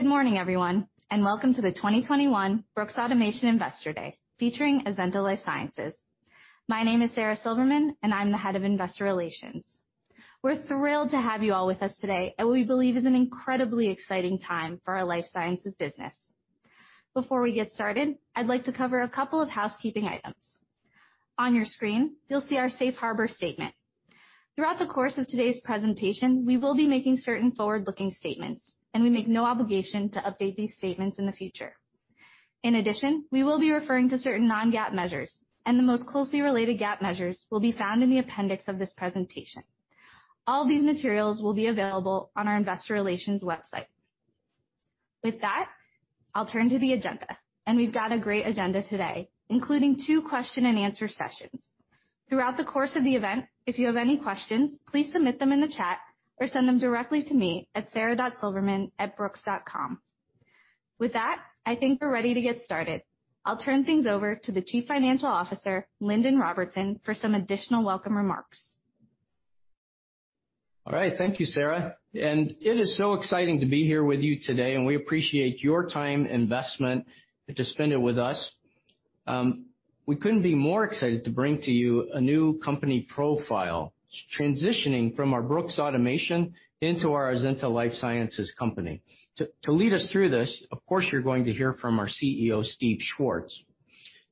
Good morning, everyone, and welcome to the 2021 Brooks Automation Investor Day, featuring Azenta Life Sciences. My name is Sara Silverman, and I'm the Head of Investor Relations. We're thrilled to have you all with us today at what we believe is an incredibly exciting time for our life sciences business. Before we get started, I'd like to cover a couple of housekeeping items. On your screen, you'll see our safe harbor statement. Throughout the course of today's presentation, we will be making certain forward-looking statements, and we make no obligation to update these statements in the future. In addition, we will be referring to certain non-GAAP measures, and the most closely related GAAP measures will be found in the appendix of this presentation. All these materials will be available on our investor relations website. With that, I'll turn to the agenda, and we've got a great agenda today, including two question and answer sessions. Throughout the course of the event, if you have any questions, please submit them in the chat or send them directly to me at sarah.silverman@brooks.com. With that, I think we're ready to get started. I'll turn things over to the Chief Financial Officer, Lindon Robertson, for some additional welcome remarks. All right. Thank you, Sarah. It is so exciting to be here with you today, and we appreciate your time and investment to spend it with us. We couldn't be more excited to bring to you a new company profile, transitioning from our Brooks Automation into our Azenta Life Sciences company. To lead us through this, of course, you're going to hear from our CEO, Steve Schwartz.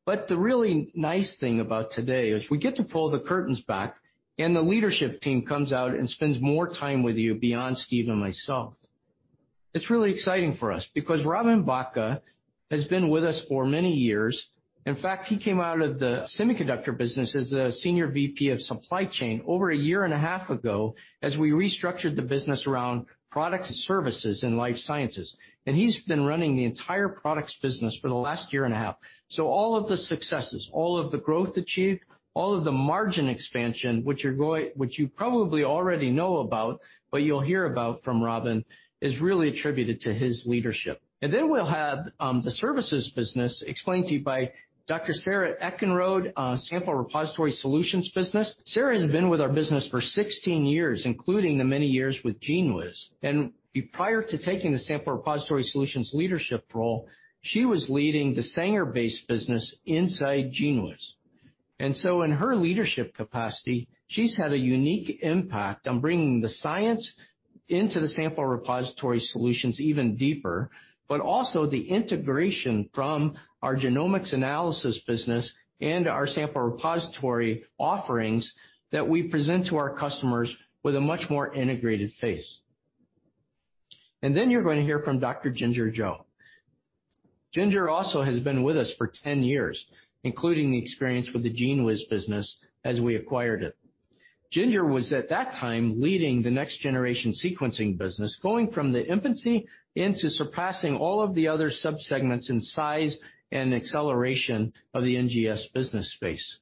The really nice thing about today is we get to pull the curtains back, and the leadership team comes out and spends more time with you beyond Steve and myself. It's really exciting for us because Robin Vacha has been with us for many years. In fact, he came out of the semiconductor business as a Senior VP of Supply Chain over a year and a half ago as we restructured the business around products and services in life sciences. He's been running the entire products business for the last year and a half. All of the successes, all of the growth achieved, all of the margin expansion, which you probably already know about, but you'll hear about from Robin, is really attributed to his leadership. Then we'll have the services business explained to you by Dr. Sarah Eckenrode, our sample repository solutions business. Sarah has been with our business for 16 years, including the many years with GENEWIZ. Prior to taking the sample repository solutions leadership role, she was leading the Sanger-based business inside GENEWIZ. In her leadership capacity, she's had a unique impact on bringing the science into the sample repository solutions even deeper, but also the integration from our genomics analysis business and our sample repository offerings that we present to our customers with a much more integrated face. Then you're going to hear from Dr. Ginger Zhou. Ginger also has been with us for 10 years, including the experience with the GENEWIZ business as we acquired it. Ginger was, at that time, leading the next-generation sequencing business, going from the infancy into surpassing all of the other subsegments in size and acceleration of the NGS business space.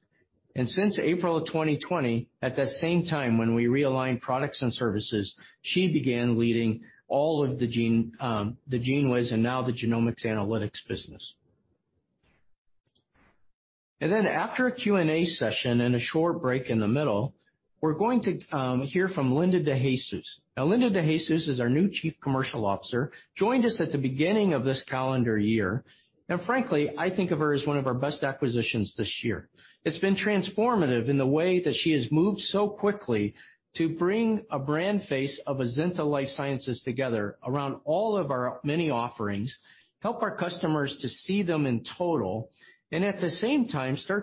Since April 2020, at that same time, when we realigned products and services, she began leading all of the GENEWIZ and now the genomics analytics business. After a Q&A session and a short break in the middle, we're going to hear from Linda De Jesus. Now, Linda De Jesus is our new Chief Commercial Officer, joined us at the beginning of this calendar year. Frankly, I think of her as one of our best acquisitions this year. It's been transformative in the way that she has moved so quickly to bring a brand face of Azenta Life Sciences together around all of our many offerings, help our customers to see them in total, and at the same time go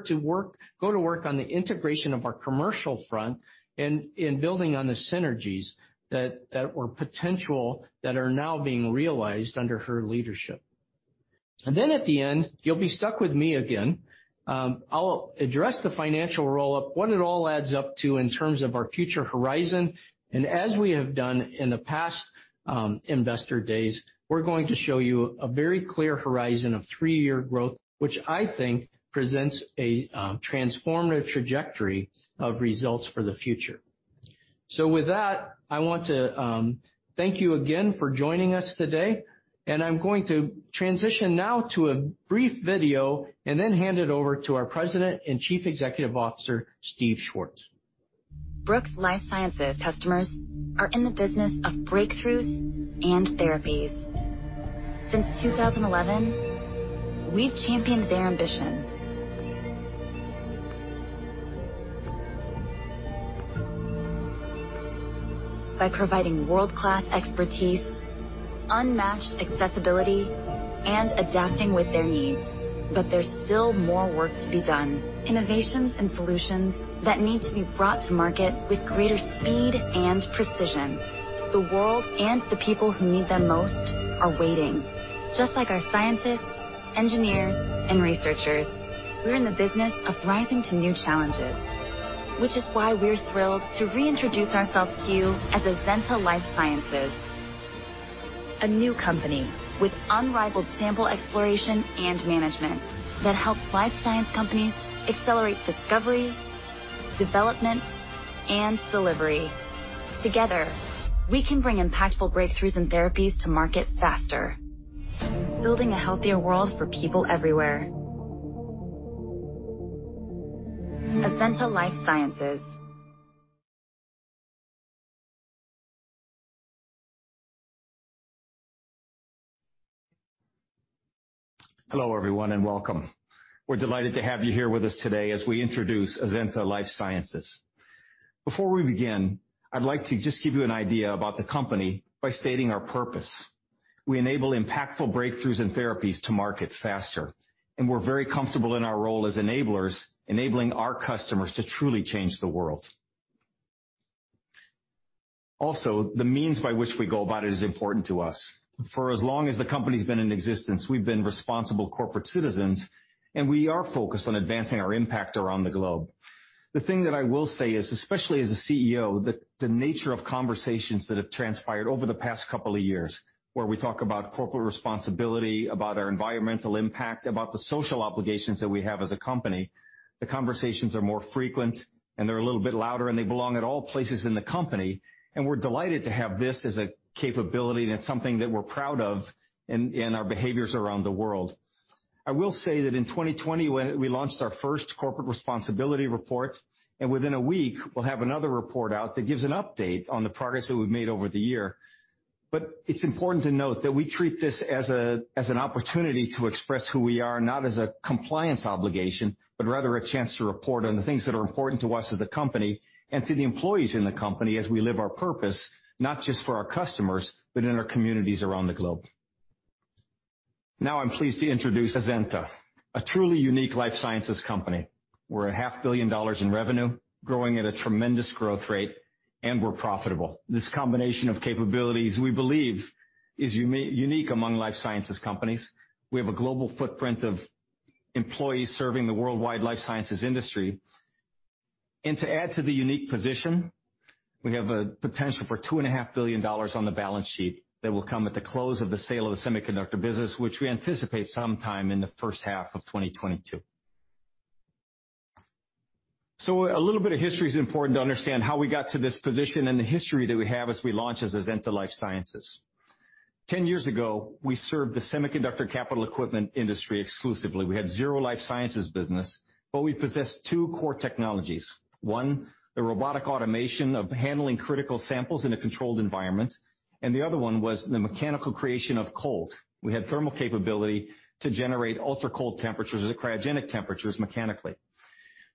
to work on the integration of our commercial front in building on the synergies that were potential that are now being realized under her leadership. At the end, you'll be stuck with me again. I'll address the financial roll-up, what it all adds up to in terms of our future horizon. As we have done in the past, Investor Days, we're going to show you a very clear horizon of three year growth, which I think presents a transformative trajectory of results for the future. With that, I want to thank you again for joining us today, and I'm going to transition now to a brief video and then hand it over to our President and Chief Executive Officer, Steve Schwartz. Brooks Life Sciences customers are in the business of breakthroughs and therapies. Since 2011, we've championed their ambitions by providing world-class expertise, unmatched accessibility, and adapting with their needs. There's still more work to be done, innovations and solutions that need to be brought to market with greater speed and precision. The world and the people who need them most are waiting. Just like our scientists, engineers, and researchers, we're in the business of rising to new challenges, which is why we're thrilled to reintroduce ourselves to you as Azenta Life Sciences, a new company with unrivaled sample exploration and management that helps life science companies accelerate discovery, development, and delivery. Together, we can bring impactful breakthroughs in therapies to market faster, building a healthier world for people everywhere. Azenta Life Sciences. Hello, everyone, and welcome. We're delighted to have you here with us today as we introduce Azenta Life Sciences. Before we begin, I'd like to just give you an idea about the company by stating our purpose. We enable impactful breakthroughs and therapies to market faster, and we're very comfortable in our role as enablers, enabling our customers to truly change the world. Also, the means by which we go about it is important to us. For as long as the company's been in existence, we've been responsible corporate citizens, and we are focused on advancing our impact around the globe. The thing that I will say is, especially as a CEO, the nature of conversations that have transpired over the past couple of years, where we talk about corporate responsibility, about our environmental impact, about the social obligations that we have as a company, the conversations are more frequent and they're a little bit louder, and they belong at all places in the company. We're delighted to have this as a capability, and it's something that we're proud of in our behaviors around the world. I will say that in 2020 when we launched our first corporate responsibility report, and within a week we'll have another report out that gives an update on the progress that we've made over the year. It's important to note that we treat this as an opportunity to express who we are, not as a compliance obligation, but rather a chance to report on the things that are important to us as a company and to the employees in the company as we live our purpose, not just for our customers, but in our communities around the globe. Now, I'm pleased to introduce Azenta, a truly unique life sciences company. We're $500,000,000 in revenue, growing at a tremendous growth rate, and we're profitable. This combination of capabilities, we believe, is unique among life sciences companies. We have a global footprint of employees serving the worldwide life sciences industry. To add to the unique position, we have a potential for $2.5 billion on the balance sheet that will come at the close of the sale of the semiconductor business, which we anticipate sometime in the first half of 2022. A little bit of history is important to understand how we got to this position and the history that we have as we launch as Azenta Life Sciences. 10 years ago, we served the semiconductor capital equipment industry exclusively. We had 0 life sciences business, but we possessed two core technologies. One, the robotic automation of handling critical samples in a controlled environment, and the other one was the mechanical creation of cold. We had thermal capability to generate ultra-cold temperatures or cryogenic temperatures mechanically.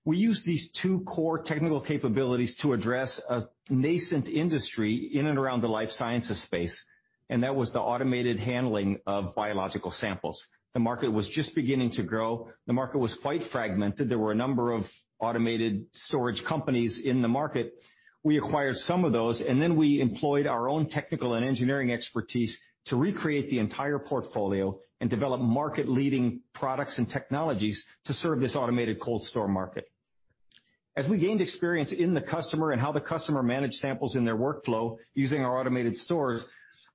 We used these two core technical capabilities to address a nascent industry in and around the life sciences space, and that was the automated handling of biological samples. The market was just beginning to grow. The market was quite fragmented. There were a number of automated storage companies in the market. We acquired some of those, and then we employed our own technical and engineering expertise to recreate the entire portfolio and develop market-leading products and technologies to serve this automated cold store market. As we gained experience in the customer and how the customer managed samples in their workflow using our automated stores,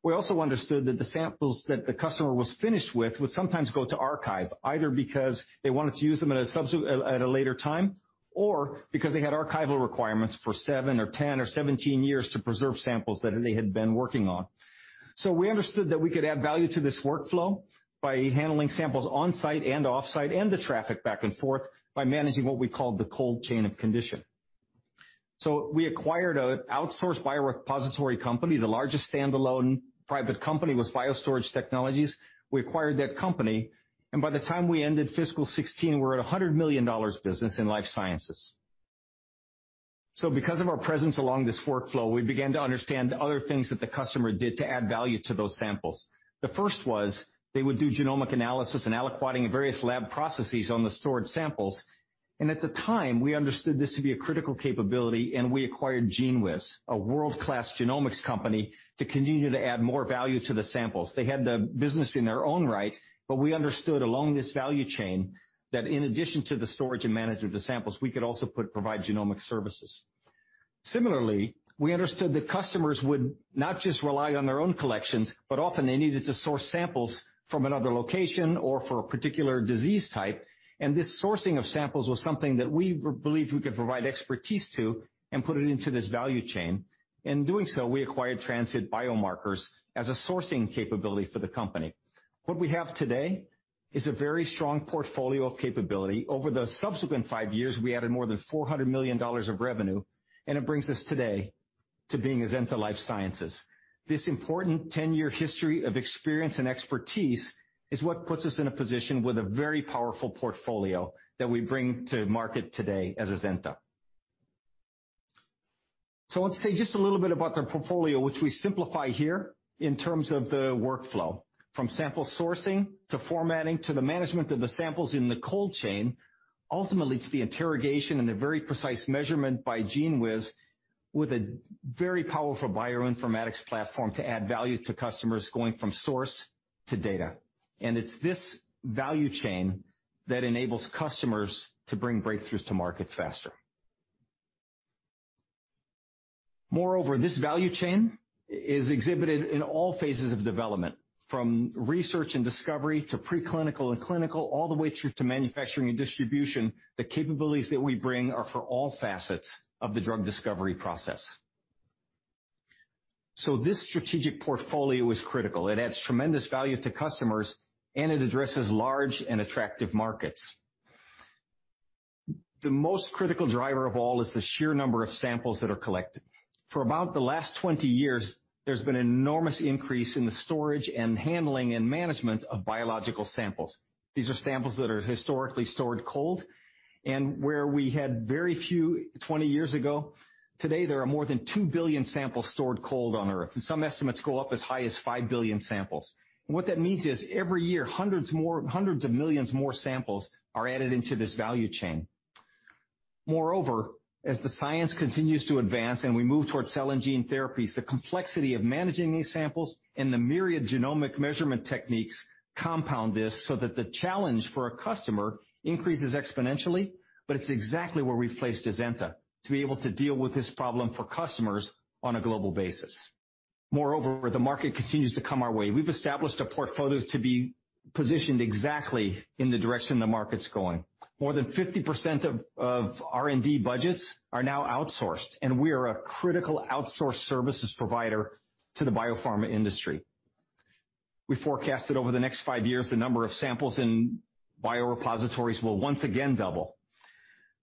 we also understood that the samples that the customer was finished with would sometimes go to archive, either because they wanted to use them at a later time, or because they had archival requirements for seven or 10 or 17 years to preserve samples that they had been working on. We understood that we could add value to this workflow by handling samples on-site and off-site and the traffic back and forth by managing what we called the cold chain of condition. We acquired an outsourced biorepository company. The largest standalone private company was BioStorage Technologies. We acquired that company, and by the time we ended fiscal 2016, we were at a $100 million business in life sciences. Because of our presence along this workflow, we began to understand other things that the customer did to add value to those samples. The first was they would do genomic analysis and aliquoting and various lab processes on the stored samples. At the time, we understood this to be a critical capability, and we acquired GENEWIZ, a world-class genomics company, to continue to add more value to the samples. They had the business in their own right, but we understood along this value chain that in addition to the storage and management of the samples, we could also provide genomic services. Similarly, we understood that customers would not just rely on their own collections, but often they needed to source samples from another location or for a particular disease type. This sourcing of samples was something that we believed we could provide expertise to and put it into this value chain. In doing so, we acquired Trans-Hit Biomarkers as a sourcing capability for the company. What we have today is a very strong portfolio of capability. Over the subsequent five years, we added more than $400 million of revenue, and it brings us today to being Azenta Life Sciences. This important 10 year history of experience and expertise is what puts us in a position with a very powerful portfolio that we bring to market today as Azenta. I want to say just a little bit about the portfolio, which we simplify here in terms of the workflow. From sample sourcing to formatting, to the management of the samples in the cold chain, ultimately to the interrogation and the very precise measurement by GENEWIZ with a very powerful bioinformatics platform to add value to customers going from source to data. It's this value chain that enables customers to bring breakthroughs to market faster. Moreover, this value chain is exhibited in all phases of development, from research and discovery to preclinical and clinical, all the way through to manufacturing and distribution. The capabilities that we bring are for all facets of the drug discovery process. This strategic portfolio is critical. It adds tremendous value to customers, and it addresses large and attractive markets. The most critical driver of all is the sheer number of samples that are collected. For about the last 20 years, there's been enormous increase in the storage and handling and management of biological samples. These are samples that are historically stored cold and where we had very few 20 years ago. Today there are more than 2 billion samples stored cold on Earth, and some estimates go up as high as 5 billion samples. What that means is every year, hundreds of millions more samples are added into this value chain. Moreover, as the science continues to advance and we move towards cell and gene therapies, the complexity of managing these samples and the myriad genomic measurement techniques compound this so that the challenge for a customer increases exponentially, but it's exactly where we've placed Azenta, to be able to deal with this problem for customers on a global basis. Moreover, the market continues to come our way. We've established a portfolio to be positioned exactly in the direction the market's going. More than 50% of R&D budgets are now outsourced, and we are a critical outsourced services provider to the biopharma industry. We forecasted over the next five years, the number of samples in biorepositories will once again double.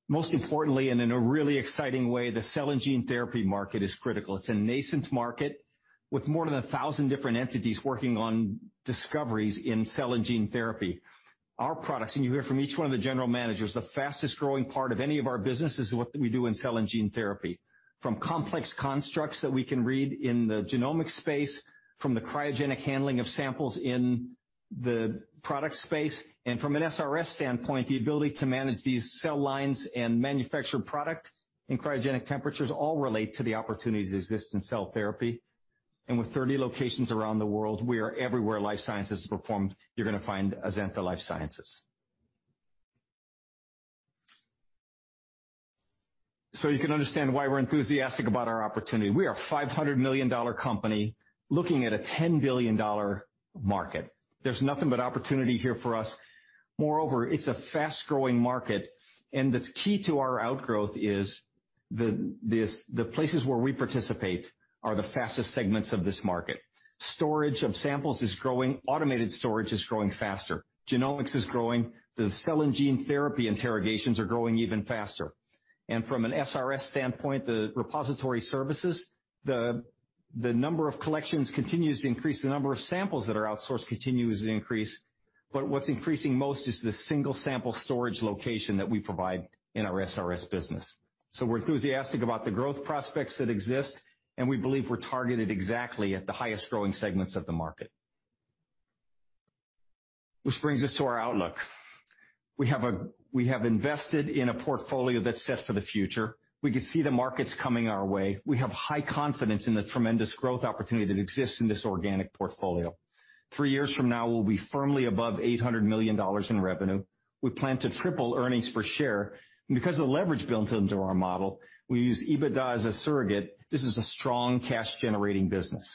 Most importantly, and in a really exciting way, the cell and gene therapy market is critical. It's a nascent market with more than 1,000 different entities working on discoveries in cell and gene therapy. Our products, and you hear from each one of the general managers, the fastest-growing part of any of our business is what we do in cell and gene therapy. From complex constructs that we can read in the genomic space, from the cryogenic handling of samples in the product space, and from an SRS standpoint, the ability to manage these cell lines and manufacture product in cryogenic temperatures all relate to the opportunities that exist in cell therapy. With 30 locations around the world, we are everywhere life sciences is performed, you're gonna find Azenta Life Sciences. You can understand why we're enthusiastic about our opportunity. We are a $500 million company looking at a $10 billion market. There's nothing but opportunity here for us. Moreover, it's a fast-growing market, and that's key to our outgrowth is the places where we participate are the fastest segments of this market. Storage of samples is growing. Automated storage is growing faster. Genomics is growing. The cell and gene therapy interrogations are growing even faster. From an SRS standpoint, the repository services, the number of collections continues to increase. The number of samples that are outsourced continues to increase. But what's increasing most is the single sample storage location that we provide in our SRS business. We're enthusiastic about the growth prospects that exist, and we believe we're targeted exactly at the highest growing segments of the market. Which brings us to our outlook. We have invested in a portfolio that's set for the future. We can see the markets coming our way. We have high confidence in the tremendous growth opportunity that exists in this organic portfolio. Three years from now, we'll be firmly above $800 million in revenue. We plan to triple earnings per share. Because of the leverage built into our model, we use EBITDA as a surrogate. This is a strong cash-generating business.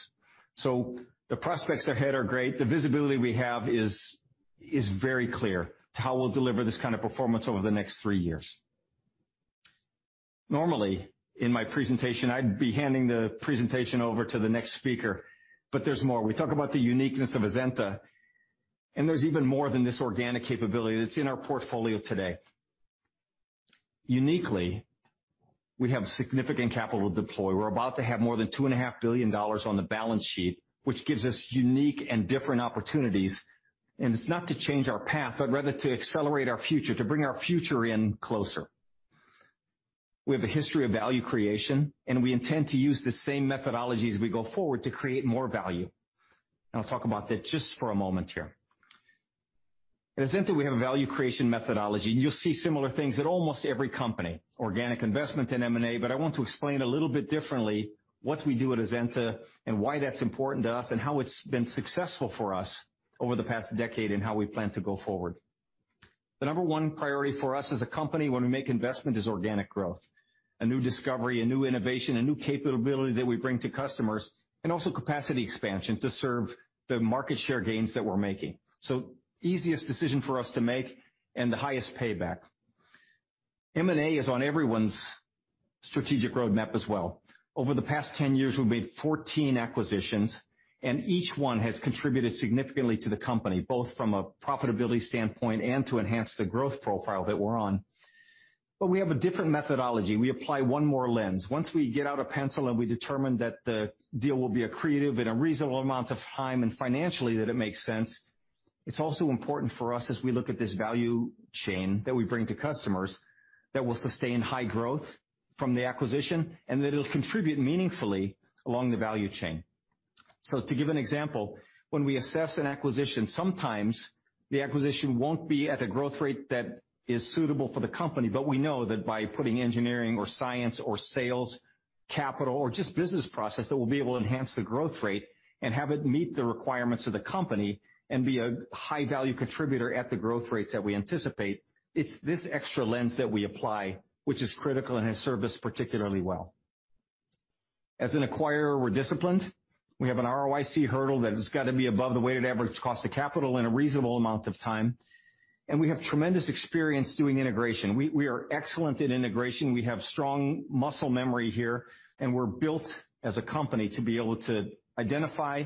The prospects ahead are great. The visibility we have is very clear to how we'll deliver this kind of performance over the next three years. Normally, in my presentation, I'd be handing the presentation over to the next speaker, but there's more. We talk about the uniqueness of Azenta, and there's even more than this organic capability that's in our portfolio today. Uniquely, we have significant capital to deploy. We're about to have more than $2.5 billion on the balance sheet, which gives us unique and different opportunities. It's not to change our path, but rather to accelerate our future, to bring our future in closer. We have a history of value creation, and we intend to use the same methodology as we go forward to create more value. I'll talk about that just for a moment here. At Azenta, we have a value creation methodology, and you'll see similar things at almost every company, organic investment in M&A, but I want to explain a little bit differently what we do at Azenta and why that's important to us and how it's been successful for us over the past decade and how we plan to go forward. The number one priority for us as a company when we make investment is organic growth, a new discovery, a new innovation, a new capability that we bring to customers, and also capacity expansion to serve the market share gains that we're making. Easiest decision for us to make and the highest payback. M&A is on everyone's strategic roadmap as well. Over the past 10 years, we've made 14 acquisitions, and each one has contributed significantly to the company, both from a profitability standpoint and to enhance the growth profile that we're on. We have a different methodology. We apply one more lens. Once we get out a pencil and we determine that the deal will be accretive in a reasonable amount of time and financially that it makes sense, it's also important for us as we look at this value chain that we bring to customers that will sustain high growth from the acquisition and that it'll contribute meaningfully along the value chain. To give an example, when we assess an acquisition, sometimes the acquisition won't be at a growth rate that is suitable for the company, but we know that by putting engineering or science or sales capital or just business process, that we'll be able to enhance the growth rate and have it meet the requirements of the company and be a high-value contributor at the growth rates that we anticipate. It's this extra lens that we apply, which is critical and has served us particularly well. As an acquirer, we're disciplined. We have an ROIC hurdle that has got to be above the weighted average cost of capital in a reasonable amount of time. We have tremendous experience doing integration. We are excellent at integration. We have strong muscle memory here, and we're built as a company to be able to identify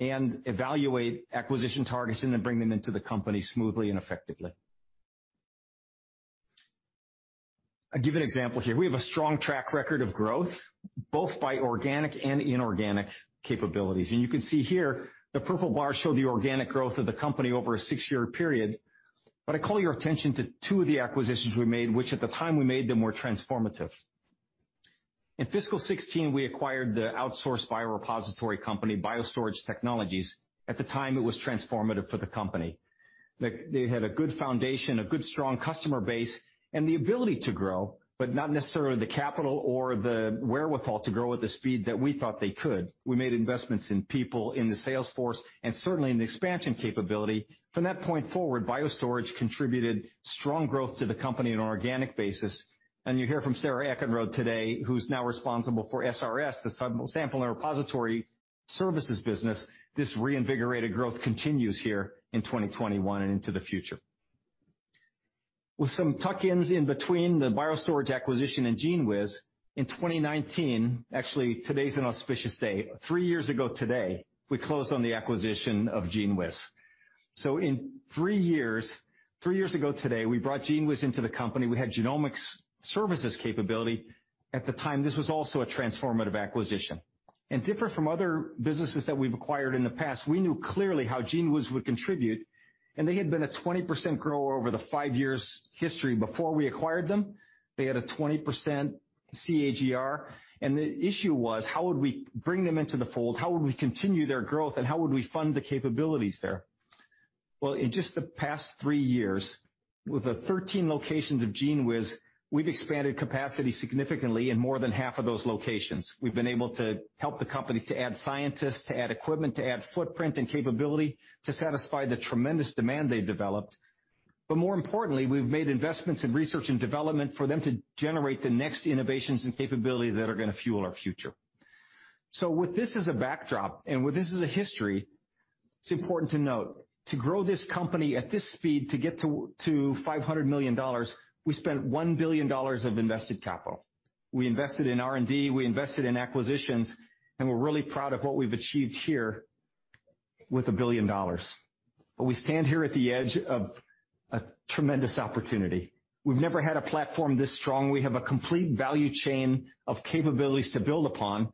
and evaluate acquisition targets and then bring them into the company smoothly and effectively. I give an example here. We have a strong track record of growth, both by organic and inorganic capabilities. You can see here the purple bars show the organic growth of the company over a six-year period. I call your attention to two of the acquisitions we made, which at the time we made them, were transformative. In fiscal 2016, we acquired the outsourced biorepository company, BioStorage Technologies. At the time, it was transformative for the company. They had a good foundation, a good strong customer base, and the ability to grow, but not necessarily the capital or the wherewithal to grow at the speed that we thought they could. We made investments in people, in the sales force, and certainly in the expansion capability. From that point forward, BioStorage contributed strong growth to the company on an organic basis. You hear from Sarah Eckenrode today, who's now responsible for SRS, the Sample and Repository Services business. This reinvigorated growth continues here in 2021 and into the future. With some tuck-ins in between the BioStorage acquisition and GENEWIZ, in 2019. Actually, today's an auspicious day. Three years ago today, we closed on the acquisition of GENEWIZ. In three years, three years ago today, we brought GENEWIZ into the company. We had genomics services capability. At the time, this was also a transformative acquisition. Different from other businesses that we've acquired in the past, we knew clearly how GENEWIZ would contribute, and they had been a 20% grower over the five years history before we acquired them. They had a 20% CAGR, and the issue was, how would we bring them into the fold? How would we continue their growth, and how would we fund the capabilities there? Well, in just the past three years, with the 13 locations of GENEWIZ, we've expanded capacity significantly in more than half of those locations. We've been able to help the company to add scientists, to add equipment, to add footprint and capability to satisfy the tremendous demand they've developed. But more importantly, we've made investments in research and development for them to generate the next innovations and capability that are gonna fuel our future. With this as a backdrop, and with this as a history, it's important to note, to grow this company at this speed, to get to $500 million, we spent $1 billion of invested capital. We invested in R&D, we invested in acquisitions, and we're really proud of what we've achieved here with $1 billion. We stand here at the edge of a tremendous opportunity. We've never had a platform this strong. We have a complete value chain of capabilities to build upon,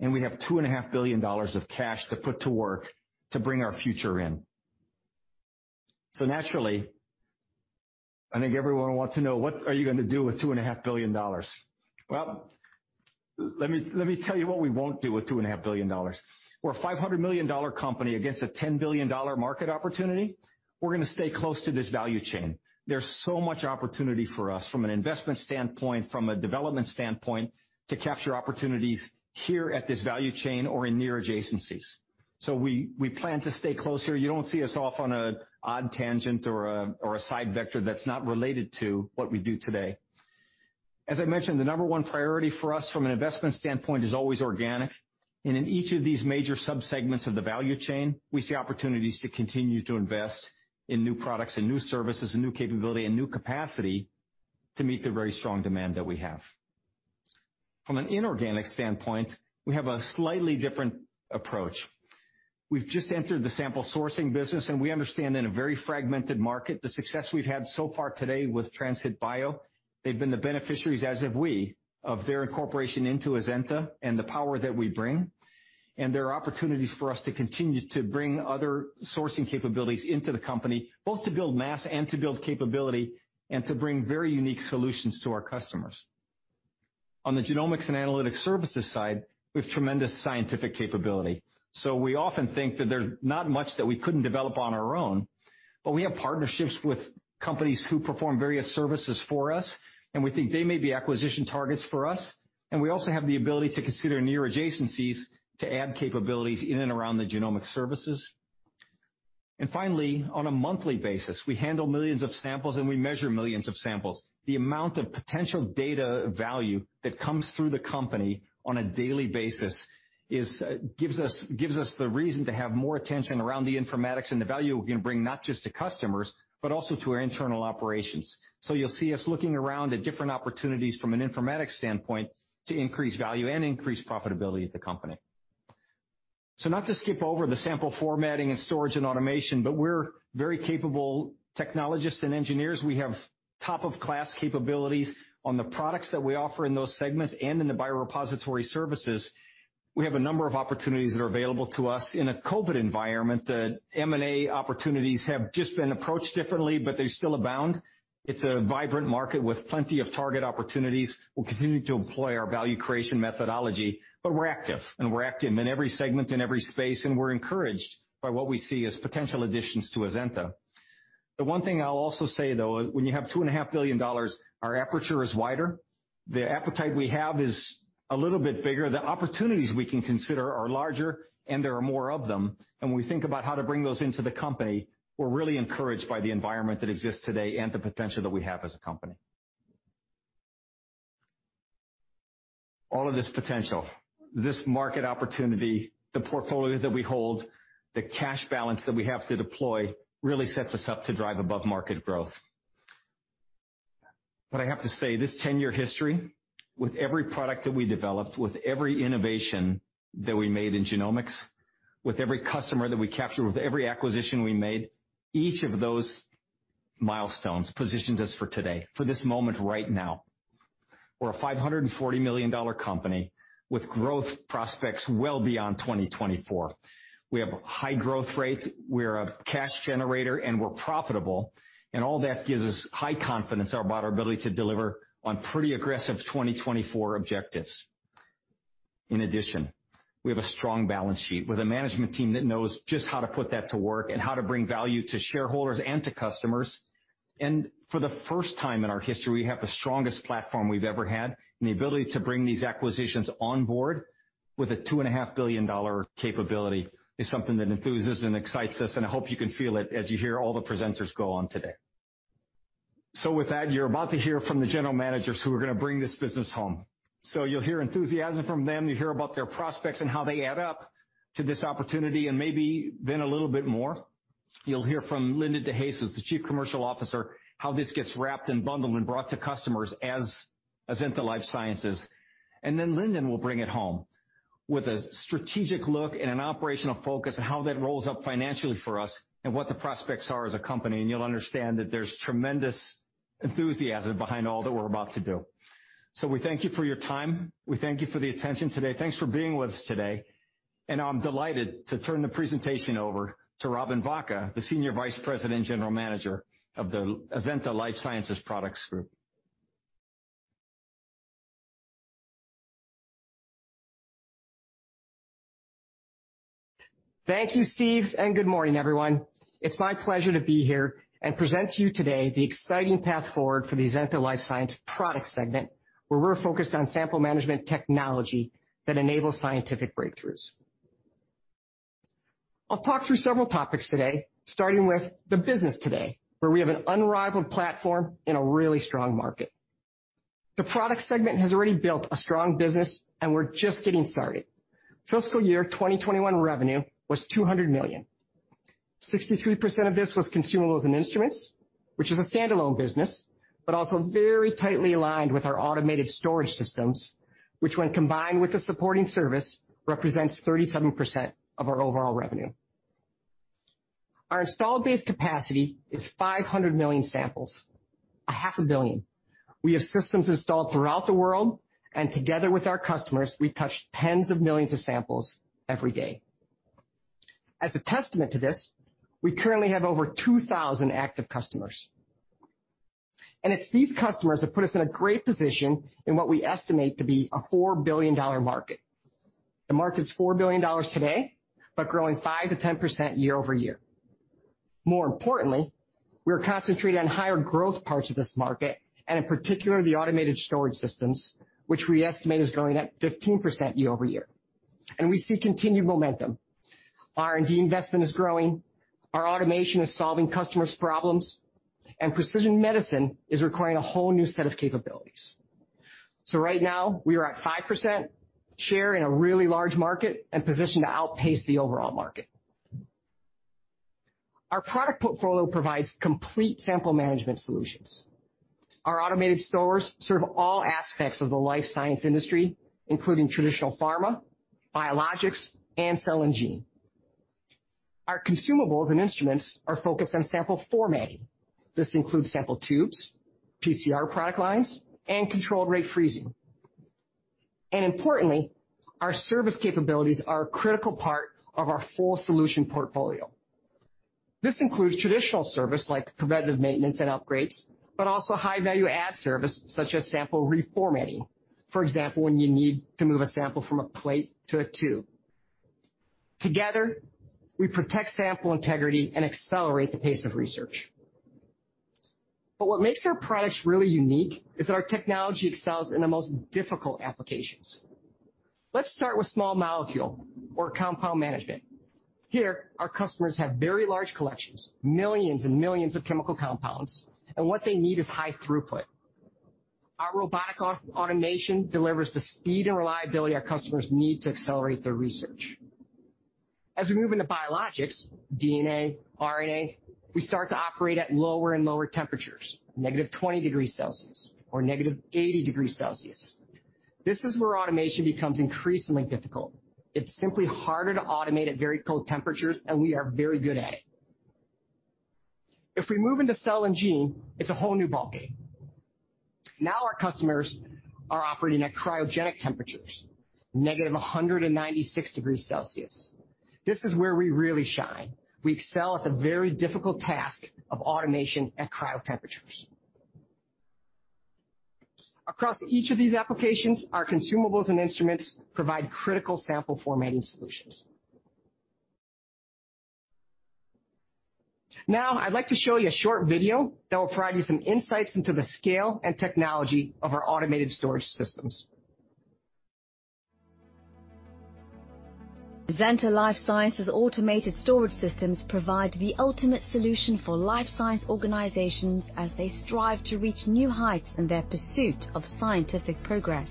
and we have $2.5 billion of cash to put to work to bring our future in. Naturally, I think everyone wants to know, what are you gonna do with $2.5 billion? Well, let me tell you what we won't do with $2.5 billion. We're a $500 million company against a $10 billion market opportunity. We're gonna stay close to this value chain. There's so much opportunity for us from an investment standpoint, from a development standpoint, to capture opportunities here at this value chain or in near adjacencies. We plan to stay close here. You don't see us off on an odd tangent or a side vector that's not related to what we do today. As I mentioned, the number one priority for us from an investment standpoint is always organic. In each of these major subsegments of the value chain, we see opportunities to continue to invest in new products and new services and new capability and new capacity to meet the very strong demand that we have. From an inorganic standpoint, we have a slightly different approach. We've just entered the sample sourcing business, and we understand in a very fragmented market, the success we've had so far today with Translate Bio. They've been the beneficiaries, as have we, of their incorporation into Azenta and the power that we bring. There are opportunities for us to continue to bring other sourcing capabilities into the company, both to build mass and to build capability and to bring very unique solutions to our customers. On the genomics and analytics services side, we have tremendous scientific capability. We often think that there's not much that we couldn't develop on our own, but we have partnerships with companies who perform various services for us, and we think they may be acquisition targets for us, and we also have the ability to consider near adjacencies to add capabilities in and around the genomic services. Finally, on a monthly basis, we handle millions of samples, and we measure millions of samples. The amount of potential data value that comes through the company on a daily basis gives us the reason to have more attention around the informatics and the value we can bring not just to customers, but also to our internal operations. You'll see us looking around at different opportunities from an informatics standpoint to increase value and increase profitability at the company. Not to skip over the sample formatting and storage and automation, but we're very capable technologists and engineers. We have top-of-class capabilities on the products that we offer in those segments and in the biorepository services. We have a number of opportunities that are available to us in a COVID environment, and M&A opportunities have just been approached differently, but they still abound. It's a vibrant market with plenty of target opportunities. We're continuing to employ our value creation methodology, but we're active, and we're active in every segment and every space, and we're encouraged by what we see as potential additions to Azenta. The one thing I'll also say, though, when you have $2.5 billion, our aperture is wider. The appetite we have is a little bit bigger. The opportunities we can consider are larger, and there are more of them. When we think about how to bring those into the company, we're really encouraged by the environment that exists today and the potential that we have as a company. All of this potential, this market opportunity, the portfolios that we hold, the cash balance that we have to deploy, really sets us up to drive above market growth. I have to say, this 10 year history, with every product that we developed, with every innovation that we made in genomics, with every customer that we captured, with every acquisition we made, each of those milestones positions us for today, for this moment right now. We're a $540 million company with growth prospects well beyond 2024. We have high growth rates, we're a cash generator, and we're profitable. All that gives us high confidence about our ability to deliver on pretty aggressive 2024 objectives. In addition, we have a strong balance sheet with a management team that knows just how to put that to work and how to bring value to shareholders and to customers. For the first time in our history, we have the strongest platform we've ever had, and the ability to bring these acquisitions on board with a $2.5 billion capability is something that enthuses and excites us, and I hope you can feel it as you hear all the presenters go on today. With that, you're about to hear from the general managers who are gonna bring this business home. You'll hear enthusiasm from them. You'll hear about their prospects and how they add up to this opportunity, and maybe then a little bit more. You'll hear from Linda De Jesus, the Chief Commercial Officer, how this gets wrapped and bundled and brought to customers as into life sciences. Then Lindon will bring it home with a strategic look and an operational focus on how that rolls up financially for us and what the prospects are as a company. You'll understand that there's tremendous enthusiasm behind all that we're about to do. We thank you for your time. We thank you for the attention today. Thanks for being with us today, and I'm delighted to turn the presentation over to Robin Vacha, the Senior Vice President and General Manager of the Azenta Life Sciences Products Group. Thank you, Steve, and good morning, everyone. It's my pleasure to be here and present to you today the exciting path forward for the Azenta Life Sciences product segment, where we're focused on sample management technology that enables scientific breakthroughs. I'll talk through several topics today, starting with the business today, where we have an unrivaled platform in a really strong market. The product segment has already built a strong business, and we're just getting started. Fiscal year 2021 revenue was $200 million. 62% of this was consumables and instruments, which is a standalone business, but also very tightly aligned with our automated storage systems, which when combined with the supporting service, represents 37% of our overall revenue. Our installed base capacity is 500 million samples, a half a billion. We have systems installed throughout the world, and together with our customers, we touch tens of millions of samples every day. As a testament to this, we currently have over 2,000 active customers. It's these customers that put us in a great position in what we estimate to be a $4 billion market. The market's $4 billion today, but growing 5%-10% year-over-year. More importantly, we're concentrated on higher growth parts of this market, and in particular, the automated storage systems, which we estimate is growing at 15% year-over-year. We see continued momentum. R&D investment is growing, our automation is solving customers' problems, and precision medicine is requiring a whole new set of capabilities. Right now, we are at 5% share in a really large market and positioned to outpace the overall market. Our product portfolio provides complete sample management solutions. Our automated stores serve all aspects of the life science industry, including traditional pharma, biologics, and cell and gene. Our consumables and instruments are focused on sample formatting. This includes sample tubes, PCR product lines, and controlled rate freezing. Importantly, our service capabilities are a critical part of our full solution portfolio. This includes traditional service like preventative maintenance and upgrades, but also high value add service such as sample reformatting. For example, when you need to move a sample from a plate to a tube. Together, we protect sample integrity and accelerate the pace of research. What makes our products really unique is that our technology excels in the most difficult applications. Let's start with small molecule or compound management. Here, our customers have very large collections, millions and millions of chemical compounds, and what they need is high throughput. Our robotic automation delivers the speed and reliability our customers need to accelerate their research. As we move into biologics, DNA, RNA, we start to operate at lower and lower temperatures, negative 20 degrees Celsius or negative 80 degrees Celsius. This is where automation becomes increasingly difficult. It's simply harder to automate at very cold temperatures, and we are very good at it. If we move into cell and gene, it's a whole new ballgame. Now, our customers are operating at cryogenic temperatures, negative 196 degrees Celsius. This is where we really shine. We excel at the very difficult task of automation at cryo temperatures. Across each of these applications, our consumables and instruments provide critical sample formatting solutions. Now I'd like to show you a short video that will provide you some insights into the scale and technology of our automated storage systems. Azenta Life Sciences automated storage systems provide the ultimate solution for life science organizations as they strive to reach new heights in their pursuit of scientific progress.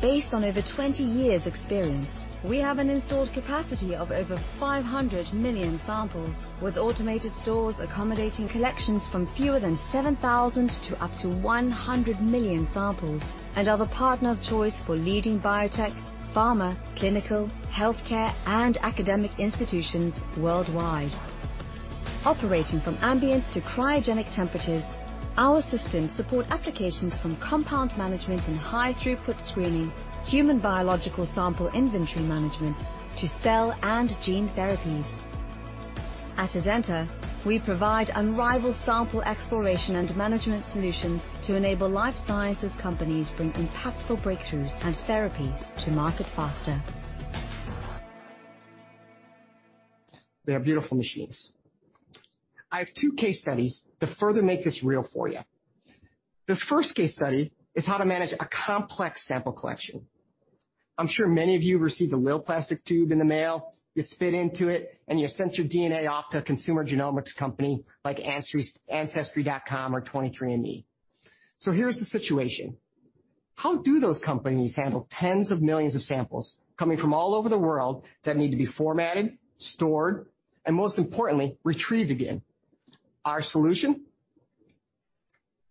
Based on over 20 years experience, we have an installed capacity of over 500 million samples, with automated stores accommodating collections from fewer than 7,000 to up to 100 million samples. We are the partner of choice for leading biotech, pharma, clinical, healthcare, and academic institutions worldwide. Operating from ambient to cryogenic temperatures, our systems support applications from compound management and high throughput screening, human biological sample inventory management to cell and gene therapies. At Azenta, we provide unrivaled sample exploration and management solutions to enable life sciences companies bring impactful breakthroughs and therapies to market faster. They are beautiful machines. I have two case studies to further make this real for you. This first case study is how to manage a complex sample collection. I'm sure many of you received a little plastic tube in the mail. You spit into it, and you sent your DNA off to a consumer genomics company like ancestry.com or 23andMe. Here's the situation. How do those companies handle tens of millions of samples coming from all over the world that need to be formatted, stored, and most importantly, retrieved again? Our solution,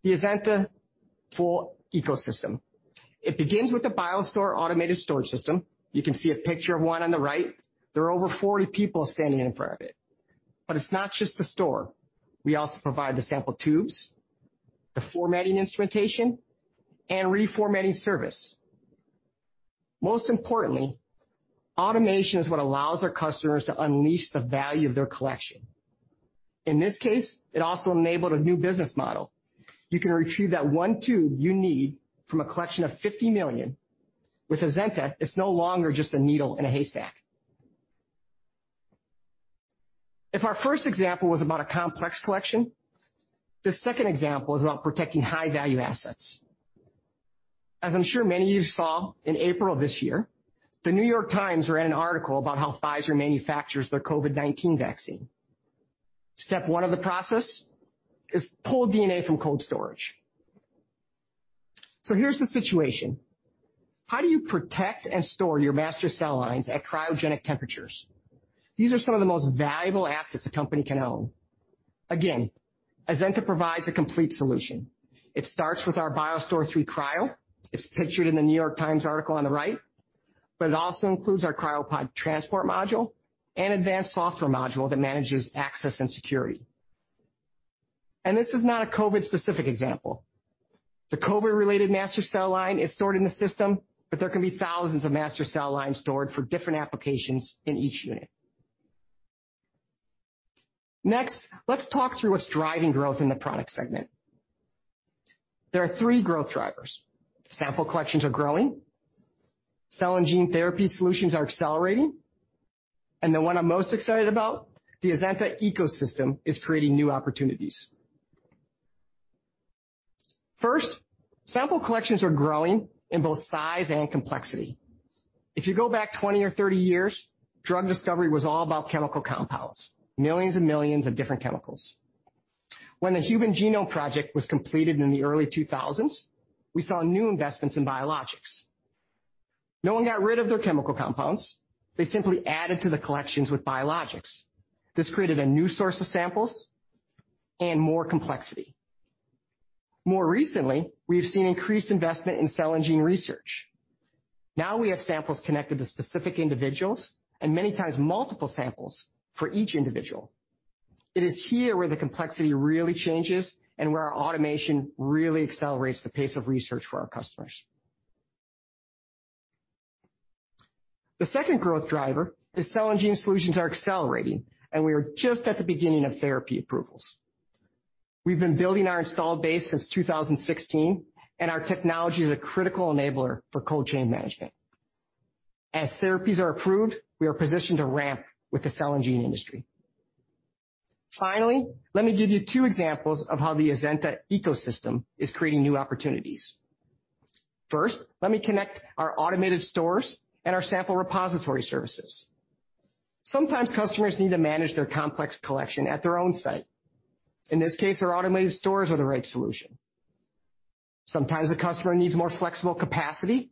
the Azenta full ecosystem. It begins with the BioStore automated storage system. You can see a picture of one on the right. There are over 40 people standing in front of it. It's not just the store. We also provide the sample tubes, the formatting instrumentation, and reformatting service. Most importantly, automation is what allows our customers to unleash the value of their collection. In this case, it also enabled a new business model. You can retrieve that one tube you need from a collection of 50 million. With Azenta, it's no longer just a needle in a haystack. If our first example was about a complex collection, the second example is about protecting high-value assets. As I'm sure many of you saw, in April of this year, The New York Times ran an article about how Pfizer manufactures their COVID-19 vaccine. Step one of the process is to pull DNA from cold storage. Here's the situation. How do you protect and store your master cell lines at cryogenic temperatures? These are some of the most valuable assets a company can own. Again, Azenta provides a complete solution. It starts with our BioStore III Cryo. It's pictured in The New York Times article on the right, but it also includes our CryoPod transport module and advanced software module that manages access and security. This is not a COVID-specific example. The COVID-related master cell line is stored in the system, but there can be thousands of master cell lines stored for different applications in each unit. Next, let's talk through what's driving growth in the product segment. There are three growth drivers. Sample collections are growing. Cell and gene therapy solutions are accelerating. The one I'm most excited about, the Azenta ecosystem, is creating new opportunities. First, sample collections are growing in both size and complexity. If you go back 20 or 30 years, drug discovery was all about chemical compounds, millions and millions of different chemicals. When the Human Genome Project was completed in the early 2000s, we saw new investments in biologics. No one got rid of their chemical compounds. They simply added to the collections with biologics. This created a new source of samples and more complexity. More recently, we've seen increased investment in cell and gene research. Now we have samples connected to specific individuals and many times multiple samples for each individual. It is here where the complexity really changes and where our automation really accelerates the pace of research for our customers. The second growth driver is cell and gene solutions are accelerating, and we are just at the beginning of therapy approvals. We've been building our installed base since 2016, and our technology is a critical enabler for cold chain management. As therapies are approved, we are positioned to ramp with the cell and gene industry. Finally, let me give you two examples of how the Azenta ecosystem is creating new opportunities. First, let me connect our automated stores and our sample repository services. Sometimes customers need to manage their complex collection at their own site. In this case, our automated stores are the right solution. Sometimes a customer needs more flexible capacity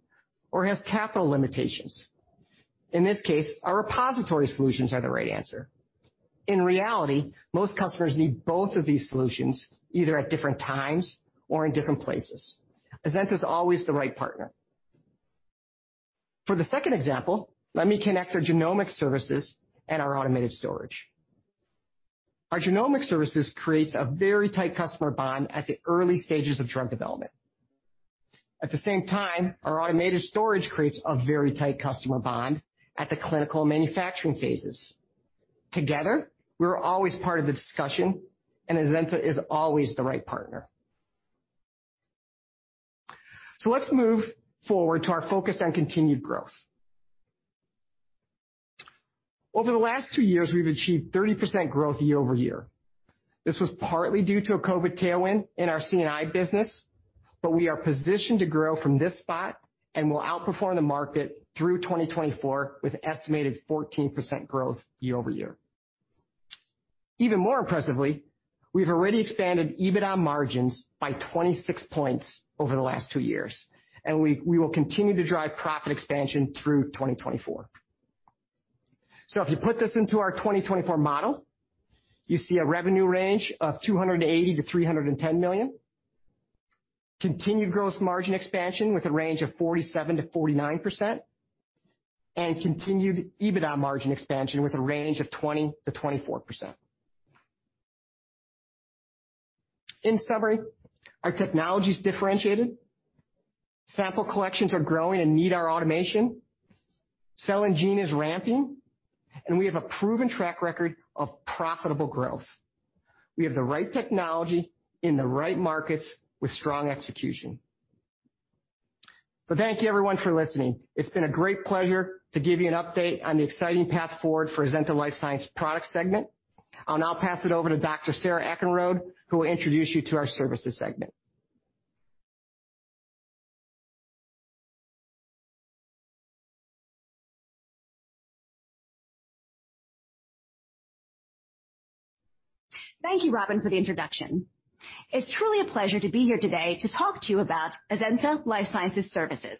or has capital limitations. In this case, our repository solutions are the right answer. In reality, most customers need both of these solutions, either at different times or in different places. Azenta's always the right partner. For the second example, let me connect our genomic services and our automated storage. Our genomic services creates a very tight customer bond at the early stages of drug development. At the same time, our automated storage creates a very tight customer bond at the clinical manufacturing phases. Together, we're always part of the discussion, and Azenta is always the right partner. Let's move forward to our focus on continued growth. Over the last two years, we've achieved 30% growth year-over-year. This was partly due to a COVID tailwind in our C&I business, but we are positioned to grow from this spot, and we'll outperform the market through 2024 with estimated 14% growth year-over-year. Even more impressively, we've already expanded EBITDA margins by 26 points over the last two years, and we will continue to drive profit expansion through 2024. If you put this into our 2024 model, you see a revenue range of $280 million-$310 million, continued gross margin expansion with a range of 47%-49%, and continued EBITDA margin expansion with a range of 20%-24%. In summary, our technology is differentiated. Sample collections are growing and need our automation. Cell and gene is ramping, and we have a proven track record of profitable growth. We have the right technology in the right markets with strong execution. Thank you everyone for listening. It's been a great pleasure to give you an update on the exciting path forward for Azenta Life Sciences products segment. I'll now pass it over to Dr. Sarah Eckenrode, who will introduce you to our services segment. Thank you, Robin, for the introduction. It's truly a pleasure to be here today to talk to you about Azenta Life Sciences services.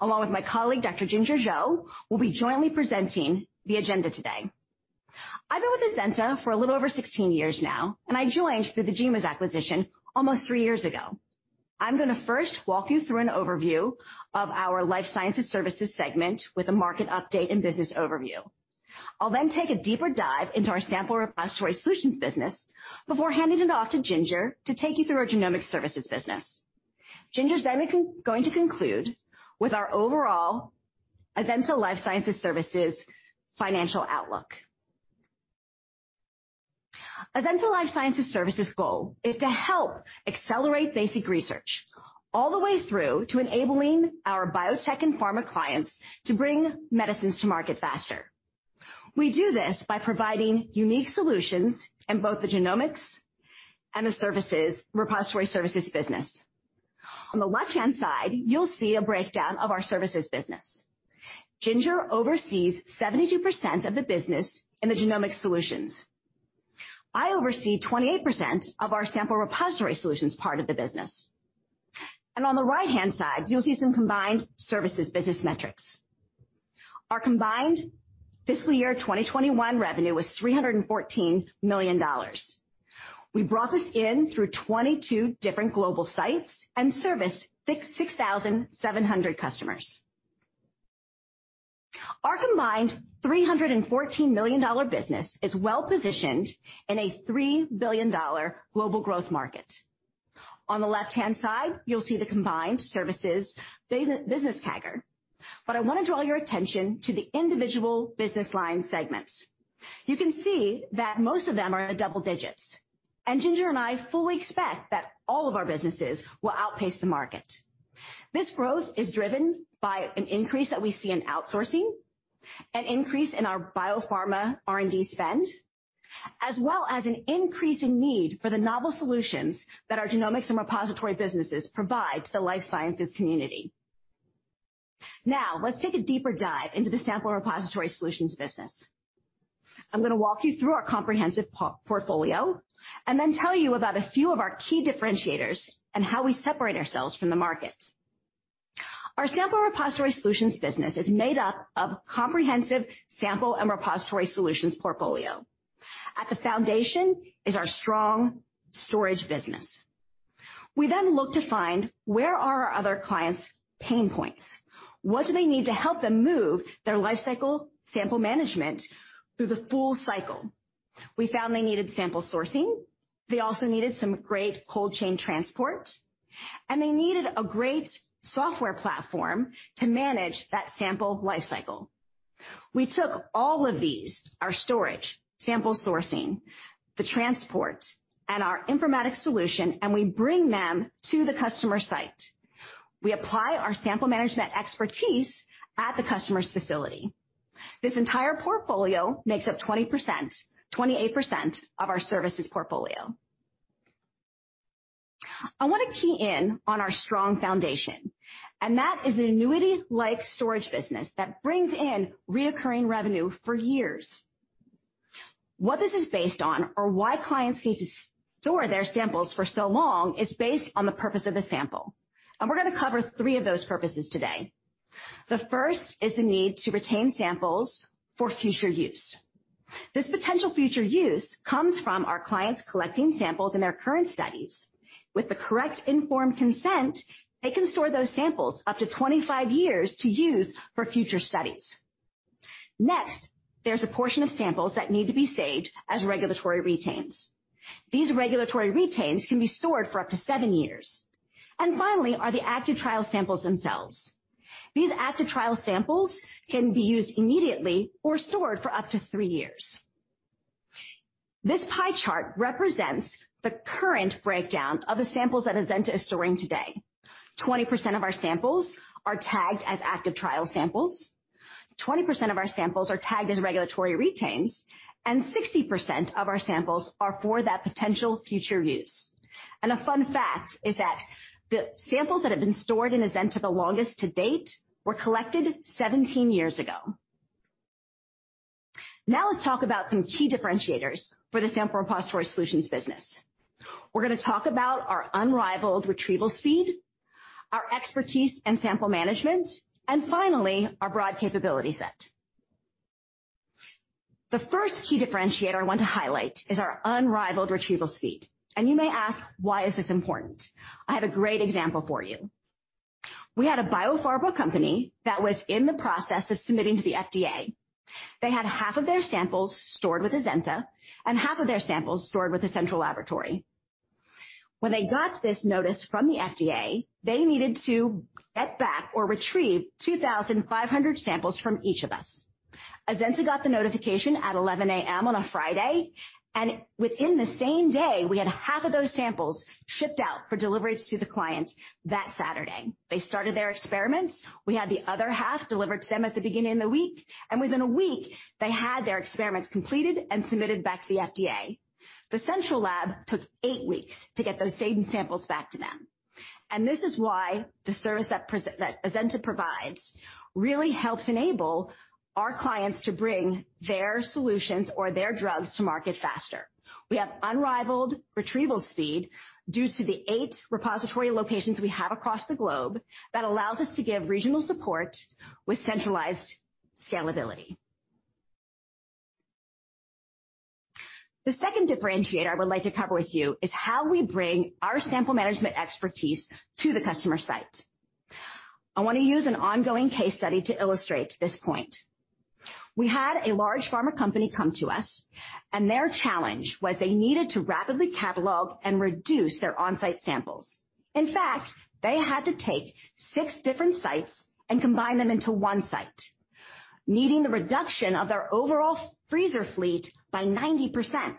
Along with my colleague, Dr. Ginger Zhou, we'll be jointly presenting the agenda today. I've been with Azenta for a little over 16 years now, and I joined through the GENEWIZ acquisition almost three years ago. I'm gonna first walk you through an overview of our life sciences services segment with a market update and business overview. I'll then take a deeper dive into our sample repository solutions business before handing it off to Ginger to take you through our genomic services business. Ginger's then going to conclude with our overall Azenta Life Sciences services financial outlook. Azenta Life Sciences services goal is to help accelerate basic research all the way through to enabling our biotech and pharma clients to bring medicines to market faster. We do this by providing unique solutions in both the genomics and the services, repository services business. On the left-hand side, you'll see a breakdown of our services business. Ginger oversees 72% of the business in the genomic solutions. I oversee 28% of our sample repository solutions part of the business. On the right-hand side, you'll see some combined services business metrics. Our combined fiscal year 2021 revenue was $314 million. We brought this in through 22 different global sites and serviced 6,670 customers. Our combined $314 million business is well positioned in a $3 billion global growth market. On the left-hand side, you'll see the combined services business CAGR. But I wanna draw your attention to the individual business line segments. You can see that most of them are in double digits. Ginger and I fully expect that all of our businesses will outpace the market. This growth is driven by an increase that we see in outsourcing, an increase in our biopharma R&D spend, as well as an increasing need for the novel solutions that our genomics and repository businesses provide to the life sciences community. Now, let's take a deeper dive into the sample repository solutions business. I'm gonna walk you through our comprehensive portfolio and then tell you about a few of our key differentiators and how we separate ourselves from the market. Our sample repository solutions business is made up of comprehensive sample and repository solutions portfolio. At the foundation is our strong storage business. We then look to find where are our other clients' pain points. What do they need to help them move their lifecycle sample management through the full cycle? We found they needed sample sourcing, they also needed some great cold chain transport, and they needed a great software platform to manage that sample lifecycle. We took all of these, our storage, sample sourcing, the transport, and our informatics solution, and we bring them to the customer site. We apply our sample management expertise at the customer's facility. This entire portfolio makes up 28% of our services portfolio. I wanna key in on our strong foundation, and that is an annuity-like storage business that brings in recurring revenue for years. What this is based on or why clients need to store their samples for so long is based on the purpose of the sample, and we're gonna cover three of those purposes today. The first is the need to retain samples for future use. This potential future use comes from our clients collecting samples in their current studies. With the correct informed consent, they can store those samples up to 25 years to use for future studies. Next, there's a portion of samples that need to be saved as regulatory retains. These regulatory retains can be stored for up to seven years. Finally are the active trial samples themselves. These active trial samples can be used immediately or stored for up to three years. This pie chart represents the current breakdown of the samples that Azenta is storing today. 20% of our samples are tagged as active trial samples. 20% of our samples are tagged as regulatory retains, and 60% of our samples are for that potential future use. A fun fact is that the samples that have been stored in Azenta the longest to date were collected 17 years ago. Now let's talk about some key differentiators for the sample repository solutions business. We're gonna talk about our unrivaled retrieval speed, our expertise in sample management, and finally, our broad capability set. The first key differentiator I want to highlight is our unrivaled retrieval speed. You may ask, why is this important? I have a great example for you. We had a biopharmaceutical company that was in the process of submitting to the FDA. They had half of their samples stored with Azenta and half of their samples stored with Central Laboratory. When they got this notice from the FDA, they needed to get back or retrieve 2,500 samples from each of us. Azenta got the notification at 11:00 A.M. on a Friday, and within the same day, we had half of those samples shipped out for delivery to the client that Saturday. They started their experiments. We had the other half delivered to them at the beginning of the week, and within a week they had their experiments completed and submitted back to the FDA. The Central Lab took eight weeks to get those same samples back to them. This is why the service that Azenta provides really helps enable our clients to bring their solutions or their drugs to market faster. We have unrivaled retrieval speed due to the eight repository locations we have across the globe that allows us to give regional support with centralized scalability. The second differentiator I would like to cover with you is how we bring our sample management expertise to the customer site. I wanna use an ongoing case study to illustrate this point. We had a large pharma company come to us, and their challenge was they needed to rapidly catalog and reduce their on-site samples. In fact, they had to take six different sites and combine them into one site, needing the reduction of their overall freezer fleet by 90%.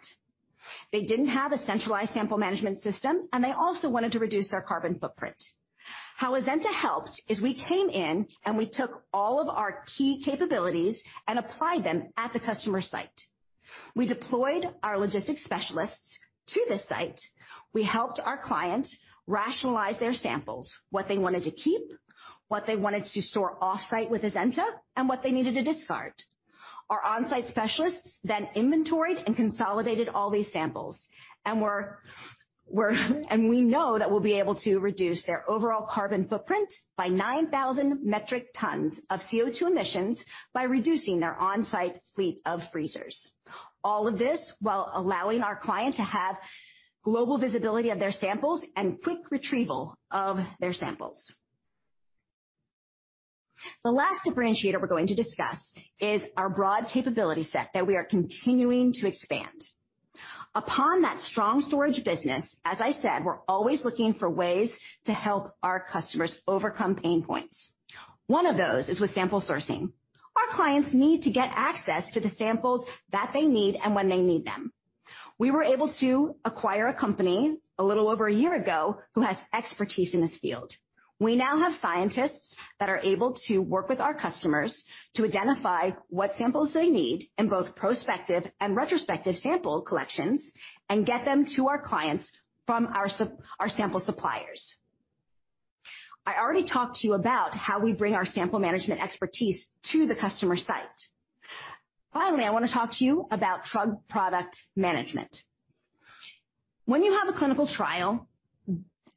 They didn't have a centralized sample management system, and they also wanted to reduce their carbon footprint. How Azenta helped is we came in and we took all of our key capabilities and applied them at the customer site. We deployed our logistics specialists to the site. We helped our clients rationalize their samples, what they wanted to keep, what they wanted to store off-site with Azenta, and what they needed to discard. Our on-site specialists then inventoried and consolidated all these samples, and we know that we'll be able to reduce their overall carbon footprint by 9,000 metric tons of CO2 emissions by reducing their on-site fleet of freezers. All of this while allowing our client to have global visibility of their samples and quick retrieval of their samples. The last differentiator we're going to discuss is our broad capability set that we are continuing to expand. Upon that strong storage business, as I said, we're always looking for ways to help our customers overcome pain points. One of those is with sample sourcing. Our clients need to get access to the samples that they need and when they need them. We were able to acquire a company a little over a year ago who has expertise in this field. We now have scientists that are able to work with our customers to identify what samples they need in both prospective and retrospective sample collections, and get them to our clients from our sample suppliers. I already talked to you about how we bring our sample management expertise to the customer site. Finally, I wanna talk to you about drug product management. When you have a clinical trial,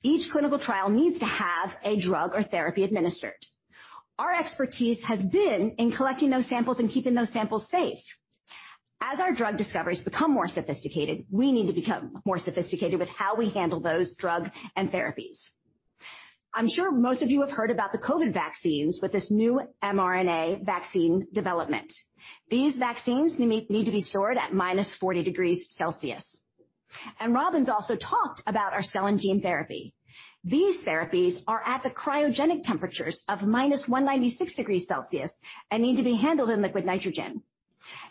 each clinical trial needs to have a drug or therapy administered. Our expertise has been in collecting those samples and keeping those samples safe. As our drug discoveries become more sophisticated, we need to become more sophisticated with how we handle those drugs and therapies. I'm sure most of you have heard about the COVID-19 vaccines with this new mRNA vaccine development. These vaccines need to be stored at -40 degrees Celsius. Robin's also talked about our cell and gene therapy. These therapies are at the cryogenic temperatures of -196 degrees Celsius and need to be handled in liquid nitrogen.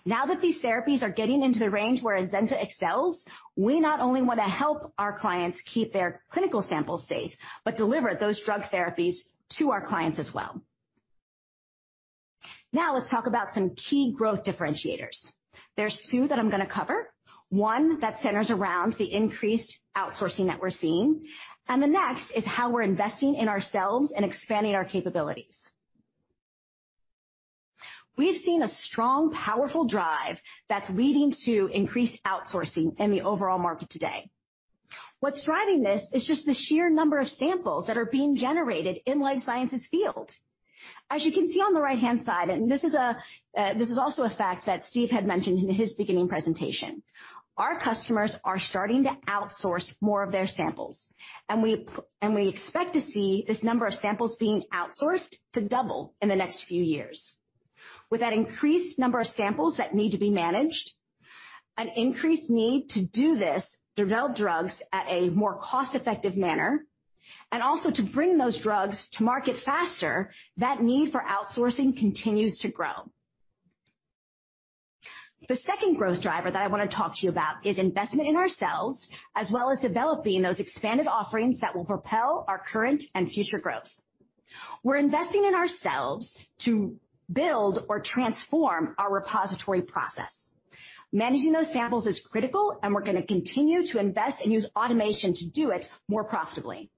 Now that these therapies are getting into the range where Azenta excels, we not only wanna help our clients keep their clinical samples safe, but deliver those drug therapies to our clients as well. Now, let's talk about some key growth differentiators. There's two that I'm gonna cover. One that centers around the increased outsourcing that we're seeing, and the next is how we're investing in ourselves and expanding our capabilities. We've seen a strong, powerful drive that's leading to increased outsourcing in the overall market today. What's driving this is just the sheer number of samples that are being generated in life sciences field. As you can see on the right-hand side, this is also a fact that Steve had mentioned in his beginning presentation. Our customers are starting to outsource more of their samples, and we expect to see this number of samples being outsourced to double in the next few years. With that increased number of samples that need to be managed, an increased need to do this, develop drugs at a more cost-effective manner. Also to bring those drugs to market faster, that need for outsourcing continues to grow. The second growth driver that I wanna talk to you about is investment in ourselves, as well as developing those expanded offerings that will propel our current and future growth. We're investing in ourselves to build or transform our repository process. Managing those samples is critical, and we're gonna continue to invest and use automation to do it more profitably.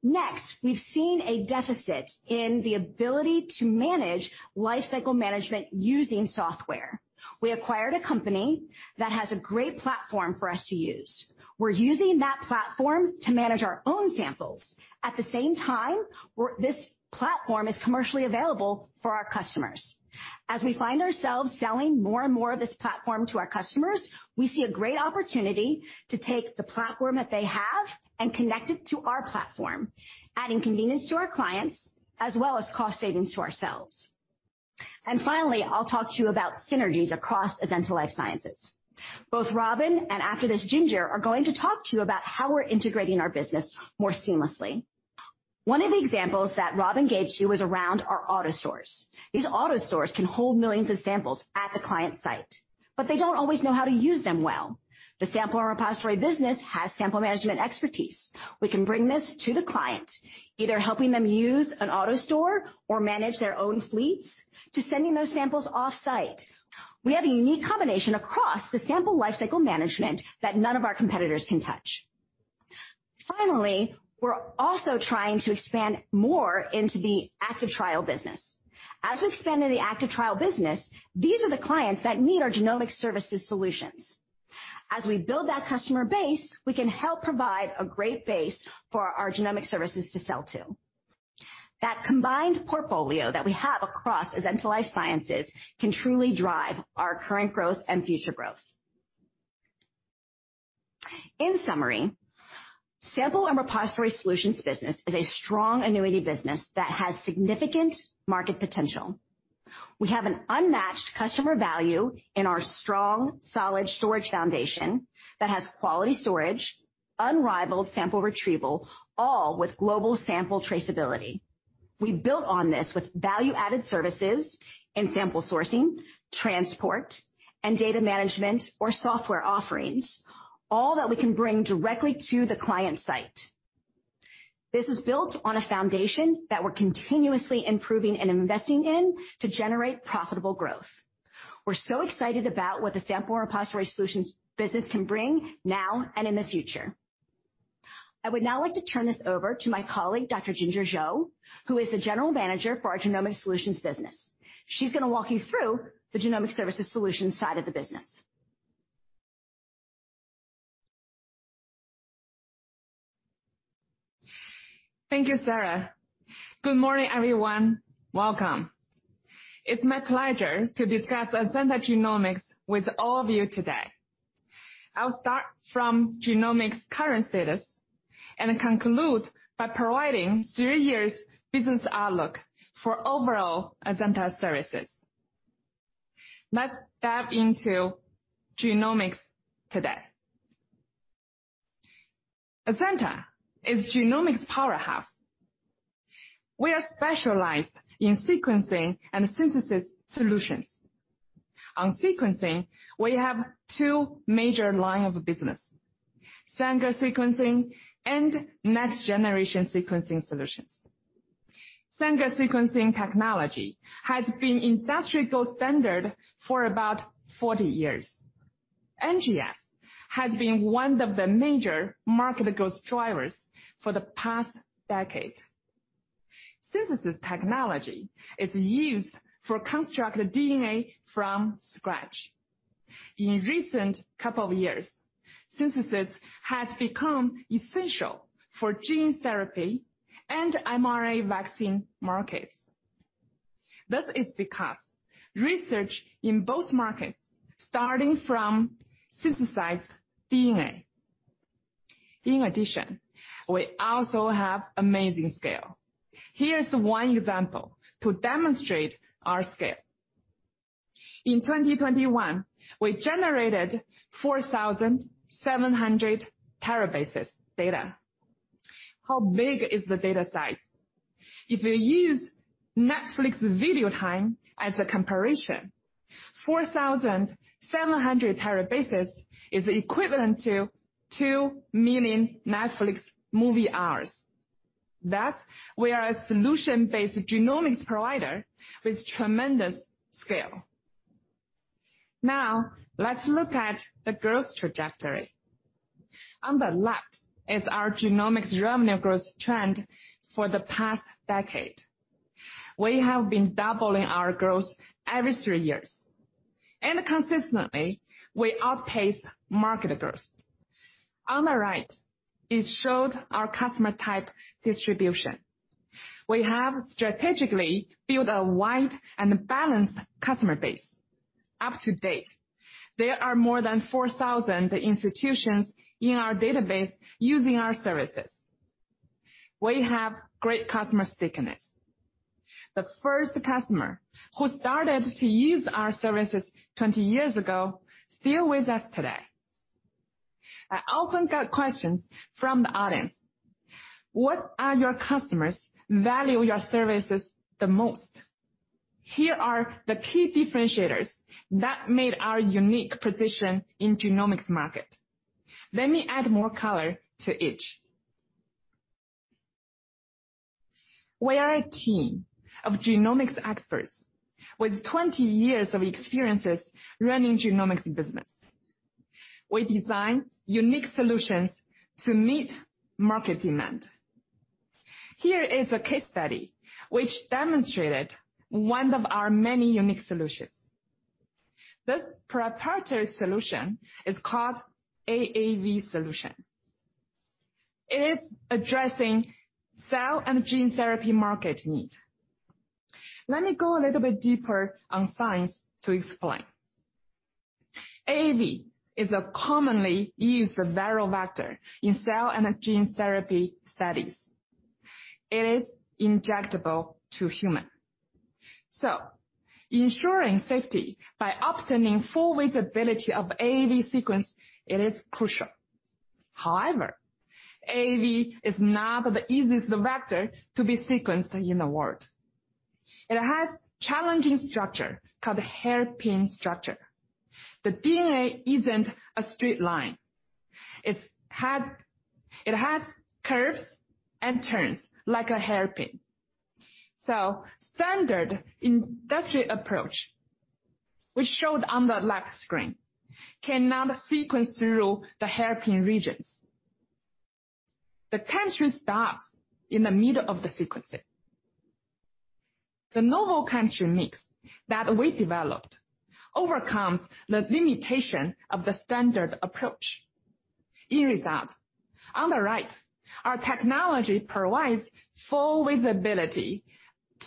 Next, we've seen a deficit in the ability to manage lifecycle management using software. We acquired a company that has a great platform for us to use. We're using that platform to manage our own samples. At the same time, this platform is commercially available for our customers. As we find ourselves selling more and more of this platform to our customers, we see a great opportunity to take the platform that they have and connect it to our platform, adding convenience to our clients as well as cost savings to ourselves. Finally, I'll talk to you about synergies across Azenta Life Sciences. Both Robin, and after this Ginger, are going to talk to you about how we're integrating our business more seamlessly. One of the examples that Robin gave to you was around our AutoStores. These AutoStores can hold millions of samples at the client site, but they don't always know how to use them well. The sample and repository business has sample management expertise. We can bring this to the client, either helping them use an AutoStore or manage their own fleets to sending those samples off-site. We have a unique combination across the sample lifecycle management that none of our competitors can touch. Finally, we're also trying to expand more into the active trial business. As we expand in the active trial business, these are the clients that need our genomic services solutions. As we build that customer base, we can help provide a great base for our genomic services to sell to. That combined portfolio that we have across Azenta Life Sciences can truly drive our current growth and future growth. In summary, Sample and Repository Solutions business is a strong annuity business that has significant market potential. We have an unmatched customer value in our strong, solid storage foundation that has quality storage, unrivaled sample retrieval, all with global sample traceability. We built on this with value-added services in sample sourcing, transport, and data management or software offerings, all that we can bring directly to the client site. This is built on a foundation that we're continuously improving and investing in to generate profitable growth. We're so excited about what the Sample and Repository Solutions business can bring now and in the future. I would now like to turn this over to my colleague, Dr. Ginger Zhou, who is the General Manager for our Genomic Services business. She's gonna walk you through the genomic services solutions side of the business. Thank you, Sarah. Good morning, everyone. Welcome. It's my pleasure to discuss Azenta Genomics with all of you today. I'll start from Genomics current status and conclude by providing three years business outlook for overall Azenta services. Let's dive into Genomics today. Azenta is genomics powerhouse. We are specialized in sequencing and synthesis solutions. On sequencing, we have two major line of business, Sanger sequencing and next-generation sequencing solutions. Sanger sequencing technology has been industrial standard for about 40 years. NGS has been one of the major market growth drivers for the past decade. Synthesis technology is used for construct DNA from scratch. In recent couple of years, synthesis has become essential for gene therapy and mRNA vaccine markets. This is because research in both markets, starting from synthesized DNA. In addition, we also have amazing scale. Here's one example to demonstrate our scale. In 2021, we generated 4,700 terabases data. How big is the data size? If you use Netflix video time as a comparison, 4,700 terabases is equivalent to 2 million Netflix movie hours. That shows we are a solution-based genomics provider with tremendous scale. Now, let's look at the growth trajectory. On the left is our genomics revenue growth trend for the past decade. We have been doubling our growth every three years. Consistently, we outpace market growth. On the right, it showed our customer type distribution. We have strategically built a wide and balanced customer base. To date, there are more than 4,000 institutions in our database using our services. We have great customer stickiness. The first customer who started to use our services 20 years ago, still with us today. I often get questions from the audience, What are your customers value your services the most? Here are the key differentiators that made our unique position in genomics market. Let me add more color to each. We are a team of genomics experts with 20 years of experiences running genomics business. We design unique solutions to meet market demand. Here is a case study which demonstrated one of our many unique solutions. This proprietary solution is called AAV solution. It is addressing cell and gene therapy market need. Let me go a little bit deeper on science to explain. AAV is a commonly used viral vector in cell and gene therapy studies. It is injectable to human. So ensuring safety by obtaining full visibility of AAV sequence, it is crucial. However, AAV is not the easiest vector to be sequenced in the world. It has challenging structure called hairpin structure. The DNA isn't a straight line. It has curves and turns like a hairpin. Standard industry approach, which shown on the left screen, cannot sequence through the hairpin regions. The current stops in the middle of the sequencing. The novel chemistry mix that we developed overcomes the limitation of the standard approach. Here is that. On the right, our technology provides full visibility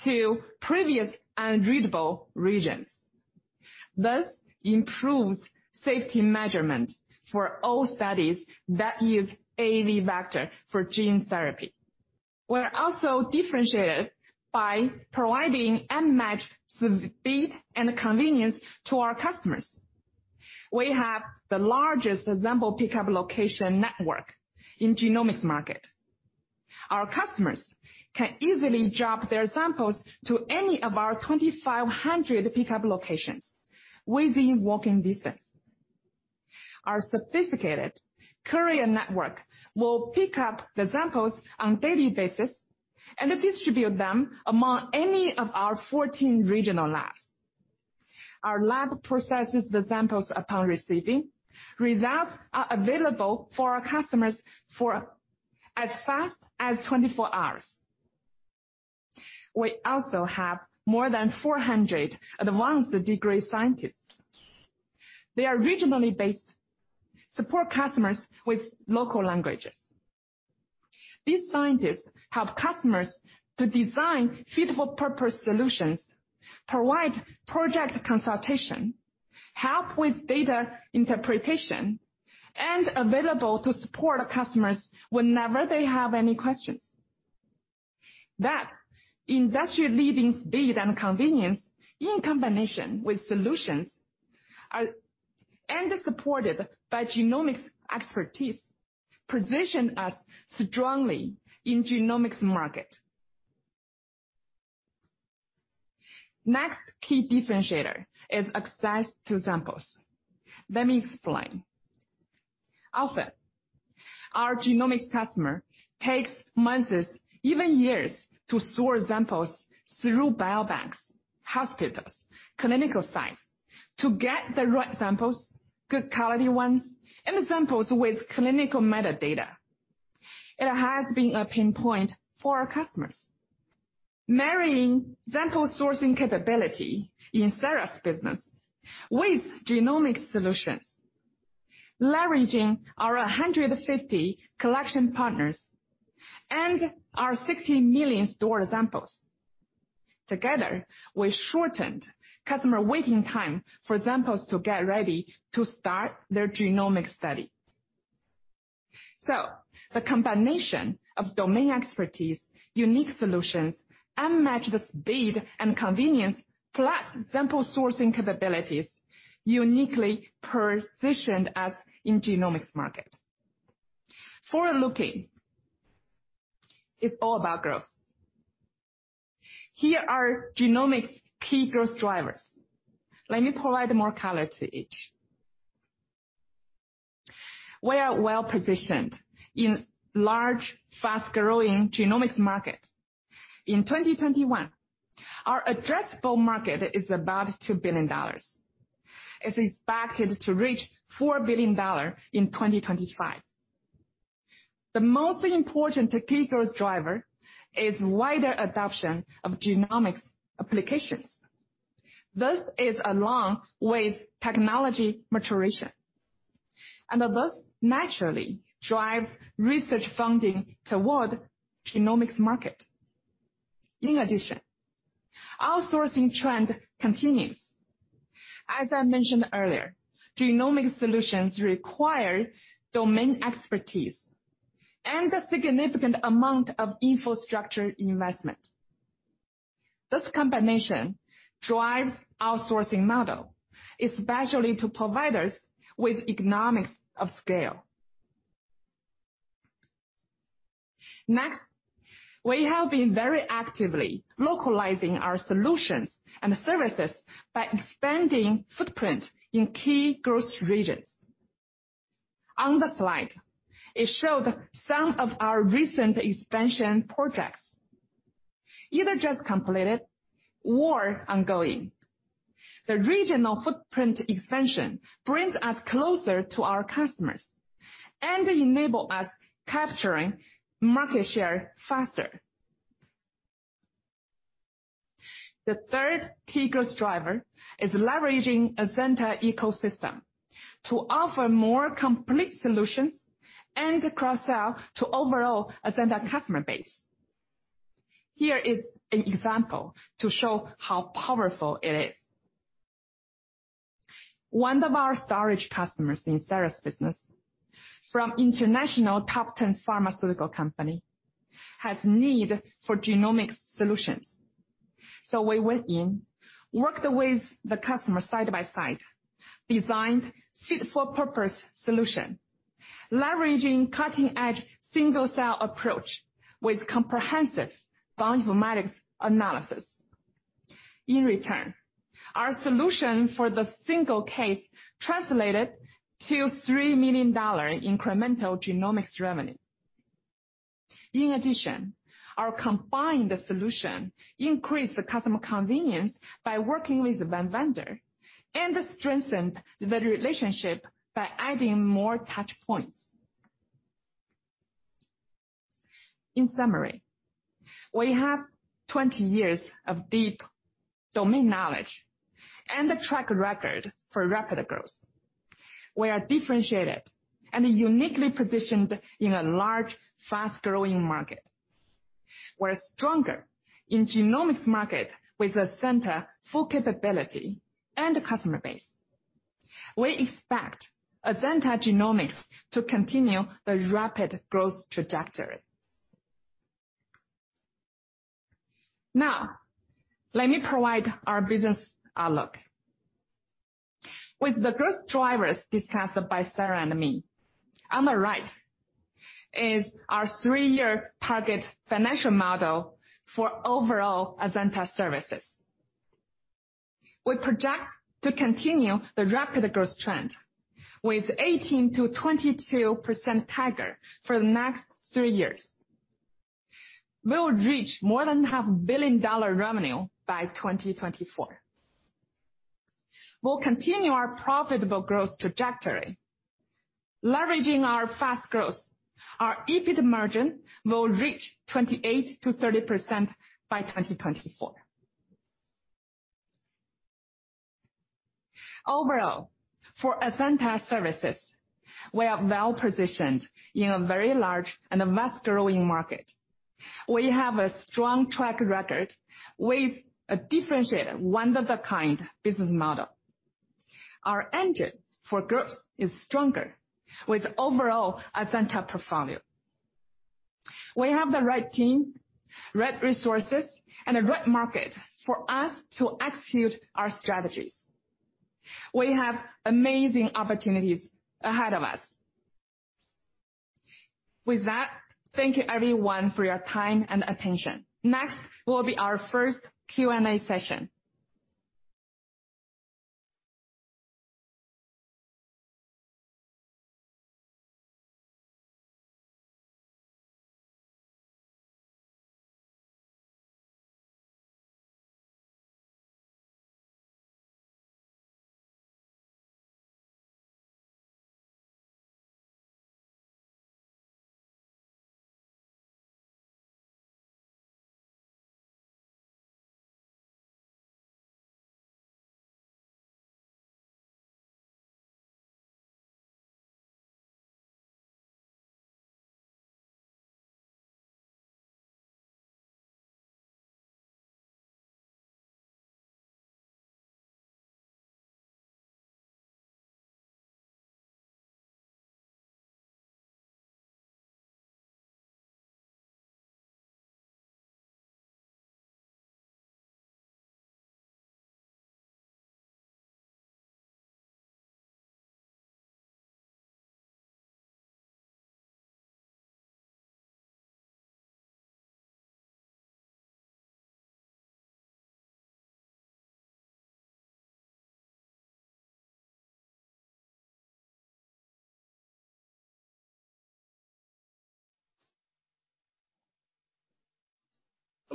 to previously unreadable regions, thus improves safety measurement for all studies that use AAV vector for gene therapy. We're also differentiated by providing unmatched speed and convenience to our customers. We have the largest sample pickup location network in genomics market. Our customers can easily drop their samples to any of our 2,500 pickup locations within walking distance. Our sophisticated courier network will pick up the samples on daily basis and distribute them among any of our 14 regional labs. Our lab processes the samples upon receiving. Results are available for our customers for as fast as 24 hours. We also have more than 400 advanced degree scientists. They are regionally based, support customers with local languages. These scientists help customers to design fit-for-purpose solutions, provide project consultation, help with data interpretation, and available to support our customers whenever they have any questions. That industry-leading speed and convenience in combination with solutions and supported by genomics expertise position us strongly in genomics market. Next key differentiator is access to samples. Let me explain. Often, our genomics customer takes months, even years, to source samples through biobanks, hospitals, clinical sites to get the right samples, good quality ones, and the samples with clinical metadata. It has been a pain point for our customers. Marrying sample sourcing capability in SRS business with genomic solutions, leveraging our 150 collection partners and our 60 million stored samples. Together, we shortened customer waiting time for samples to get ready to start their genomic study. The combination of domain expertise, unique solutions, unmatched speed and convenience, plus sample sourcing capabilities, uniquely positioned us in genomics market. Forward-looking is all about growth. Here are genomics key growth drivers. Let me provide more color to each. We are well-positioned in large, fast-growing genomics market. In 2021, our addressable market is about $2 billion. It's expected to reach $4 billion in 2025. The most important key growth driver is wider adoption of genomics applications. This is along with technology maturation. This naturally drives research funding toward genomics market. In addition, outsourcing trend continues. As I mentioned earlier, genomic solutions require domain expertise and a significant amount of infrastructure investment. This combination drives outsourcing model, especially to providers with economies of scale. Next, we have been very actively localizing our solutions and services by expanding footprint in key growth regions. On the slide, it showed some of our recent expansion projects, either just completed or ongoing. The regional footprint expansion brings us closer to our customers and enable us capturing market share faster. The third key growth driver is leveraging Azenta ecosystem to offer more complete solutions and cross-sell to overall Azenta customer base. Here is an example to show how powerful it is. One of our storage customers in SRS business from international top ten pharmaceutical company has need for genomic solutions. We went in, worked with the customer side by side, designed fit for purpose solution, leveraging cutting-edge single-cell approach with comprehensive bioinformatics analysis. In return, our solution for the single case translated to $3 million incremental genomics revenue. In addition, our combined solution increased the customer convenience by working with one vendor, and strengthened the relationship by adding more touch points. In summary, we have 20 years of deep domain knowledge and a track record for rapid growth. We are differentiated and uniquely positioned in a large, fast-growing market. We're stronger in genomics market with Azenta full capability and customer base. We expect Azenta Genomics to continue the rapid growth trajectory. Now, let me provide our business outlook. With the growth drivers discussed by Sarah and me, on the right is our three year target financial model for overall Azenta services. We project to continue the rapid growth trend with 18%-22% CAGR for the next three years. We'll reach more than $500,000,000 revenue by 2024. We'll continue our profitable growth trajectory. Leveraging our fast growth, our EBIT margin will reach 28%-30% by 2024. Overall, for Azenta services, we are well-positioned in a very large and a fast-growing market. We have a strong track record with a differentiated one-of-a-kind business model. Our engine for growth is stronger with overall Azenta portfolio. We have the right team, right resources, and the right market for us to execute our strategies. We have amazing opportunities ahead of us. With that, thank you everyone for your time and attention. Next will be our first Q&A session.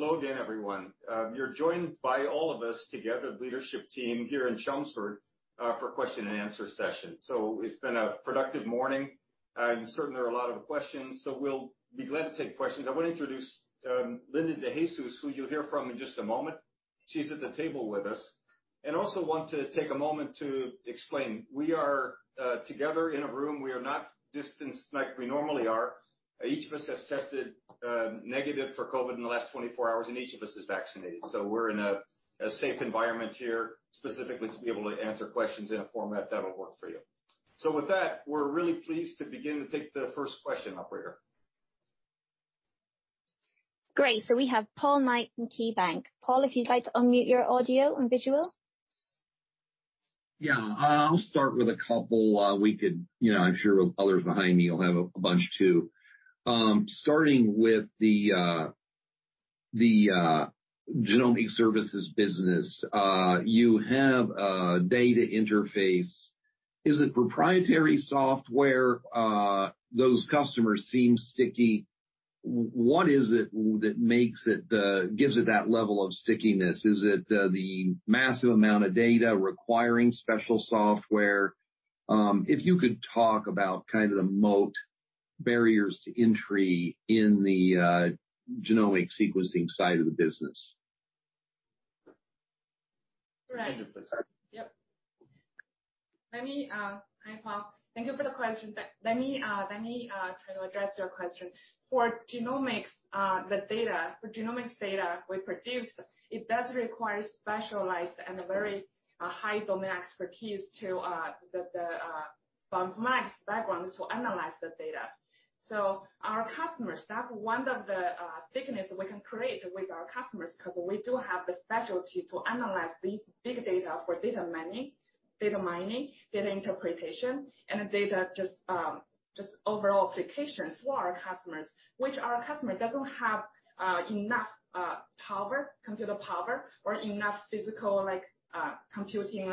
Hello again, everyone. You're joined by all of us together, leadership team here in Chelmsford, for question and answer session. It's been a productive morning. I'm certain there are a lot of questions, so we'll be glad to take questions. I want to introduce Linda De Jesus, who you'll hear from in just a moment. She's at the table with us. I also want to take a moment to explain. We are together in a room. We are not distanced like we normally are. Each of us has tested negative for COVID in the last 24 hours, and each of us is vaccinated. We're in a safe environment here, specifically to be able to answer questions in a format that'll work for you. With that, we're really pleased to begin to take the first question, operator. Great. We have Paul Knight from KeyBanc. Paul, if you'd like to unmute your audio and visual. Yeah. I'll start with a couple. We could, you know, I'm sure others behind me will have a bunch too. Starting with the genomic services business. You have a data interface. Is it proprietary software? Those customers seem sticky. What is it that makes it gives it that level of stickiness? Is it the massive amount of data requiring special software? If you could talk about kind of the moat barriers to entry in the genomic sequencing side of the business. Ginger, please. Right. Yep. Let me... Hi, Paul. Thank you for the question. Let me try to address your question. For genomics data we produce, it does require specialized and a very high domain expertise to the bioinformatics background to analyze the data. So our customers, that's one of the stickiness we can create with our customers, 'cause we do have the specialty to analyze these big data for data mining, data interpretation, and the data just overall applications for our customers. Which our customer doesn't have enough power, computer power or enough physical, like, computing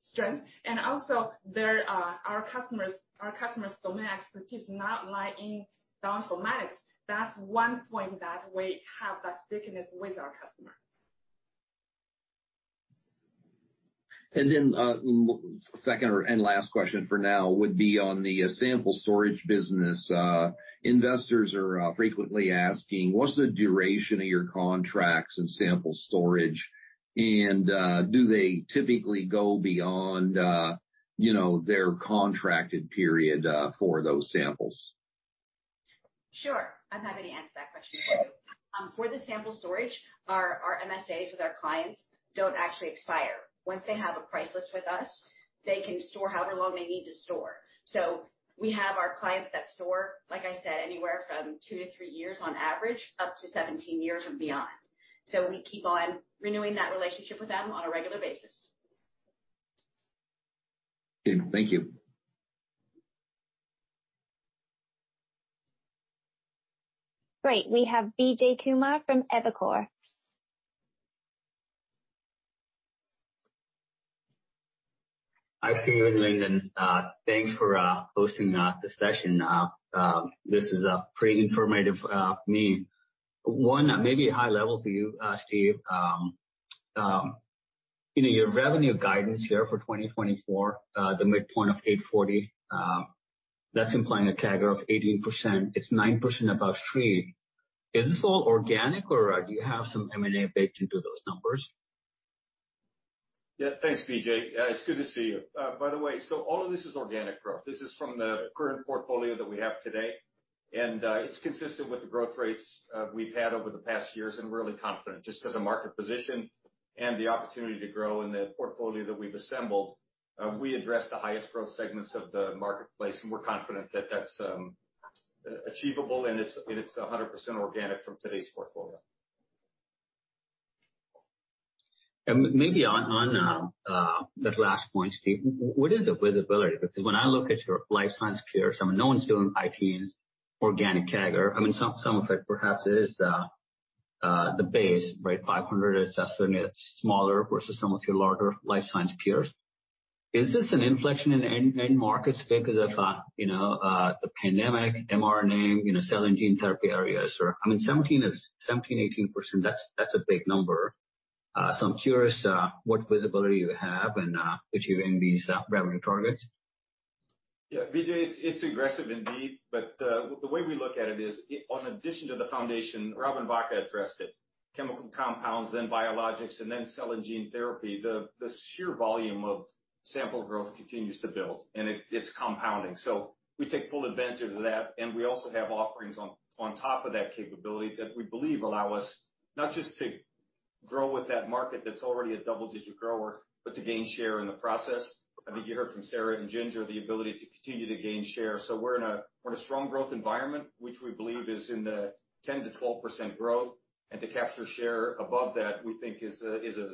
strength. Also their, our customers, our customers' domain expertise not lie in bioinformatics. That's one point that we have that stickiness with our customer. Second and last question for now would be on the sample storage business. Investors are frequently asking, what's the duration of your contracts in sample storage? Do they typically go beyond, you know, their contracted period, for those samples? Sure. I'm happy to answer that question for you. For the sample storage, our MSAs with our clients don't actually expire. Once they have a price list with us, they can store however long they need to store. We have our clients that store, like I said, anywhere from two to three years on average, up to 17 years and beyond. We keep on renewing that relationship with them on a regular basis. Thank you. Great. We have Vijay Kumar from Evercore. Hi, Steve and Lindon. Thanks for hosting the session. This is pretty informative for me. One, maybe high level to you, Steve. You know, your revenue guidance here for 2024, the midpoint of $840 million, that's implying a CAGR of 18%. It's 9% above 3%. Is this all organic or do you have some M&A baked into those numbers? Yeah. Thanks, Vijay. It's good to see you. By the way, all of this is organic growth. This is from the current portfolio that we have today, and it's consistent with the growth rates we've had over the past years. We're really confident just 'cause of market position and the opportunity to grow in the portfolio that we've assembled. We address the highest growth segments of the marketplace, and we're confident that that's achievable and it's 100% organic from today's portfolio. Maybe on that last point, Steve, what is the visibility? Because when I look at your life science peers, I mean, no one's doing mid-teens in organic CAGR. I mean, some of it perhaps is the base, right? $500 is certainly smaller versus some of your larger life science peers. Is this an inflection in end markets because of the pandemic mRNA, you know, cell and gene therapy areas? Or, I mean, 17%-18%, that's a big number. So I'm curious what visibility you have in achieving these revenue targets. Yeah, Vijay, it's aggressive indeed, but the way we look at it is, in addition to the foundation, Robin Vacha addressed it, chemical compounds, then biologics, and then cell and gene therapy. The sheer volume of sample growth continues to build, and it's compounding. We take full advantage of that. We also have offerings on top of that capability that we believe allow us not just to grow with that market that's already a double-digit grower, but to gain share in the process. I think you heard from Sarah and Ginger the ability to continue to gain share. We're in a strong growth environment, which we believe is in the 10%-12% growth. To capture share above that, we think is a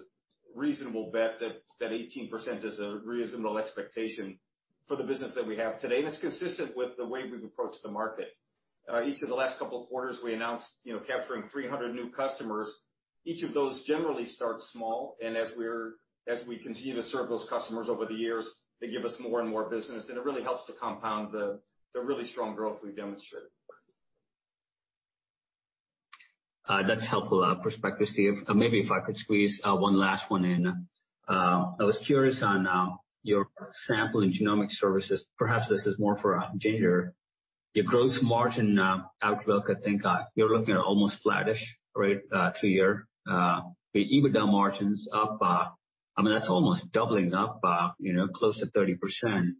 reasonable bet that 18% is a reasonable expectation for the business that we have today. It's consistent with the way we've approached the market. Each of the last couple of quarters, we announced, you know, capturing 300 new customers. Each of those generally start small, and as we continue to serve those customers over the years, they give us more and more business, and it really helps to compound the really strong growth we've demonstrated. That's helpful perspective, Steve. Maybe if I could squeeze one last one in. I was curious on your sample and genomic services. Perhaps this is more for Ginger. Your gross margin outlook, I think, you're looking at almost flattish rate two year. The EBITDA margin's up, I mean, that's almost doubling up, you know, close to 30%.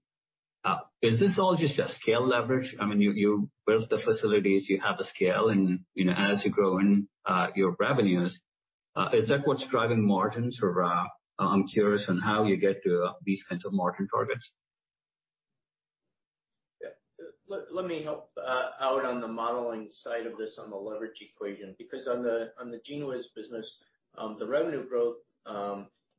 Is this all just a scale leverage? I mean, you built the facilities, you have the scale, and, you know, as you grow in your revenues, is that what's driving margins? Or, I'm curious on how you get to these kinds of margin targets. Yeah. Let me help out on the modeling side of this on the leverage equation, because on the GENEWIZ business, the revenue growth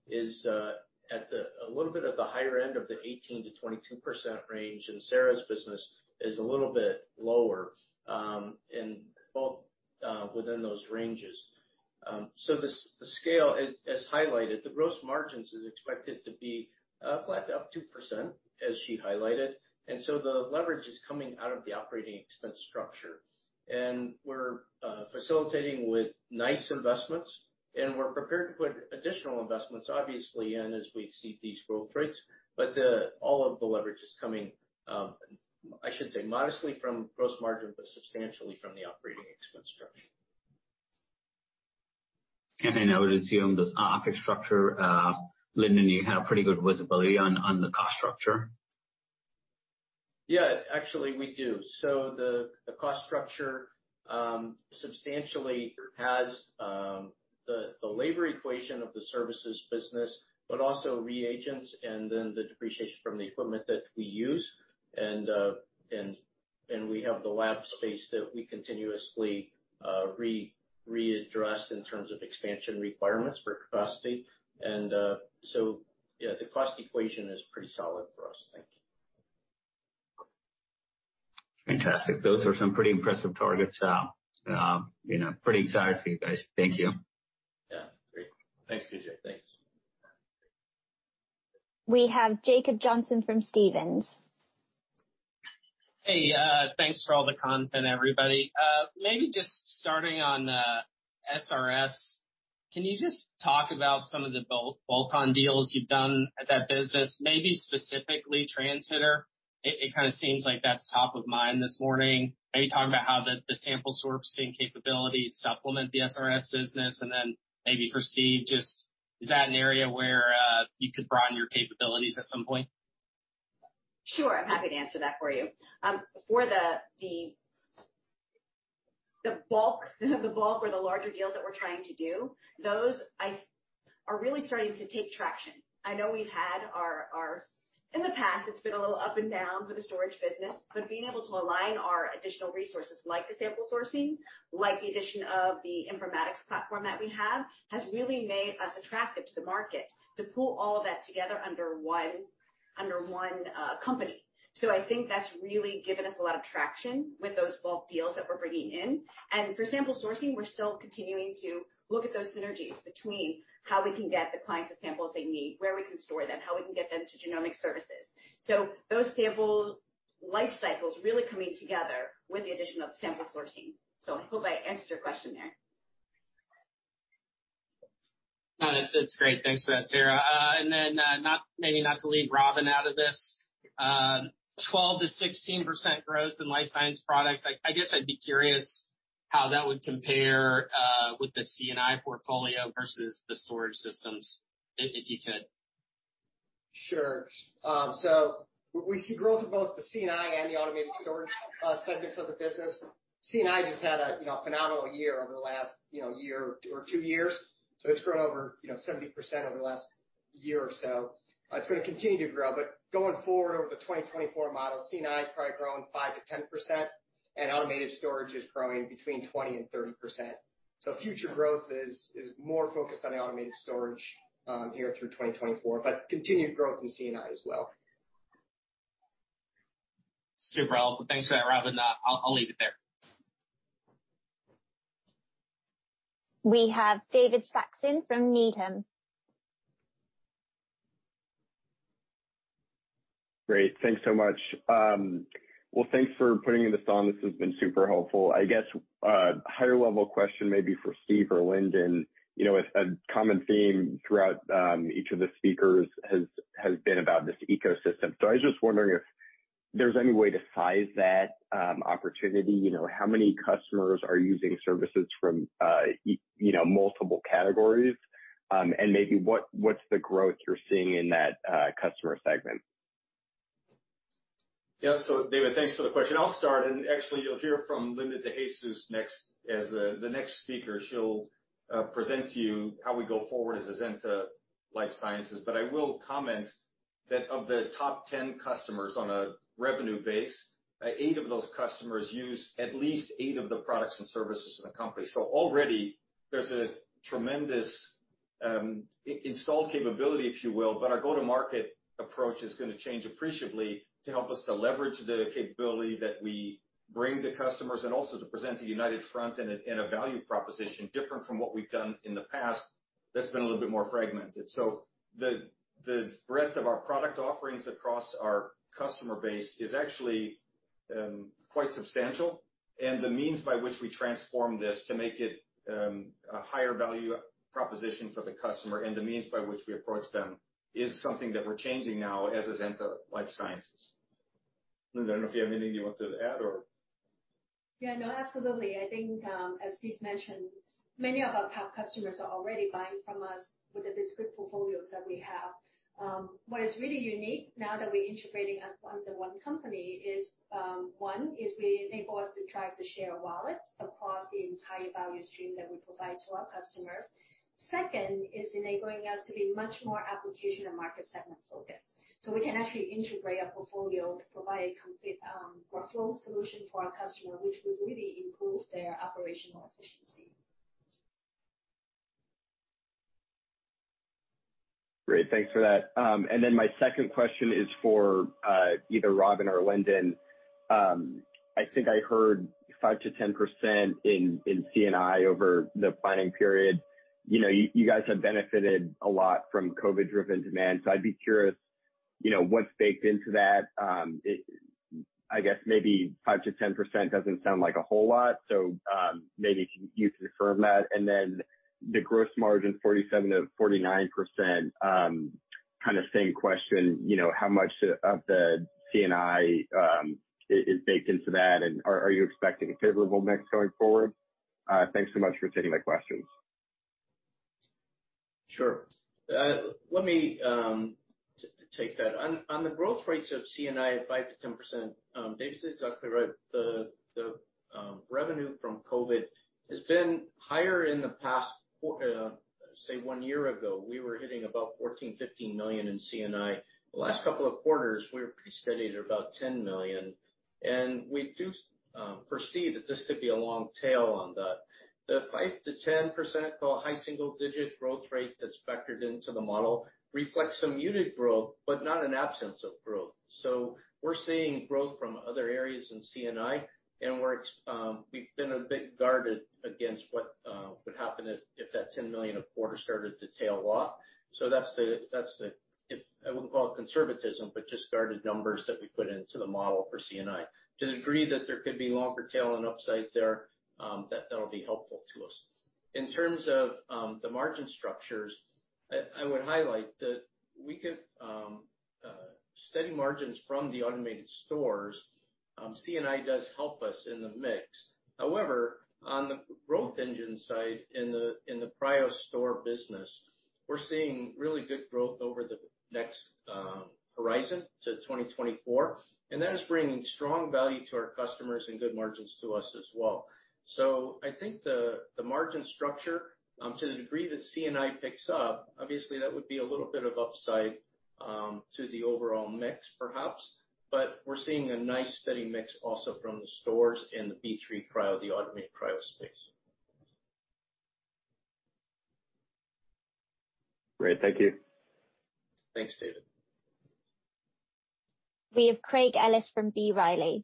is a little bit at the higher end of the 18%-22% range, and Sarah's business is a little bit lower in both within those ranges. The scale, as highlighted, gross margins is expected to be flat to up 2%, as she highlighted. We're facilitating with nice investments, and we're prepared to put additional investments, obviously, in as we exceed these growth rates. All of the leverage is coming, I should say, modestly from gross margin, but substantially from the operating expense structure. I would assume this OpEx structure, Lindon, you have pretty good visibility on the cost structure? Yeah. Actually, we do. The cost structure substantially has the labor equation of the services business, but also reagents and then the depreciation from the equipment that we use. We have the lab space that we continuously readdress in terms of expansion requirements for capacity. Yeah, the cost equation is pretty solid for us. Thank you. Fantastic. Those are some pretty impressive targets. You know, pretty excited for you guys. Thank you. Yeah. Great. Thanks, Vijay. Thanks. We have Jacob Johnson from Stephens. Hey. Thanks for all the content, everybody. Maybe just starting on SRS, can you just talk about some of the bulk and deals you've done at that business, maybe specifically Trans-Hit? It kind of seems like that's top of mind this morning. Maybe talk about how the sample sourcing capabilities supplement the SRS business. Maybe for Steve, just is that an area where you could broaden your capabilities at some point? Sure. I'm happy to answer that for you. For the bulk or the larger deals that we're trying to do, those are really starting to gain traction. I know in the past, it's been a little up and down for the storage business. Being able to align our additional resources like the sample sourcing, like the addition of the informatics platform that we have, has really made us attractive to the market to pull all of that together under one company. I think that's really given us a lot of traction with those bulk deals that we're bringing in. For sample sourcing, we're still continuing to look at those synergies between how we can get the clients the samples they need, where we can store them, how we can get them to genomic services. Those samples' life cycles really coming together with the addition of sample sourcing. I hope I answered your question there. No, that's great. Thanks for that, Sarah. Maybe not to leave Robin out of this. 12%-16% growth in Life Sciences Products. I guess I'd be curious how that would compare with the C&I portfolio versus the storage systems, if you could. Sure. We see growth in both the C&I and the automated storage segments of the business. C&I just had a you know phenomenal year over the last you know year or two years. It's grown over you know 70% over the last year or so. It's gonna continue to grow. Going forward over the 2024 model, C&I is probably growing 5%-10%, and automated storage is growing between 20% and 30%. Future growth is more focused on the automated storage year through 2024, but continued growth in C&I as well. Super helpful. Thanks for that, Robin. I'll leave it there. We have David Saxon from Needham. Great. Thanks so much. Well, thanks for putting this on. This has been super helpful. I guess higher level question may be for Steve or Lindon. You know, a common theme throughout each of the speakers has been about this ecosystem. So I was just wondering if there's any way to size that opportunity. You know, how many customers are using services from you know, multiple categories? Maybe what's the growth you're seeing in that customer segment? David, thanks for the question. I'll start, and actually you'll hear from Linda De Jesus next, as the next speaker. She'll present to you how we go forward as Azenta Life Sciences. I will comment that of the top 10 customers on a revenue base, eight of those customers use at least eight of the products and services in the company. Already there's a tremendous installed capability, if you will, but our go-to-market approach is gonna change appreciably to help us to leverage the capability that we bring to customers and also to present a united front and a value proposition different from what we've done in the past that's been a little bit more fragmented. The breadth of our product offerings across our customer base is actually quite substantial. The means by which we transform this to make it a higher value proposition for the customer and the means by which we approach them is something that we're changing now as Azenta Life Sciences. Linda, I don't know if you have anything you want to add or. Yeah, no, absolutely. I think, as Steve mentioned, many of our top customers are already buying from us with the discrete portfolios that we have. What is really unique now that we're integrating as one, the one company is, one, is we enable us to drive the share of wallet across the entire value stream that we provide to our customers. Second, is enabling us to be much more application and market segment focused. We can actually integrate a portfolio to provide a complete, workflow solution for our customer, which will really improve their operational efficiency. Great. Thanks for that. My second question is for either Robin or Lindon. I think I heard 5%-10% in C&I over the planning period. You know, you guys have benefited a lot from COVID-driven demand, so I'd be curious, you know, what's baked into that. I guess maybe 5%-10% doesn't sound like a whole lot, so maybe if you could confirm that. The gross margin, 47%-49%, kind of same question. You know, how much of the C&I is baked into that, and are you expecting a favorable mix going forward? Thanks so much for taking my questions. Sure. Let me take that. On the growth rates of C&I at 5%-10%, David said exactly right. The revenue from COVID has been higher in the past quarter, say one year ago, we were hitting about $14-$15 million in C&I. The last couple of quarters, we're pretty steady at about $10 million. We do foresee that this could be a long tail on that. The 5%-10% or high single-digit growth rate that's factored into the model reflects some unit growth, but not an absence of growth. We're seeing growth from other areas in C&I, and we've been a bit guarded against what would happen if that $10 million a quarter started to tail off. I wouldn't call it conservatism, but just guarded numbers that we put into the model for C&I. To the degree that there could be longer tail and upside there, that'll be helpful to us. In terms of the margin structures, I would highlight that we could see steady margins from the automated stores, C&I does help us in the mix. However, on the growth engine side, in the cryostore business, we're seeing really good growth over the next horizon to 2024, and that is bringing strong value to our customers and good margins to us as well. I think the margin structure, to the degree that C&I picks up, obviously that would be a little bit of upside to the overall mix, perhaps. We're seeing a nice, steady mix also from the Stores and the B III Cryo, the automated cryo space. Great. Thank you. Thanks, David. We have Craig Ellis from B. Riley. Hey,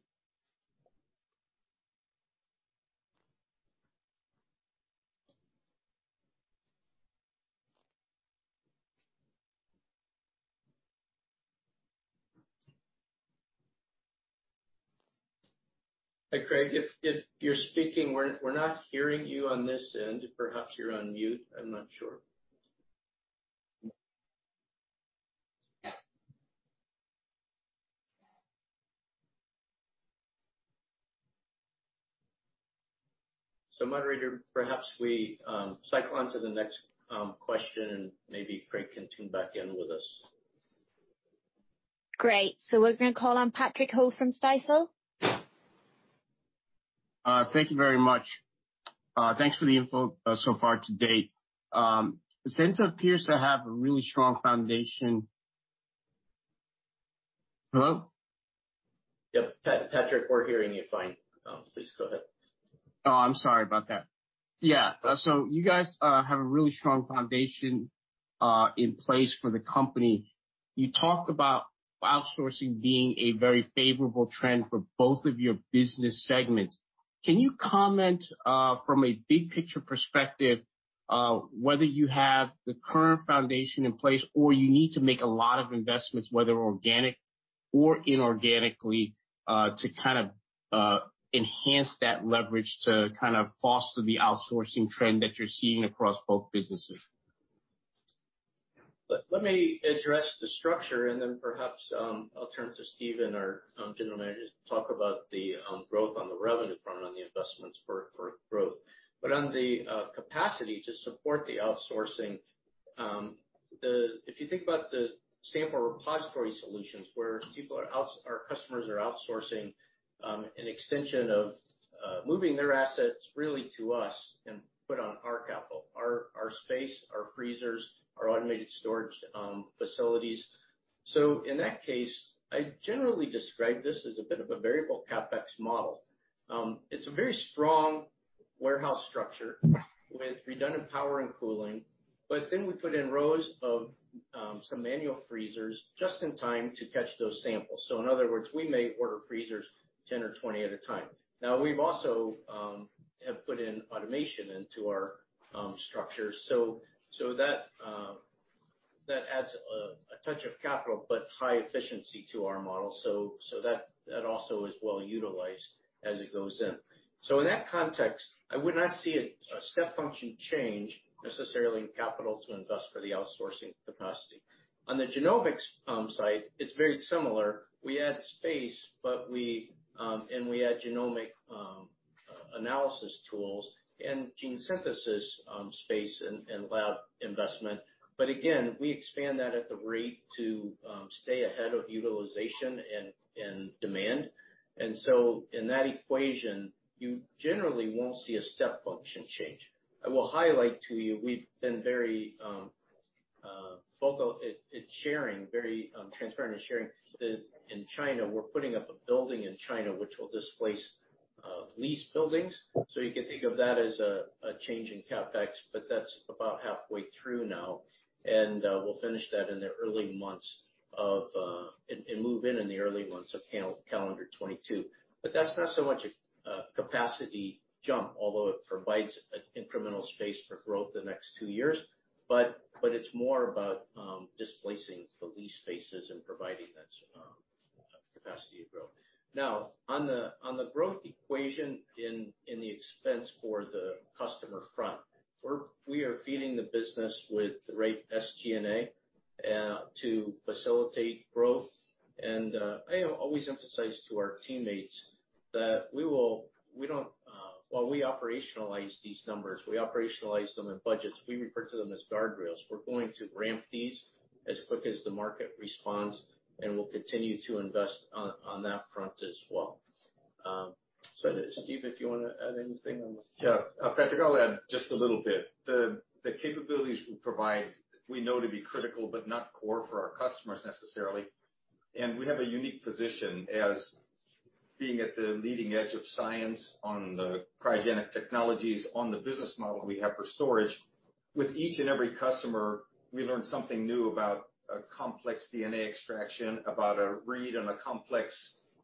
Craig. If you're speaking, we're not hearing you on this end. Perhaps you're on mute. I'm not sure. Moderator, perhaps we cycle on to the next question and maybe Craig can tune back in with us. Great. We're gonna call on Patrick Ho from Stifel. Thank you very much. Thanks for the info so far to date. Azenta appears to have a really strong foundation. Hello? Yep. Patrick, we're hearing you fine. Please go ahead. Oh, I'm sorry about that. Yeah. You guys have a really strong foundation in place for the company. You talked about outsourcing being a very favorable trend for both of your business segments. Can you comment from a big picture perspective whether you have the current foundation in place or you need to make a lot of investments, whether organic or inorganically, to kind of enhance that leverage to kind of foster the outsourcing trend that you're seeing across both businesses? Let me address the structure and then perhaps I'll turn to Steve, our general manager, to talk about the growth on the revenue front on the investments for growth. On the capacity to support the outsourcing, if you think about the sample repository solutions where our customers are outsourcing, an extension of moving their assets really to us and put on our capital, our space, our freezers, our automated storage facilities. In that case, I generally describe this as a bit of a variable CapEx model. It's a very strong warehouse structure with redundant power and cooling, but then we put in rows of some manual freezers just in time to catch those samples. In other words, we may order freezers 10 or 20 at a time. Now, we've also put in automation into our structure. So that adds a touch of capital but high efficiency to our model. So that also is well utilized as it goes in. So in that context, I would not see a step function change necessarily in capital to invest for the outsourcing capacity. On the genomics site, it's very similar. We add space, but we add genomic analysis tools and gene synthesis space and lab investment. But again, we expand that at the rate to stay ahead of utilization and demand. In that equation, you generally won't see a step function change. I will highlight to you, we've been very vocal at sharing, very transparent in sharing that in China, we're putting up a building in China which will displace lease buildings. You can think of that as a change in CapEx, but that's about halfway through now. We'll finish that in the early months of calendar 2022 and move in in the early months of calendar 2022. That's not so much a capacity jump, although it provides an incremental space for growth the next two years. It's more about displacing the lease spaces and providing that capacity to grow. Now, on the growth equation in the expense for the customer front, we are feeding the business with the right SG&A to facilitate growth. I always emphasize to our teammates that while we operationalize these numbers, we operationalize them in budgets, we refer to them as guardrails. We're going to ramp these as quick as the market responds, and we'll continue to invest on that front as well. Steve, if you wanna add anything on the- Yeah, Patrick, I'll add just a little bit. The capabilities we provide, we know to be critical, but not core for our customers necessarily. We have a unique position as being at the leading edge of science on the cryogenic technologies on the business model we have for storage. With each and every customer, we learn something new about a complex DNA extraction, about a read on a complex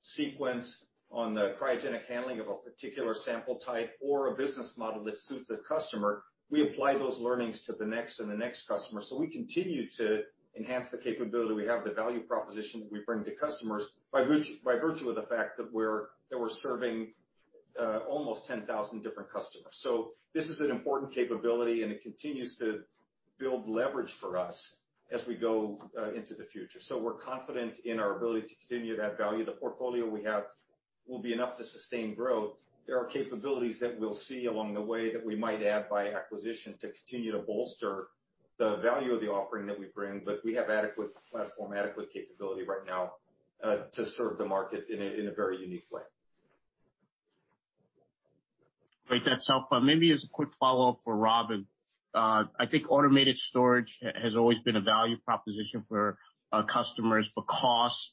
sequence on the cryogenic handling of a particular sample type or a business model that suits a customer. We apply those learnings to the next and the next customer. We continue to enhance the capability we have, the value proposition that we bring to customers by virtue of the fact that we're serving almost 10,000 different customers. This is an important capability, and it continues to build leverage for us as we go into the future. We're confident in our ability to continue to add value. The portfolio we have will be enough to sustain growth. There are capabilities that we'll see along the way that we might add by acquisition to continue to bolster the value of the offering that we bring, but we have adequate platform, adequate capability right now to serve the market in a very unique way. Great. That's helpful. Maybe as a quick follow-up for Robin, I think automated storage has always been a value proposition for our customers, but costs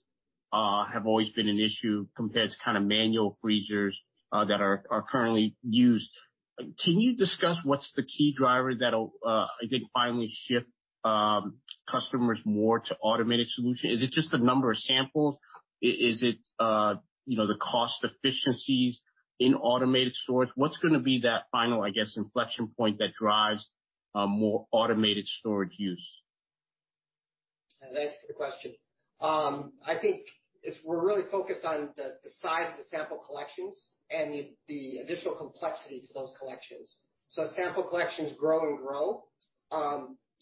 have always been an issue compared to kinda manual freezers that are currently used. Can you discuss what's the key driver that'll, I think, finally shift customers more to automated solution? Is it just the number of samples? Is it, you know, the cost efficiencies in automated storage? What's gonna be that final, I guess, inflection point that drives more automated storage use? Thanks for the question. I think we're really focused on the size of the sample collections and the additional complexity to those collections. As sample collections grow,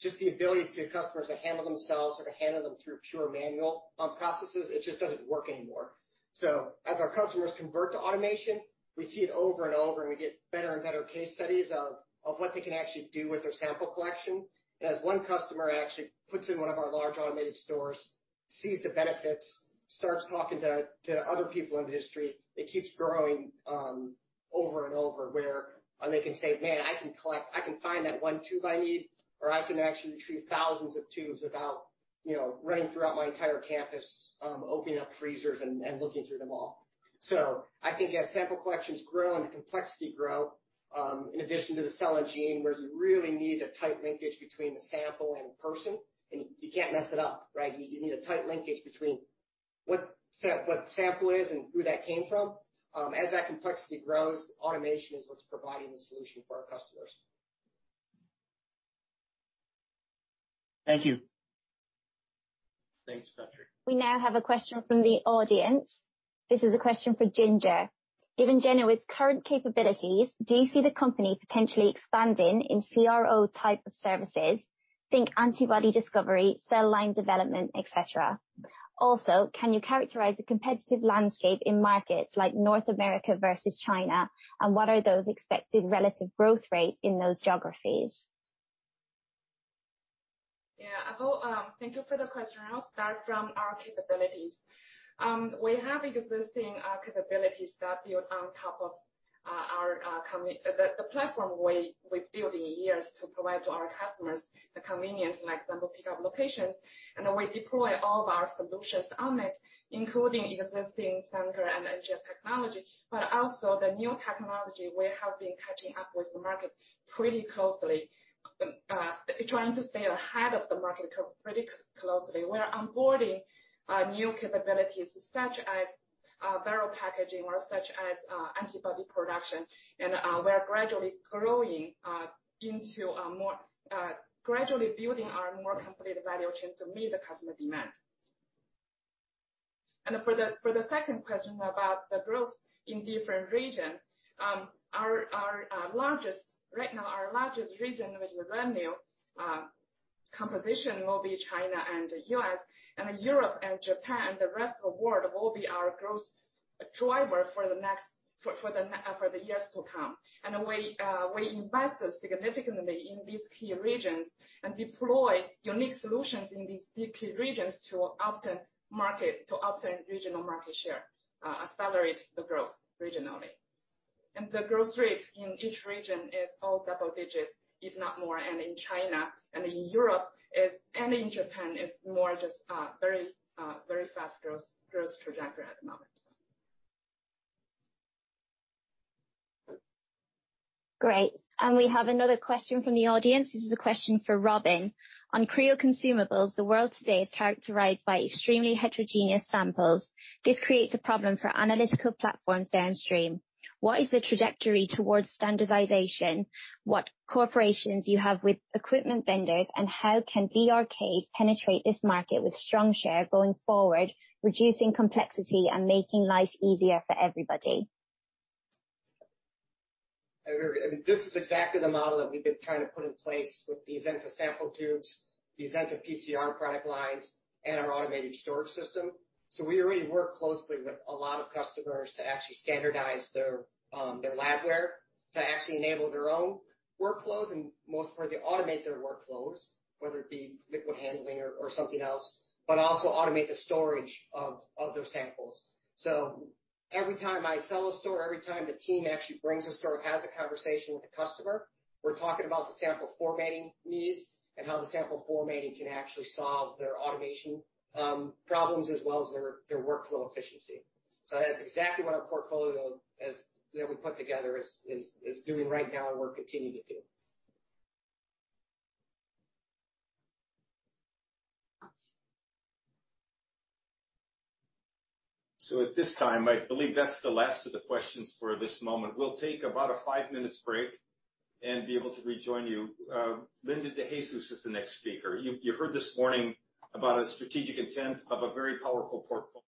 just the ability for customers to handle them themselves or to handle them through pure manual processes, it just doesn't work anymore. As our customers convert to automation, we see it over and over, and we get better and better case studies of what they can actually do with their sample collection. As one customer actually puts in one of our large automated stores, sees the benefits, starts talking to other people in the industry, it keeps growing over and over, where they can say, Man, I can collect. I can find that one tube I need, or I can actually retrieve thousands of tubes without, you know, running throughout my entire campus, opening up freezers and looking through them all. I think as sample collections grow and the complexity grow, in addition to the cell and gene, where you really need a tight linkage between the sample and the person, and you can't mess it up, right? You need a tight linkage between what sample is and who that came from. As that complexity grows, automation is what's providing the solution for our customers. Thank you. Thanks, Patrick. We now have a question from the audience. This is a question for Ginger. Given GENEWIZ's current capabilities, do you see the company potentially expanding in CRO type of services? Think antibody discovery, cell line development, et cetera. Also, can you characterize the competitive landscape in markets like North America versus China? What are those expected relative growth rates in those geographies? Thank you for the question. I'll start from our capabilities. We have existing capabilities that build on top of our platform we built in years to provide to our customers the convenience, like sample pickup locations. We deploy all of our solutions on it, including existing Sanger and NGS technology, but also the new technology we have been catching up with the market pretty closely, trying to stay ahead of the market pretty closely. We're onboarding new capabilities such as viral packaging or antibody production. We are gradually building our more complete value chain to meet the customer demand. For the second question about the growth in different region, our largest... Right now, our largest region which is revenue composition will be China and the U.S., and Europe and Japan. The rest of the world will be our growth driver for the years to come. We invest significantly in these key regions and deploy unique solutions in these key regions to obtain regional market share, accelerate the growth regionally. The growth rate in each region is all double digits, if not more. In China and in Europe and in Japan is more just very fast growth trajectory at the moment. Great. We have another question from the audience. This is a question for Robin. On cryo consumables, the world today is characterized by extremely heterogeneous samples. This creates a problem for analytical platforms downstream. What is the trajectory towards standardization? What collaborations you have with equipment vendors, and how can BRK penetrate this market with strong share going forward, reducing complexity and making life easier for everybody? This is exactly the model that we've been trying to put in place with the Azenta sample tubes, the Azenta PCR product lines, and our automated storage system. We already work closely with a lot of customers to actually standardize their their labware, to actually enable their own workflows, and most importantly, automate their workflows, whether it be liquid handling or something else, but also automate the storage of those samples. Every time I sell a store, every time the team actually brings a store, has a conversation with the customer, we're talking about the sample formatting needs and how the sample formatting can actually solve their automation problems as well as their workflow efficiency. That's exactly what our portfolio that we put together is doing right now and will continue to do. At this time, I believe that's the last of the questions for this moment. We'll take about a five minute break and be able to rejoin you. Linda De Jesus is the next speaker. You've heard this morning about a strategic intent of a very powerful portfolio.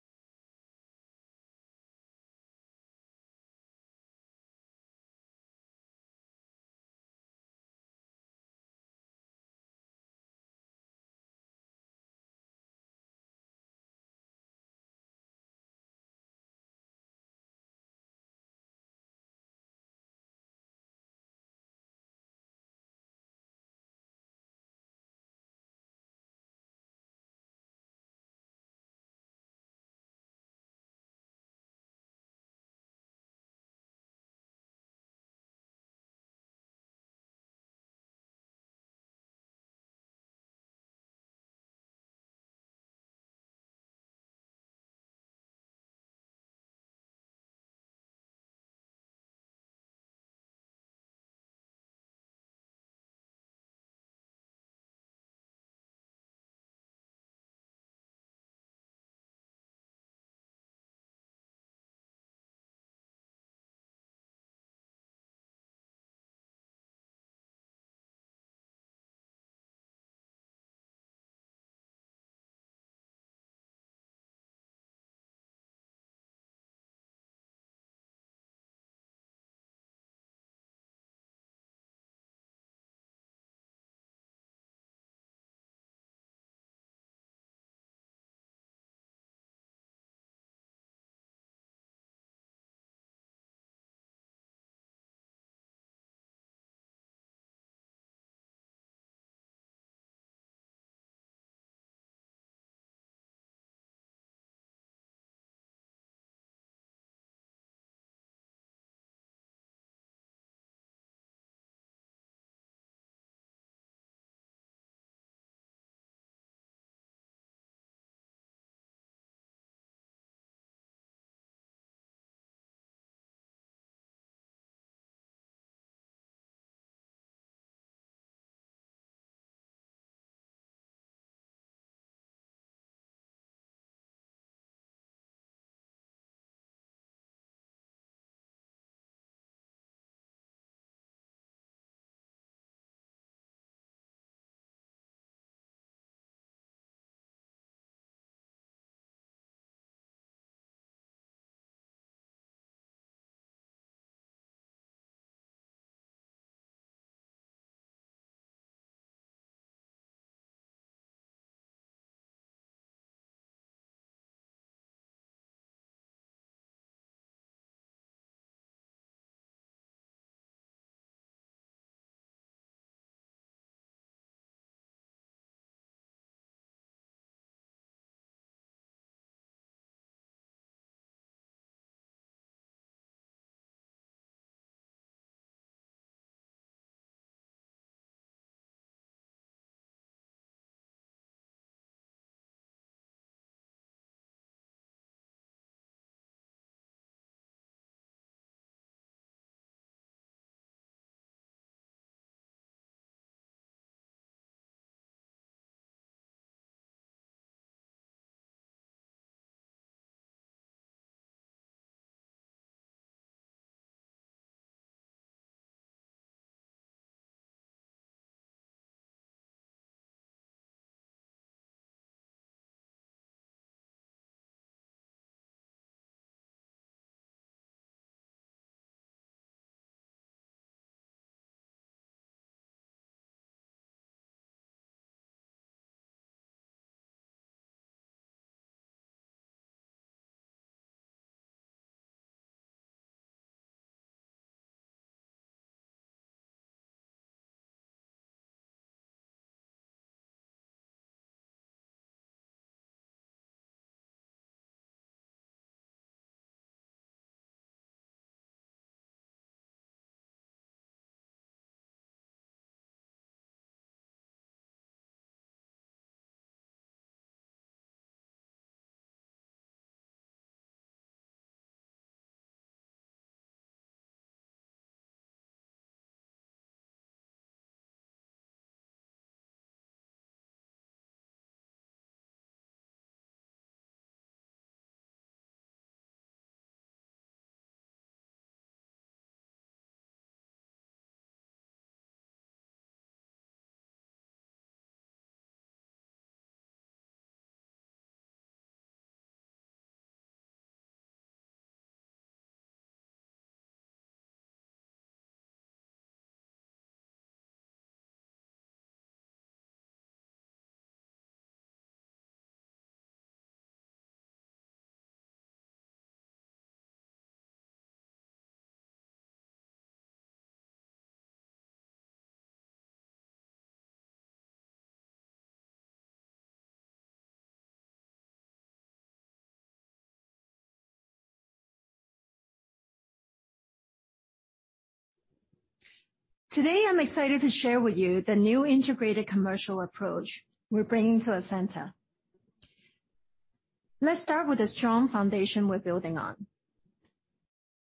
Today, I'm excited to share with you the new integrated commercial approach we're bringing to Azenta. Let's start with a strong foundation we're building on.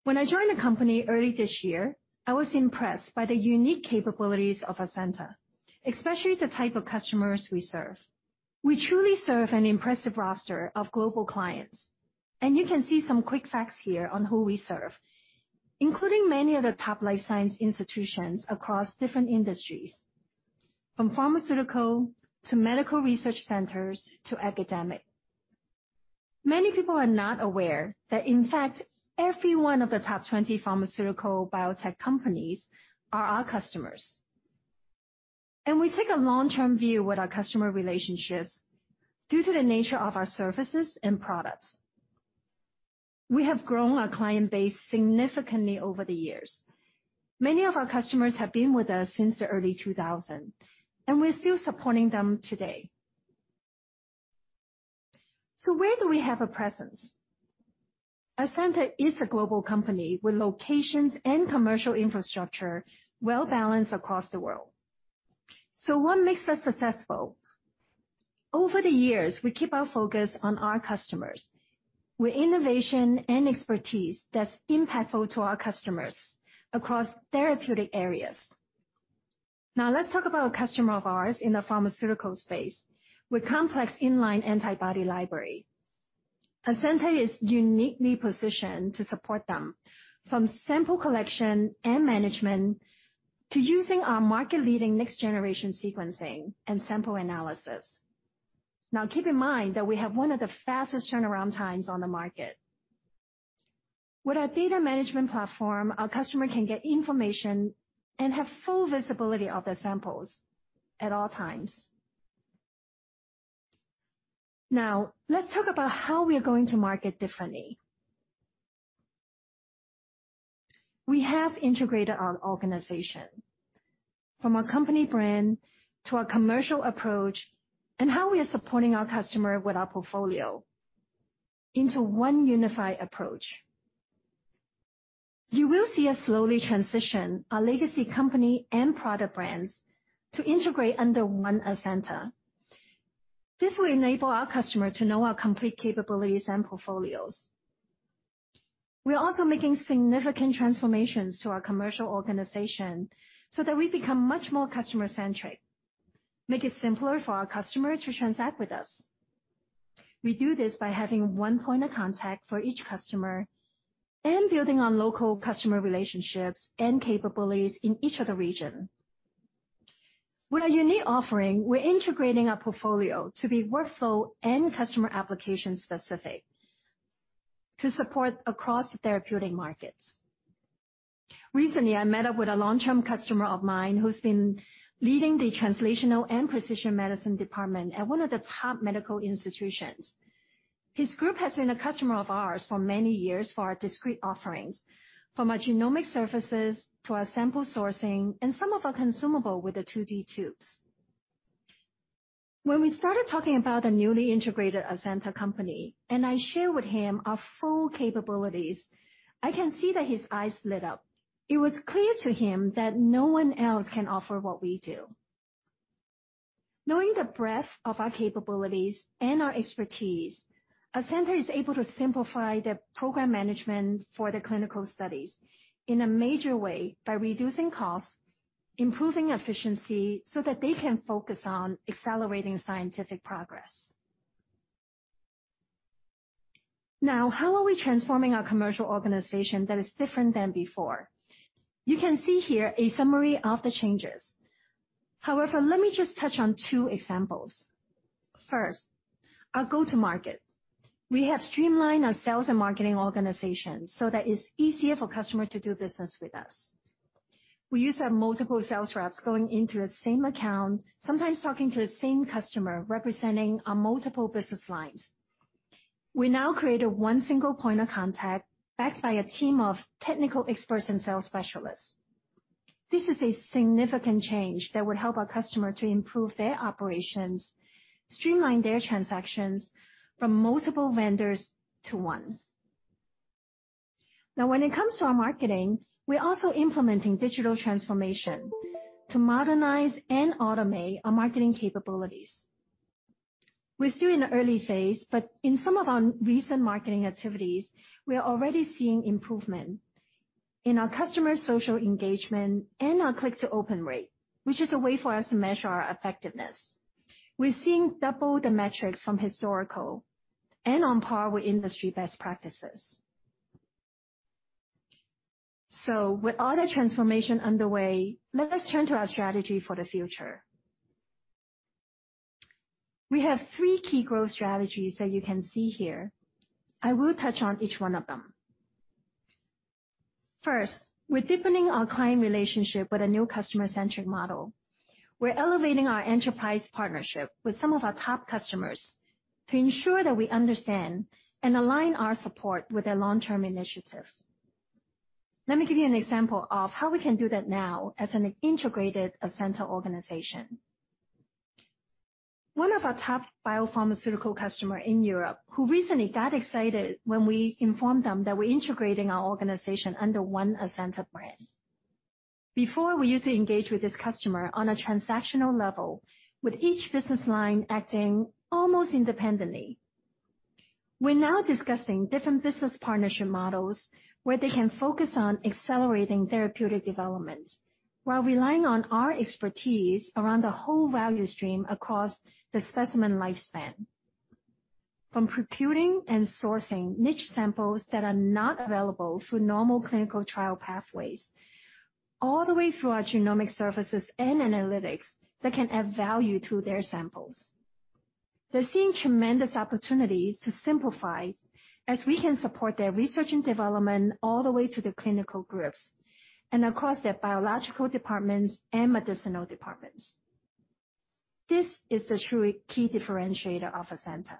When I joined the company early this year, I was impressed by the unique capabilities of Azenta, especially the type of customers we serve. We truly serve an impressive roster of global clients, and you can see some quick facts here on who we serve, including many of the top life science institutions across different industries, from pharmaceutical to medical research centers to academic. Many people are not aware that, in fact, every one of the top 20 pharmaceutical biotech companies are our customers. We take a long-term view with our customer relationships due to the nature of our services and products. We have grown our client base significantly over the years. Many of our customers have been with us since the early 2000, and we're still supporting them today. Where do we have a presence? Azenta is a global company with locations and commercial infrastructure well-balanced across the world. What makes us successful? Over the years, we keep our focus on our customers with innovation and expertise that's impactful to our customers across therapeutic areas. Now let's talk about a customer of ours in the pharmaceutical space with complex inline antibody library. Azenta is uniquely positioned to support them from sample collection and management to using our market-leading next-generation sequencing and sample analysis. Now, keep in mind that we have one of the fastest turnaround times on the market. With our data management platform, our customer can get information and have full visibility of their samples at all times. Now, let's talk about how we are going to market differently. We have integrated our organization from our company brand to our commercial approach and how we are supporting our customer with our portfolio into one unified approach. You will see us slowly transition our legacy company and product brands to integrate under one Azenta. This will enable our customer to know our complete capabilities and portfolios. We are also making significant transformations to our commercial organization so that we become much more customer-centric, make it simpler for our customer to transact with us. We do this by having one point of contact for each customer and building on local customer relationships and capabilities in each of the region. With our unique offering, we're integrating our portfolio to be workflow and customer application-specific to support across therapeutic markets. Recently, I met up with a long-term customer of mine who's been leading the Translational and Precision Medicine Department at one of the top medical institutions. His group has been a customer of ours for many years for our discrete offerings, from our genomic services to our sample sourcing and some of our consumables with the 2D tubes. When we started talking about the newly integrated Azenta company and I shared with him our full capabilities, I can see that his eyes lit up. It was clear to him that no one else can offer what we do. Knowing the breadth of our capabilities and our expertise, Azenta is able to simplify the program management for the clinical studies in a major way by reducing costs, improving efficiency so that they can focus on accelerating scientific progress. Now, how are we transforming our commercial organization that is different than before? You can see here a summary of the changes. However, let me just touch on two examples. First, our go-to-market. We have streamlined our sales and marketing organization so that it's easier for customers to do business with us. We used to have multiple sales reps going into the same account, sometimes talking to the same customer, representing our multiple business lines. We now have a single point of contact backed by a team of technical experts and sales specialists. This is a significant change that would help our customers to improve their operations, streamline their transactions from multiple vendors to one. Now when it comes to our marketing, we're also implementing digital transformation to modernize and automate our marketing capabilities. We're still in the early phase, but in some of our recent marketing activities, we are already seeing improvement in our customer's social engagement and our click-to-open rate, which is a way for us to measure our effectiveness. We're seeing double the metrics from historical and on par with industry best practices. With all the transformation underway, let us turn to our strategy for the future. We have three key growth strategies that you can see here. I will touch on each one of them. First, we're deepening our client relationship with a new customer-centric model. We're elevating our enterprise partnership with some of our top customers to ensure that we understand and align our support with their long-term initiatives. Let me give you an example of how we can do that now as an integrated Azenta organization. One of our top biopharmaceutical customer in Europe who recently got excited when we informed them that we're integrating our organization under one Azenta brand. Before, we used to engage with this customer on a transactional level, with each business line acting almost independently. We're now discussing different business partnership models where they can focus on accelerating therapeutic development while relying on our expertise around the whole value stream across the specimen lifespan, from procuring and sourcing niche samples that are not available through normal clinical trial pathways, all the way through our genomic services and analytics that can add value to their samples. They're seeing tremendous opportunities to simplify as we can support their research and development all the way to the clinical groups and across their biological departments and medicinal departments. This is the truly key differentiator of Azenta.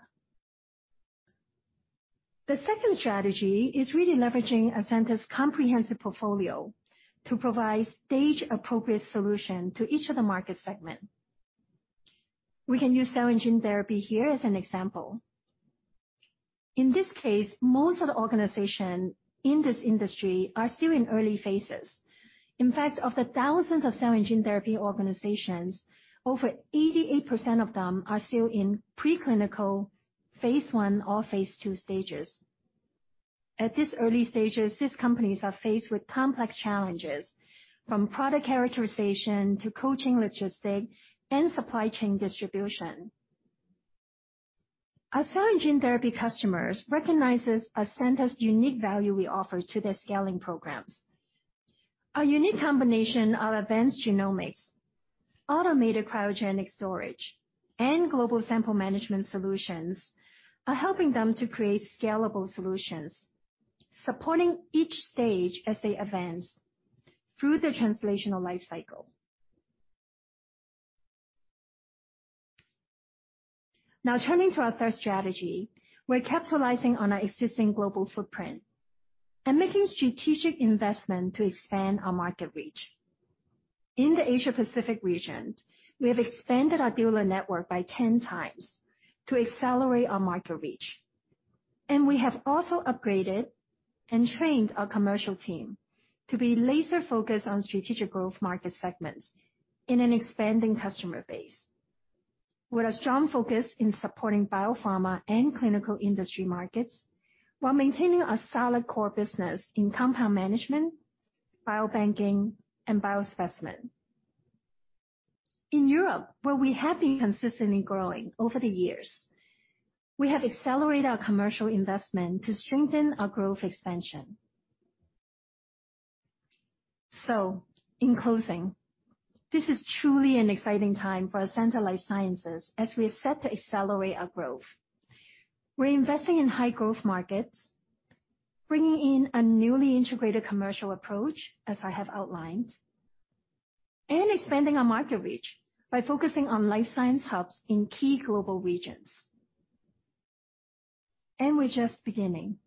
The second strategy is really leveraging Azenta's comprehensive portfolio to provide stage-appropriate solution to each of the market segment. We can use cell and gene therapy here as an example. In this case, most of the organization in this industry are still in early phases. In fact, of the thousands of cell and gene therapy organizations, over 88% of them are still in preclinical phase I or phase II stages. At this early stages, these companies are faced with complex challenges, from product characterization to cold chain logistics and supply chain distribution. Our cell and gene therapy customers recognizes Azenta's unique value we offer to their scaling programs. Our unique combination of advanced genomics, automated cryogenic storage, and global sample management solutions are helping them to create scalable solutions, supporting each stage as they advance through their translational life cycle. Now turning to our third strategy, we're capitalizing on our existing global footprint and making strategic investment to expand our market reach. In the Asia-Pacific region, we have expanded our dealer network by 10 times to accelerate our market reach. We have also upgraded and trained our commercial team to be laser-focused on strategic growth market segments in an expanding customer base, with a strong focus in supporting biopharma and clinical industry markets, while maintaining a solid core business in compound management, biobanking, and biospecimen. In Europe, where we have been consistently growing over the years, we have accelerated our commercial investment to strengthen our growth expansion. In closing, this is truly an exciting time for Azenta Life Sciences as we are set to accelerate our growth. We're investing in high growth markets, bringing in a newly integrated commercial approach, as I have outlined, and expanding our market reach by focusing on life science hubs in key global regions. We're just beginning.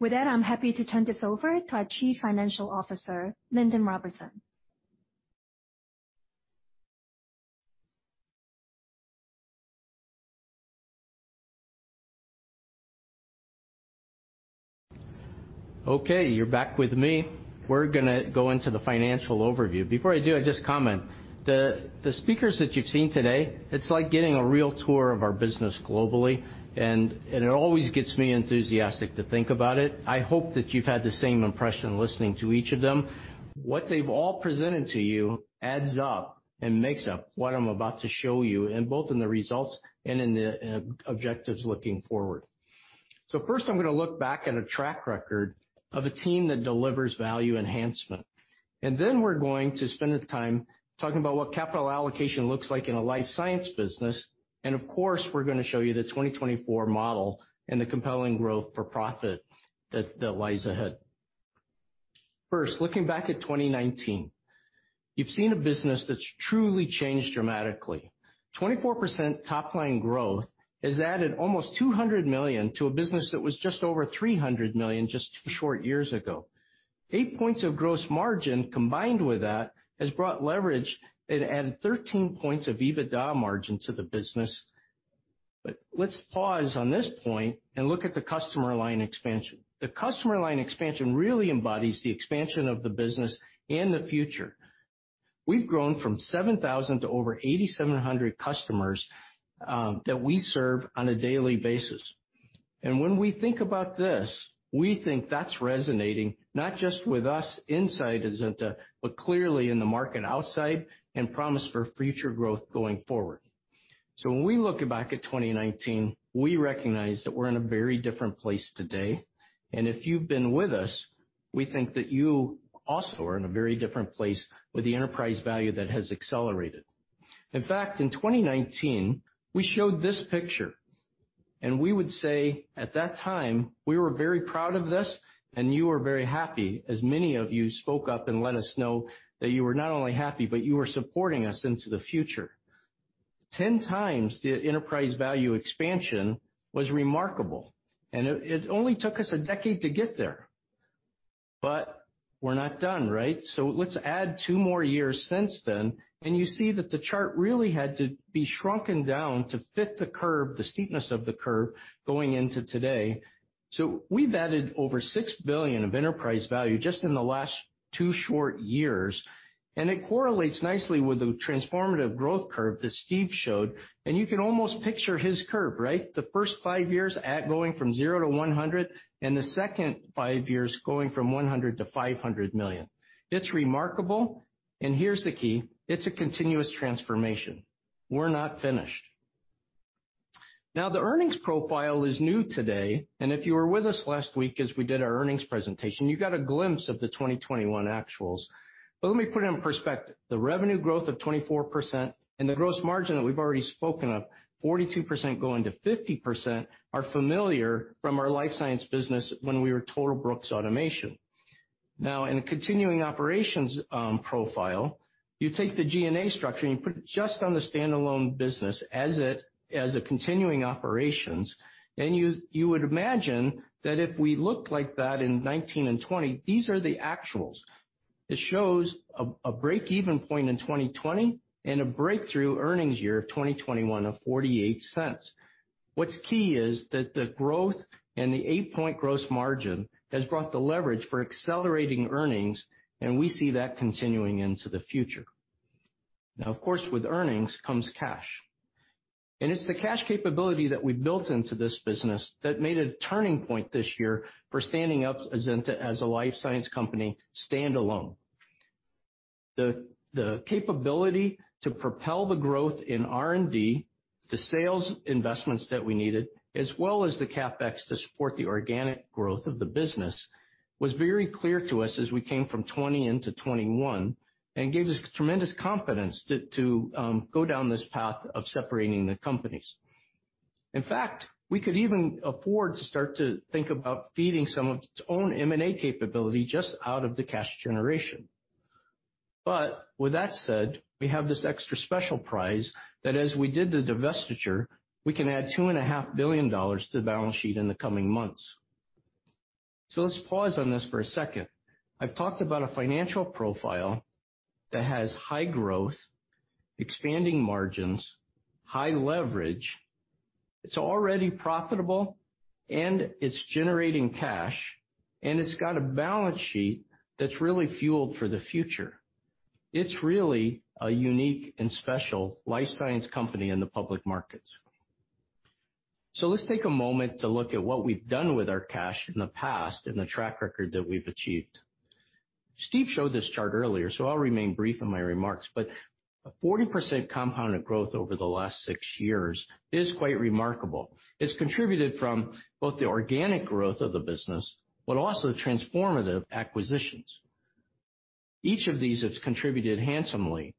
With that, I'm happy to turn this over to our Chief Financial Officer, Lindon Robertson. Okay, you're back with me. We're gonna go into the financial overview. Before I do, I just comment, the speakers that you've seen today, it's like getting a real tour of our business globally, and it always gets me enthusiastic to think about it. I hope that you've had the same impression listening to each of them. What they've all presented to you adds up and makes up what I'm about to show you and both in the results and in the objectives looking forward. First, I'm gonna look back at a track record of a team that delivers value enhancement. Then we're going to spend the time talking about what capital allocation looks like in a life science business. Of course, we're gonna show you the 2024 model and the compelling growth for profit that lies ahead. First, looking back at 2019, you've seen a business that's truly changed dramatically. 24% top-line growth has added almost $200 million to a business that was just over $300 million just two short years ago. 8 points of gross margin combined with that has brought leverage that added 13 points of EBITDA margin to the business. But let's pause on this point and look at the customer line expansion. The customer line expansion really embodies the expansion of the business in the future. We've grown from 7,000 to over 8,700 customers that we serve on a daily basis. When we think about this, we think that's resonating not just with us inside Azenta, but clearly in the market outside and promise for future growth going forward. When we look back at 2019, we recognize that we're in a very different place today. If you've been with us, we think that you also are in a very different place with the enterprise value that has accelerated. In fact, in 2019, we showed this picture, and we would say at that time, we were very proud of this, and you were very happy, as many of you spoke up and let us know that you were not only happy, but you were supporting us into the future. 10 times the enterprise value expansion was remarkable, and it only took us a decade to get there. We're not done, right? Let's add two more years since then, and you see that the chart really had to be shrunken down to fit the curve, the steepness of the curve going into today. We've added over $6 billion of enterprise value just in the last two short years, and it correlates nicely with the transformative growth curve that Steve showed, and you can almost picture his curve, right? The first five years at going from zero to 100, and the second five years going from $100 million to $500 million. It's remarkable, and here's the key, it's a continuous transformation. We're not finished. Now, the earnings profile is new today, and if you were with us last week as we did our earnings presentation, you got a glimpse of the 2021 actuals. Let me put it in perspective. The revenue growth of 24% and the gross margin that we've already spoken of, 42% going to 50%, are familiar from our Life Sciences business when we were total Brooks Automation. Now, in a continuing operations profile, you take the G&A structure, and you put it just on the standalone business as a continuing operations, and you would imagine that if we looked like that in 2019 and 2020, these are the actuals. It shows a break-even point in 2020 and a breakthrough earnings year of 2021 of $0.48. What's key is that the growth and the 8 point gross margin has brought the leverage for accelerating earnings, and we see that continuing into the future. Now, of course, with earnings comes cash. It's the cash capability that we built into this business that made a turning point this year for standing up Azenta as a life science company standalone. The capability to propel the growth in R&D, the sales investments that we needed, as well as the CapEx to support the organic growth of the business, was very clear to us as we came from 2020 into 2021 and gave us tremendous confidence to go down this path of separating the companies. In fact, we could even afford to start to think about feeding some of its own M&A capability just out of the cash generation. With that said, we have this extra special prize that as we did the divestiture, we can add $2.5 billion to the balance sheet in the coming months. Let's pause on this for a second. I've talked about a financial profile that has high growth, expanding margins, high leverage. It's already profitable, and it's generating cash, and it's got a balance sheet that's really fueled for the future. It's really a unique and special life science company in the public markets. Let's take a moment to look at what we've done with our cash in the past and the track record that we've achieved. Steve showed this chart earlier, so I'll remain brief in my remarks, but a 40% compounded growth over the last six years is quite remarkable. It's contributed from both the organic growth of the business, but also transformative acquisitions. Each of these has contributed handsomely.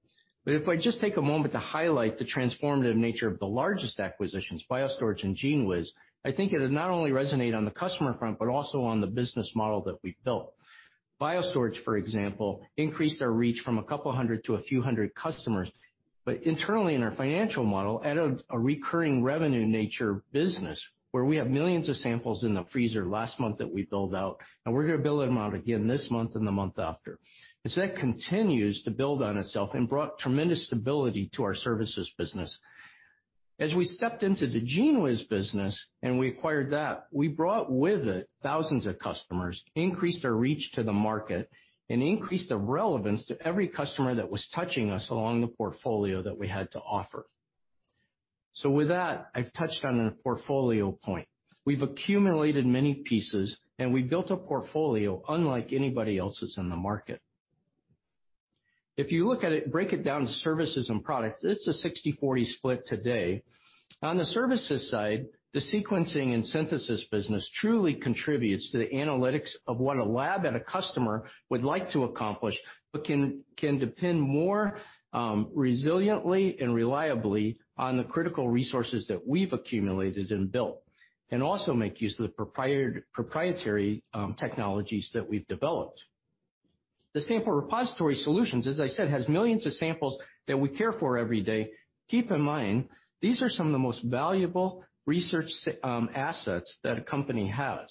If I just take a moment to highlight the transformative nature of the largest acquisitions, BioStorage and GENEWIZ, I think it'll not only resonate on the customer front, but also on the business model that we've built. BioStorage, for example, increased our reach from a couple hundred to a few hundred customers, but internally in our financial model, added a recurring revenue nature business where we have millions of samples in the freezer last month that we billed out, and we're gonna bill them out again this month and the month after. As that continues to build on itself and brought tremendous stability to our services business. As we stepped into the GENEWIZ business and we acquired that, we brought with it thousands of customers, increased our reach to the market, and increased the relevance to every customer that was touching us along the portfolio that we had to offer. With that, I've touched on a portfolio point. We've accumulated many pieces, and we built a portfolio unlike anybody else's in the market. If you look at it, break it down to services and products, it's a 60/40 split today. On the services side, the sequencing and synthesis business truly contributes to the analytics of what a lab and a customer would like to accomplish, but can depend more resiliently and reliably on the critical resources that we've accumulated and built, and also make use of the proprietary technologies that we've developed. The sample repository solutions, as I said, has millions of samples that we care for every day. Keep in mind, these are some of the most valuable research assets that a company has,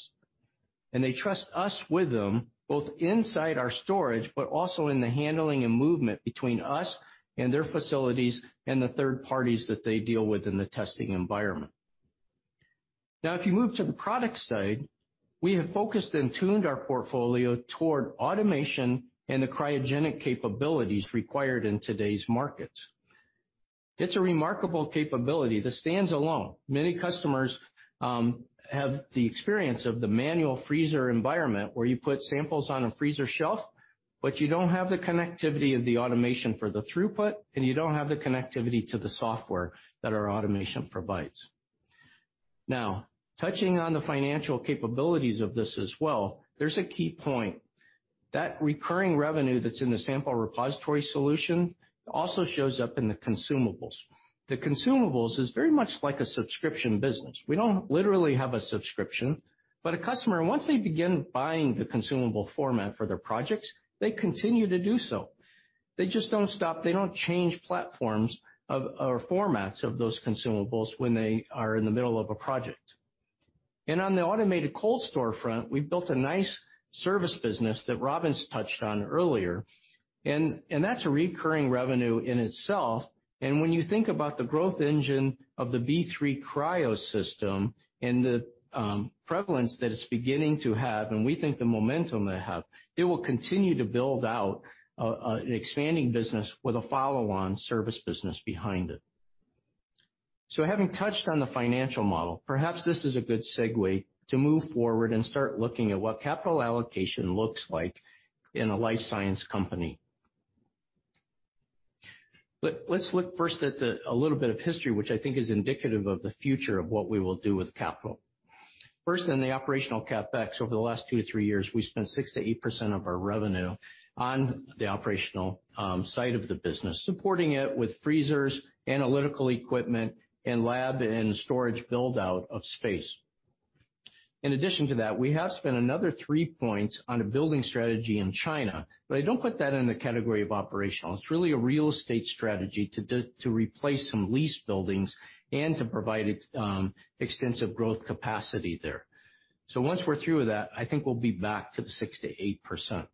and they trust us with them, both inside our storage, but also in the handling and movement between us and their facilities and the third parties that they deal with in the testing environment. Now, if you move to the product side, we have focused and tuned our portfolio toward automation and the cryogenic capabilities required in today's markets. It's a remarkable capability that stands alone. Many customers have the experience of the manual freezer environment where you put samples on a freezer shelf, but you don't have the connectivity of the automation for the throughput, and you don't have the connectivity to the software that our automation provides. Now, touching on the financial capabilities of this as well, there's a key point. That recurring revenue that's in the sample repository solution also shows up in the consumables. The consumables is very much like a subscription business. We don't literally have a subscription, but a customer, once they begin buying the consumable format for their projects, they continue to do so. They just don't stop. They don't change platforms of, or formats of those consumables when they are in the middle of a project. On the automated cold storage front, we've built a nice service business that Robin touched on earlier, and that's a recurring revenue in itself. When you think about the growth engine of the B III Cryo system and the prevalence that it's beginning to have, and we think the momentum they have, it will continue to build out an expanding business with a follow-on service business behind it. Having touched on the financial model, perhaps this is a good segue to move forward and start looking at what capital allocation looks like in a life sciences company. Let's look first at a little bit of history, which I think is indicative of the future of what we will do with capital. First, in the operational CapEx, over the last two to three years, we spent 6%-8% of our revenue on the operational side of the business, supporting it with freezers, analytical equipment, and lab and storage build-out of space. In addition to that, we have spent another 3 points on a building strategy in China, but I don't put that in the category of operational. It's really a real estate strategy to replace some leased buildings and to provide extensive growth capacity there. Once we're through with that, I think we'll be back to the 6%-8%.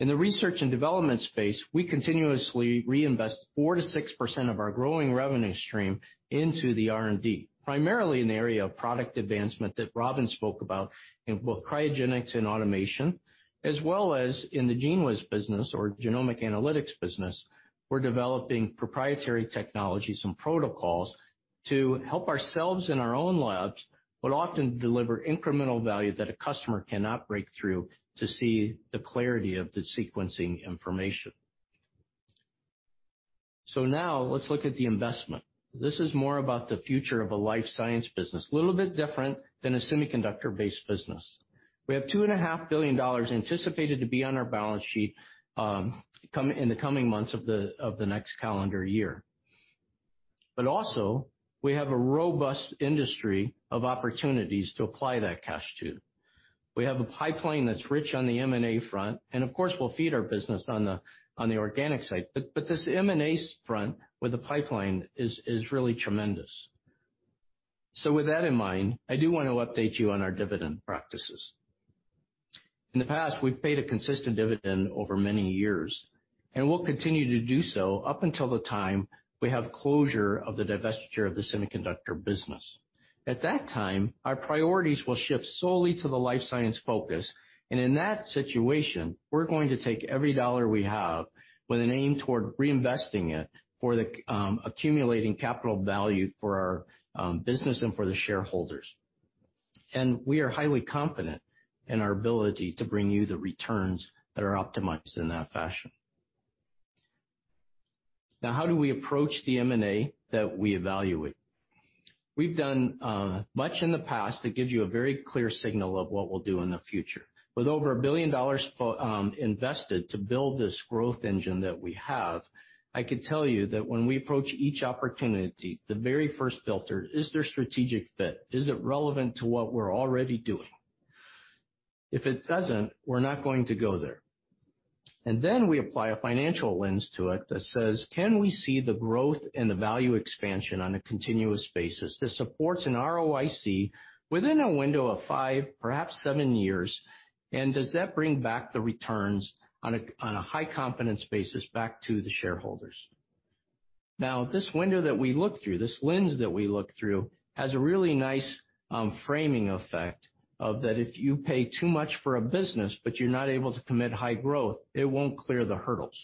In the research and development space, we continuously reinvest 4%-6% of our growing revenue stream into the R&D, primarily in the area of product advancement that Robin spoke about in both cryogenics and automation, as well as in the GENEWIZ business or genomic analytics business. We're developing proprietary technologies and protocols to help ourselves in our own labs, but often deliver incremental value that a customer cannot break through to see the clarity of the sequencing information. Now let's look at the investment. This is more about the future of a life science business, a little bit different than a semiconductor-based business. We have $2.5 billion anticipated to be on our balance sheet, in the coming months of the next calendar year. Also, we have a robust industry of opportunities to apply that cash to. We have a pipeline that's rich on the M&A front, and of course, we'll feed our business on the organic side. But this M&A front with the pipeline is really tremendous. With that in mind, I do want to update you on our dividend practices. In the past, we've paid a consistent dividend over many years, and we'll continue to do so up until the time we have closure of the divestiture of the semiconductor business. At that time, our priorities will shift solely to the life science focus, and in that situation, we're going to take every dollar we have with an aim toward reinvesting it for the accumulating capital value for our business and for the shareholders. We are highly confident in our ability to bring you the returns that are optimized in that fashion. Now, how do we approach the M&A that we evaluate? We've done much in the past that gives you a very clear signal of what we'll do in the future. With over $1 billion invested to build this growth engine that we have, I could tell you that when we approach each opportunity, the very first filter is there strategic fit? Is it relevant to what we're already doing? If it doesn't, we're not going to go there. We apply a financial lens to it that says, can we see the growth and the value expansion on a continuous basis that supports an ROIC within a window of five, perhaps seven years, and does that bring back the returns on a high confidence basis back to the shareholders? Now, this window that we look through, this lens that we look through, has a really nice, framing effect of that if you pay too much for a business, but you're not able to commit high growth, it won't clear the hurdles.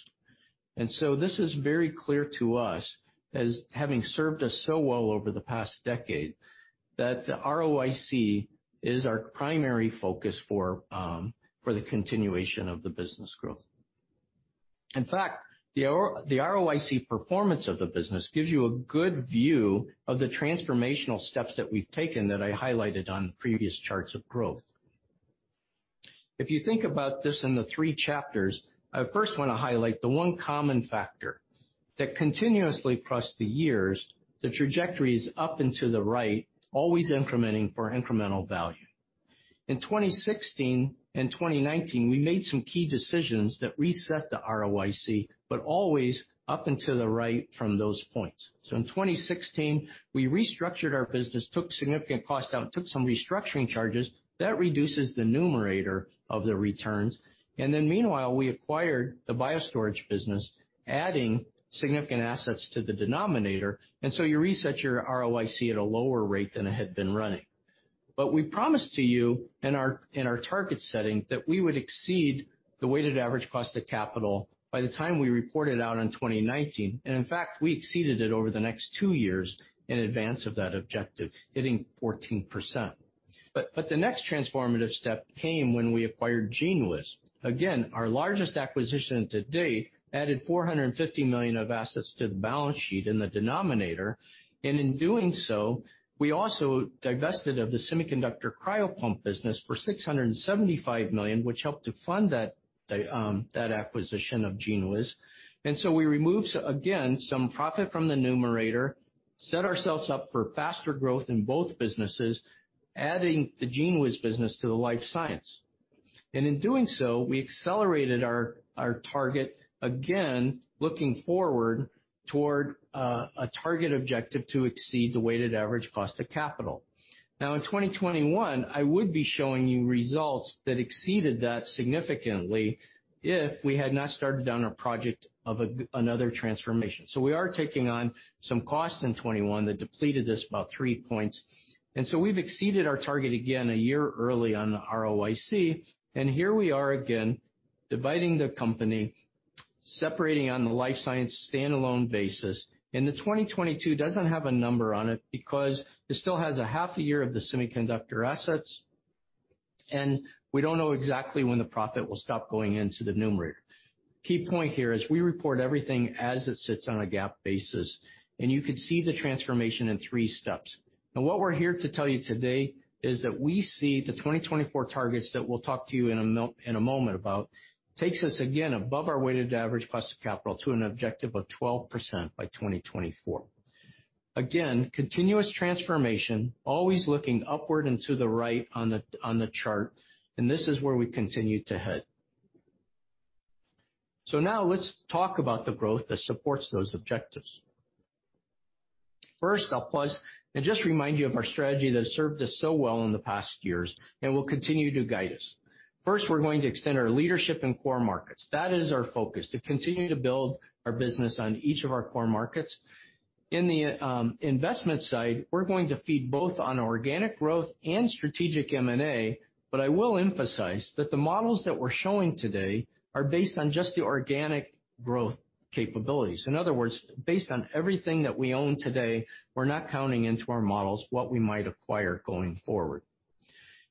This is very clear to us as having served us so well over the past decade, that the ROIC is our primary focus for the continuation of the business growth. In fact, the ROIC performance of the business gives you a good view of the transformational steps that we've taken that I highlighted on previous charts of growth. If you think about this in the three chapters, I first wanna highlight the one common factor that continuously across the years, the trajectory is up and to the right, always incrementing for incremental value. In 2016 and 2019, we made some key decisions that reset the ROIC, but always up and to the right from those points. In 2016, we restructured our business, took significant costs out, and took some restructuring charges. That reduces the numerator of the returns. Meanwhile, we acquired the BioStorage business, adding significant assets to the denominator, and so you reset your ROIC at a lower rate than it had been running. We promised to you in our target setting that we would exceed the weighted average cost of capital by the time we reported out in 2019. In fact, we exceeded it over the next two years in advance of that objective, hitting 14%. The next transformative step came when we acquired GENEWIZ. Again, our largest acquisition to date added $450 million of assets to the balance sheet in the denominator. In doing so, we also divested of the semiconductor cryopump business for $675 million, which helped to fund that acquisition of GENEWIZ. We removed, again, some profit from the numerator, set ourselves up for faster growth in both businesses, adding the GENEWIZ business to the life science. In doing so, we accelerated our target again, looking forward toward a target objective to exceed the weighted average cost of capital. Now in 2021, I would be showing you results that exceeded that significantly if we had not started on our project of another transformation. We are taking on some costs in 2021 that depleted this about 3 points. We've exceeded our target again a year early on the ROIC, and here we are again dividing the company, separating on the life science stand-alone basis. The 2022 doesn't have a number on it because it still has a half a year of the semiconductor assets, and we don't know exactly when the profit will stop going into the numerator. Key point here is we report everything as it sits on a GAAP basis, and you could see the transformation in three steps. Now, what we're here to tell you today is that we see the 2024 targets that we'll talk to you in a moment about takes us again above our weighted average plus capital to an objective of 12% by 2024. Again, continuous transformation, always looking upward and to the right on the chart, and this is where we continue to head. Now let's talk about the growth that supports those objectives. First, I'll pause and just remind you of our strategy that served us so well in the past years and will continue to guide us. First, we're going to extend our leadership in core markets. That is our focus: to continue to build our business on each of our core markets. In the investment side, we're going to feed off both organic growth and strategic M&A, but I will emphasize that the models that we're showing today are based on just the organic growth capabilities. In other words, based on everything that we own today, we're not counting into our models what we might acquire going forward.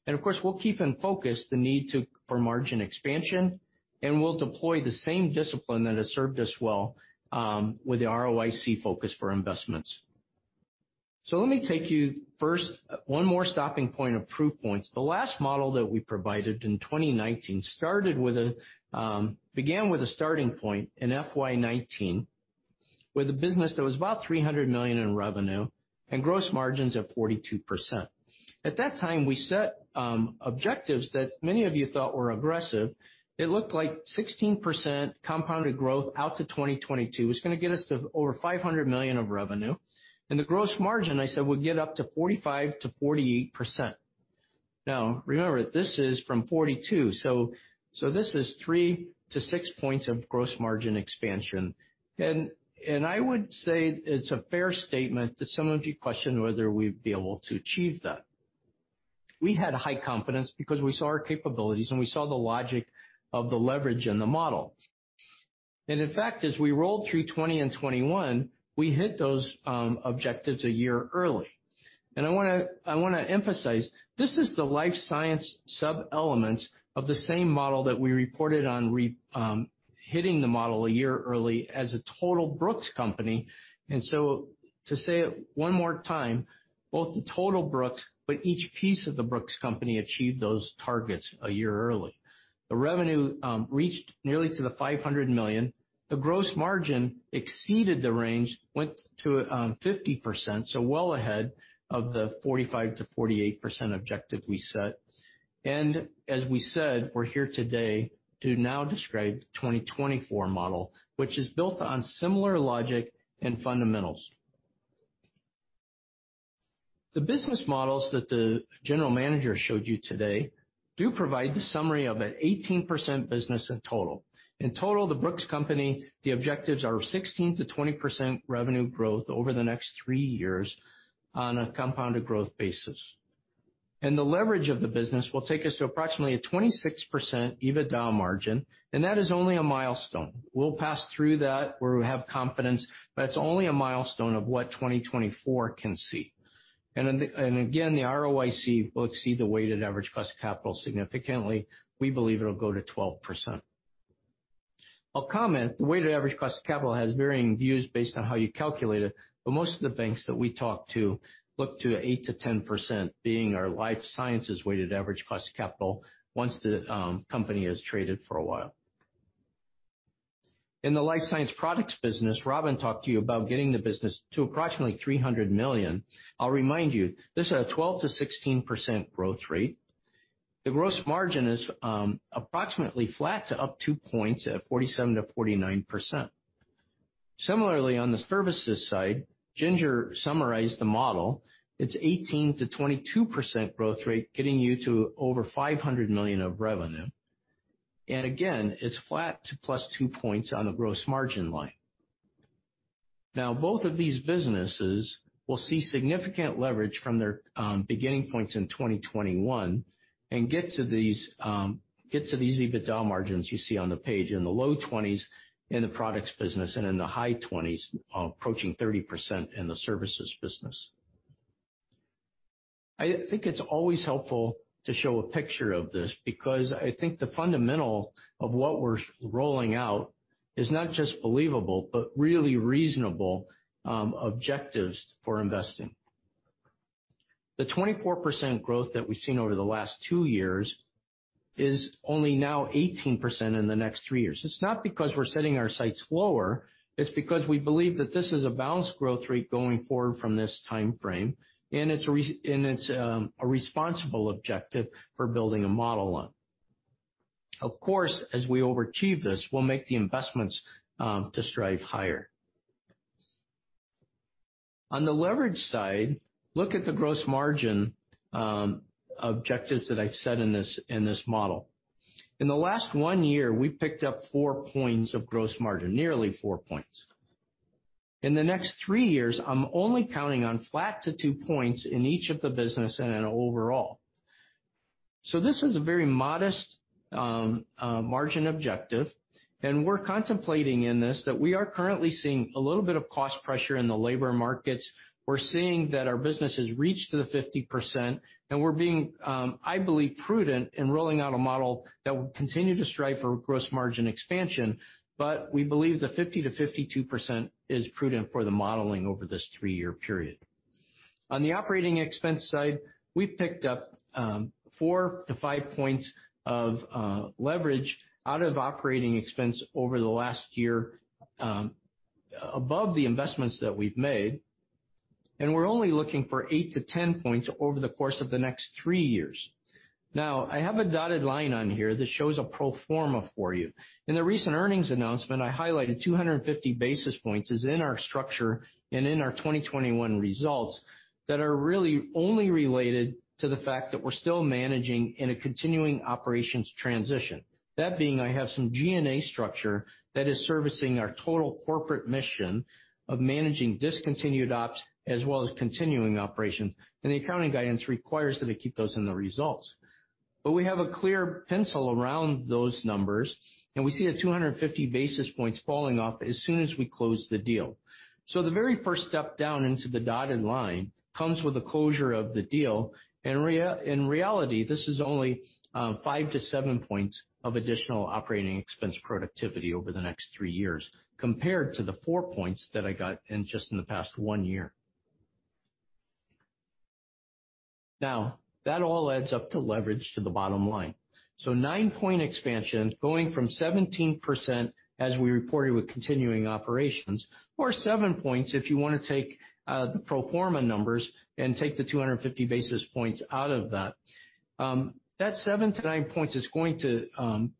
Of course, we'll keep in focus the need for margin expansion, and we'll deploy the same discipline that has served us well, with the ROIC focus for investments. Let me take you first, one more stopping point of proof points. The last model that we provided in 2019 started with a starting point in FY 2019, with a business that was about $300 million in revenue and gross margins of 42%. At that time, we set objectives that many of you thought were aggressive. It looked like 16% compounded growth out to 2022 was gonna get us to over $500 million of revenue. The gross margin, I said, would get up to 45%-48%. Now, remember, this is from 42, so this is 3-6 points of gross margin expansion. I would say it's a fair statement that some of you questioned whether we'd be able to achieve that. We had high confidence because we saw our capabilities, and we saw the logic of the leverage in the model. In fact, as we rolled through 2020 and 2021, we hit those objectives a year early. I wanna emphasize, this is the life science sub-elements of the same model that we reported on hitting the model a year early as a total Brooks company. To say it one more time, both the total Brooks, but each piece of the Brooks company achieved those targets a year early. The revenue reached nearly $500 million. The gross margin exceeded the range, went to 50%, so well ahead of the 45%-48% objective we set. As we said, we're here today to now describe the 2024 model, which is built on similar logic and fundamentals. The business models that the general manager showed you today do provide the summary of an 18% business in total. In total, the Brooks Company, the objectives are 16%-20% revenue growth over the next three years on a compounded growth basis. The leverage of the business will take us to approximately a 26% EBITDA margin, and that is only a milestone. We'll pass through that where we have confidence, but it's only a milestone of what 2024 can see. The ROIC will exceed the weighted average cost of capital significantly. We believe it'll go to 12%. I'll comment, the weighted average cost of capital has varying views based on how you calculate it, but most of the banks that we talk to look to 8%-10% being our life sciences weighted average cost of capital once the company has traded for a while. In the life science products business, Robin talked to you about getting the business to approximately $300 million. I'll remind you, this is a 12%-16% growth rate. The gross margin is approximately flat to up two points at 47%-49%. Similarly, on the services side, Ginger summarized the model. It's 18%-22% growth rate, getting you to over $500 million of revenue. Again, it's flat to plus two points on the gross margin line. Now, both of these businesses will see significant leverage from their beginning points in 2021 and get to these EBITDA margins you see on the page in the low 20s% in the products business and in the high 20s%, approaching 30% in the services business. I think it's always helpful to show a picture of this because I think the fundamental of what we're rolling out is not just believable but really reasonable objectives for investing. The 24% growth that we've seen over the last two years is only now 18% in the next three years. It's not because we're setting our sights lower, it's because we believe that this is a balanced growth rate going forward from this timeframe, and it's a responsible objective for building a model on. Of course, as we overachieve this, we'll make the investments to strive higher. On the leverage side, look at the gross margin objectives that I set in this model. In the last one year, we picked up 4 points of gross margin, nearly 4 points. In the next three years, I'm only counting on flat to 2 points in each of the business and then overall. This is a very modest margin objective, and we're contemplating in this that we are currently seeing a little bit of cost pressure in the labor markets. We're seeing that our business has reached to the 50% and we're being, I believe, prudent in rolling out a model that will continue to strive for gross margin expansion, but we believe the 50%-52% is prudent for the modeling over this three year period. On the operating expense side, we picked up 4-5 points of leverage out of operating expense over the last year above the investments that we've made, and we're only looking for 8-10 points over the course of the next three years. Now, I have a dotted line on here that shows a pro forma for you. In the recent earnings announcement, I highlighted 250 basis points is in our structure and in our 2021 results that are really only related to the fact that we're still managing in a continuing operations transition. That being, I have some G&A structure that is servicing our total corporate mission of managing discontinued ops as well as continuing operations, and the accounting guidance requires that I keep those in the results. We have a clear pencil around those numbers, and we see a 250 basis points falling off as soon as we close the deal. The very first step down into the dotted line comes with the closure of the deal. In reality, this is only five to 7 points of additional operating expense productivity over the next three years compared to the 4 points that I got in just in the past one year. Now, that all adds up to leverage to the bottom line. 9 point expansion going from 17% as we reported with continuing operations or 7 points if you wanna take the pro forma numbers and take the 250 basis points out of that. That 7 to 9 points is going to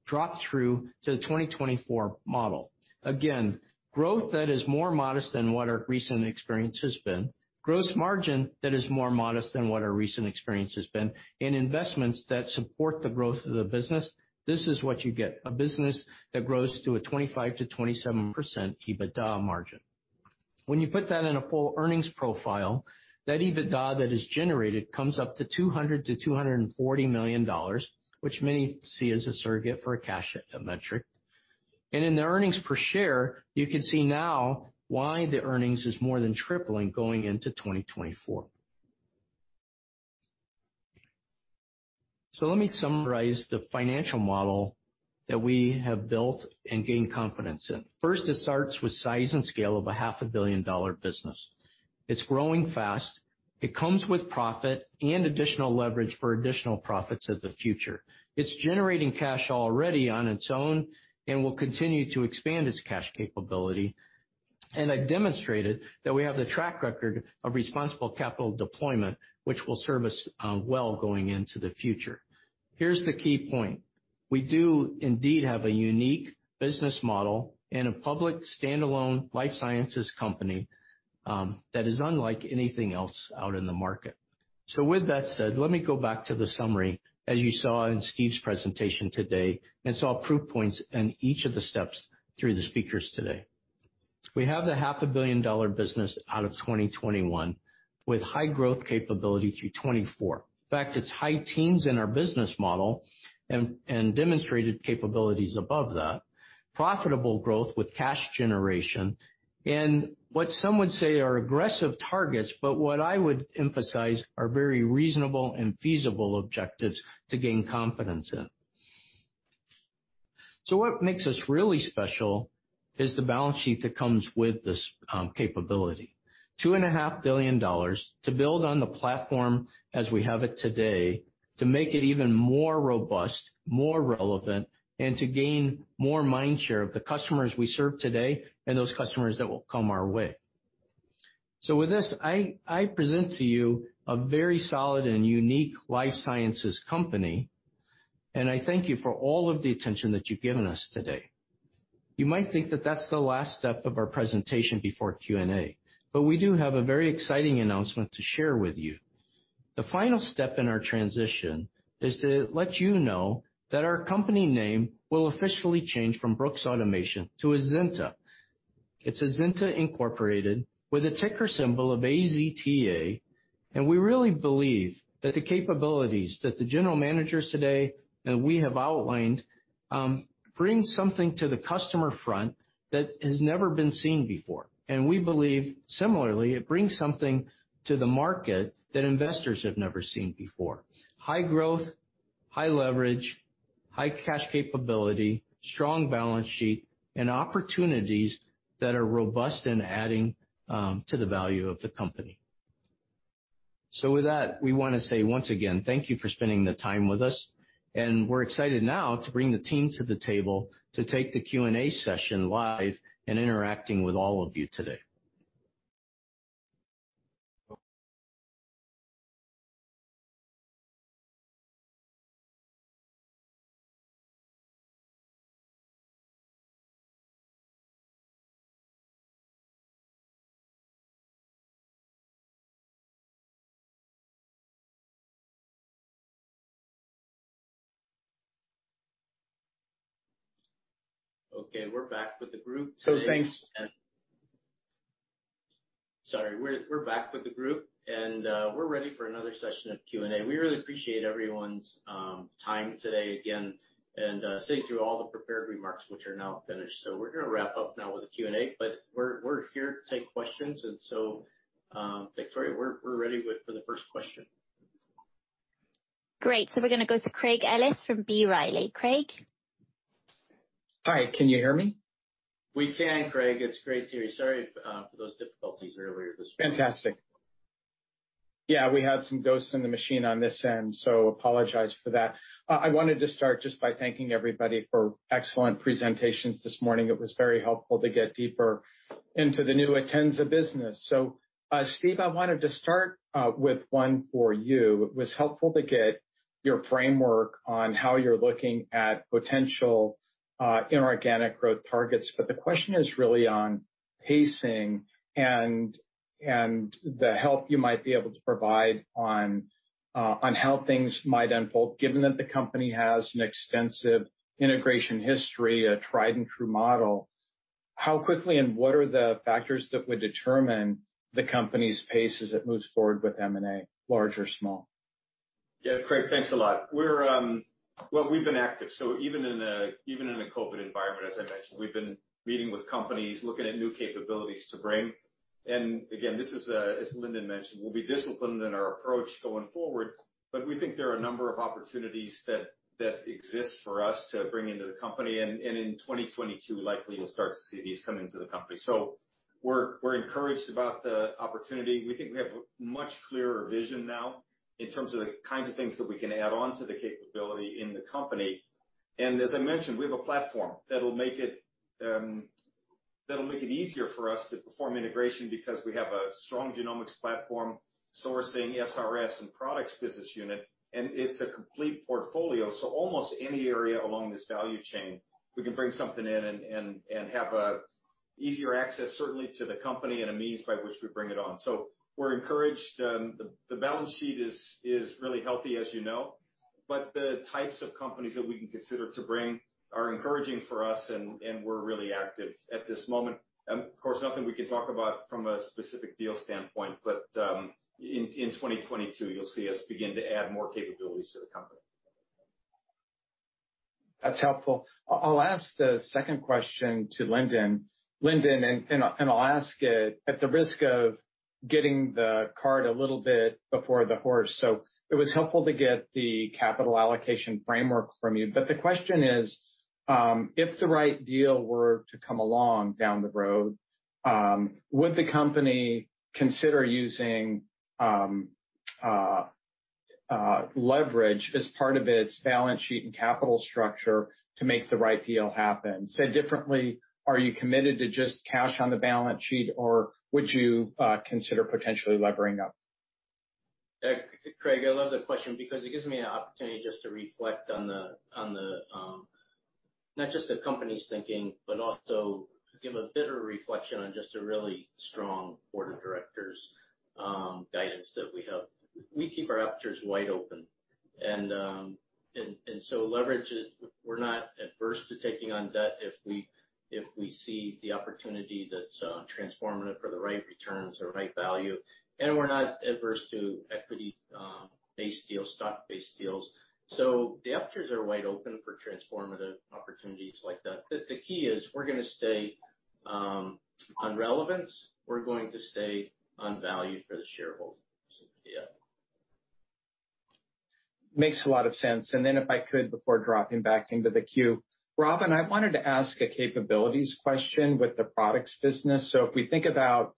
drop through to the 2024 model. Again, growth that is more modest than what our recent experience has been, gross margin that is more modest than what our recent experience has been, and investments that support the growth of the business, this is what you get, a business that grows to a 25%-27% EBITDA margin. When you put that in a full earnings profile, that EBITDA that is generated comes up to $200 million-$240 million, which many see as a surrogate for a cash metric. In the earnings per share, you can see now why the earnings is more than tripling going into 2024. Let me summarize the financial model that we have built and gained confidence in. First, it starts with size and scale of a $0.5 billion business. It's growing fast. It comes with profit and additional leverage for additional profits of the future. It's generating cash already on its own and will continue to expand its cash capability. I've demonstrated that we have the track record of responsible capital deployment, which will serve us well going into the future. Here's the key point. We do indeed have a unique business model in a public standalone life sciences company that is unlike anything else out in the market. With that said, let me go back to the summary as you saw in Steve's presentation today and saw proof points in each of the steps through the speakers today. We have a half billion-dollar business out of 2021 with high growth capability through 2024. In fact, it's high teens% in our business model and demonstrated capabilities above that. Profitable growth with cash generation and what some would say are aggressive targets, but what I would emphasize are very reasonable and feasible objectives to gain confidence in. What makes us really special is the balance sheet that comes with this, capability. $2.5 billion to build on the platform as we have it today to make it even more robust, more relevant, and to gain more mind share of the customers we serve today and those customers that will come our way. With this, I present to you a very solid and unique life sciences company, and I thank you for all of the attention that you've given us today. You might think that that's the last step of our presentation before Q&A, but we do have a very exciting announcement to share with you. The final step in our transition is to let you know that our company name will officially change from Brooks Automation to Azenta. It's Azenta Incorporated with a ticker symbol of AZTA, and we really believe that the capabilities that the general managers today and we have outlined bring something to the customer front that has never been seen before. We believe similarly, it brings something to the market that investors have never seen before. High growth, high leverage, high cash capability, strong balance sheet, and opportunities that are robust in adding to the value of the company. With that, we wanna say once again, thank you for spending the time with us, and we're excited now to bring the team to the table to take the Q&A session live and interacting with all of you today. Okay, we're back with the group. Thanks. Sorry. We're back with the group, and we're ready for another session of Q&A. We really appreciate everyone's time today again and sitting through all the prepared remarks which are now finished. We're gonna wrap up now with the Q&A, but we're here to take questions. Victoria, we're ready for the first question. Great. We're gonna go to Craig Ellis from B. Riley. Craig? Hi, can you hear me? We can, Craig. It's great to hear you. Sorry for those difficulties earlier this morning. Fantastic. Yeah, we had some ghosts in the machine on this end, so I apologize for that. I wanted to start just by thanking everybody for excellent presentations this morning. It was very helpful to get deeper into the new Azenta business. Steve, I wanted to start with one for you. It was helpful to get your framework on how you're looking at potential inorganic growth targets. But the question is really on pacing and the help you might be able to provide on how things might unfold, given that the company has an extensive integration history, a tried and true model. How quickly and what are the factors that would determine the company's pace as it moves forward with M&A, large or small? Yeah. Craig, thanks a lot. We're... Well, we've been active, so even in a, even in a COVID environment, as I mentioned, we've been meeting with companies, looking at new capabilities to bring. Again, this is, as Lindon mentioned, we'll be disciplined in our approach going forward, but we think there are a number of opportunities that exist for us to bring into the company. In 2022, likely we'll start to see these come into the company. We're encouraged about the opportunity. We think we have a much clearer vision now in terms of the kinds of things that we can add on to the capability in the company. As I mentioned, we have a platform that'll make it easier for us to perform integration because we have a strong genomics platform, sourcing, SRS and products business unit, and it's a complete portfolio. Almost any area along this value chain, we can bring something in and have an easier access certainly to the company and a means by which we bring it on. We're encouraged. The balance sheet is really healthy, as you know, but the types of companies that we can consider to bring are encouraging for us and we're really active at this moment. Of course, nothing we can talk about from a specific deal standpoint, but in 2022, you'll see us begin to add more capabilities to the company. That's helpful. I'll ask the second question to Lindon. Lindon, I'll ask it at the risk of getting the cart a little bit before the horse. It was helpful to get the capital allocation framework from you. The question is, if the right deal were to come along down the road, would the company consider using leverage as part of its balance sheet and capital structure to make the right deal happen? Said differently, are you committed to just cash on the balance sheet, or would you consider potentially levering up? Craig, I love the question because it gives me an opportunity just to reflect on not just the company's thinking, but also give a better reflection on just a really strong board of directors, guidance that we have. We keep our apertures wide open and leverage is. We're not adverse to taking on debt if we see the opportunity that's transformative for the right returns or right value, and we're not adverse to equity based deals, stock-based deals. The apertures are wide open for transformative opportunities like that. The key is we're gonna stay on relevance. We're going to stay on value for the shareholders. Yeah. Makes a lot of sense. Then if I could, before dropping back into the queue, Robin, I wanted to ask a capabilities question with the products business. If we think about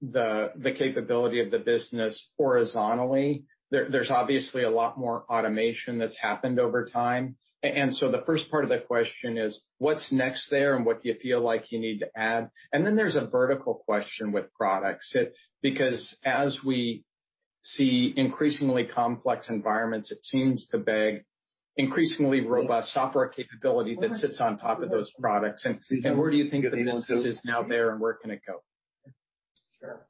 the capability of the business horizontally, there's obviously a lot more automation that's happened over time. The first part of the question is what's next there and what do you feel like you need to add? Then there's a vertical question with products. It because as we see increasingly complex environments, it seems to beg increasingly robust software capability that sits on top of those products. Where do you think the business is now there, and where can it go? Sure.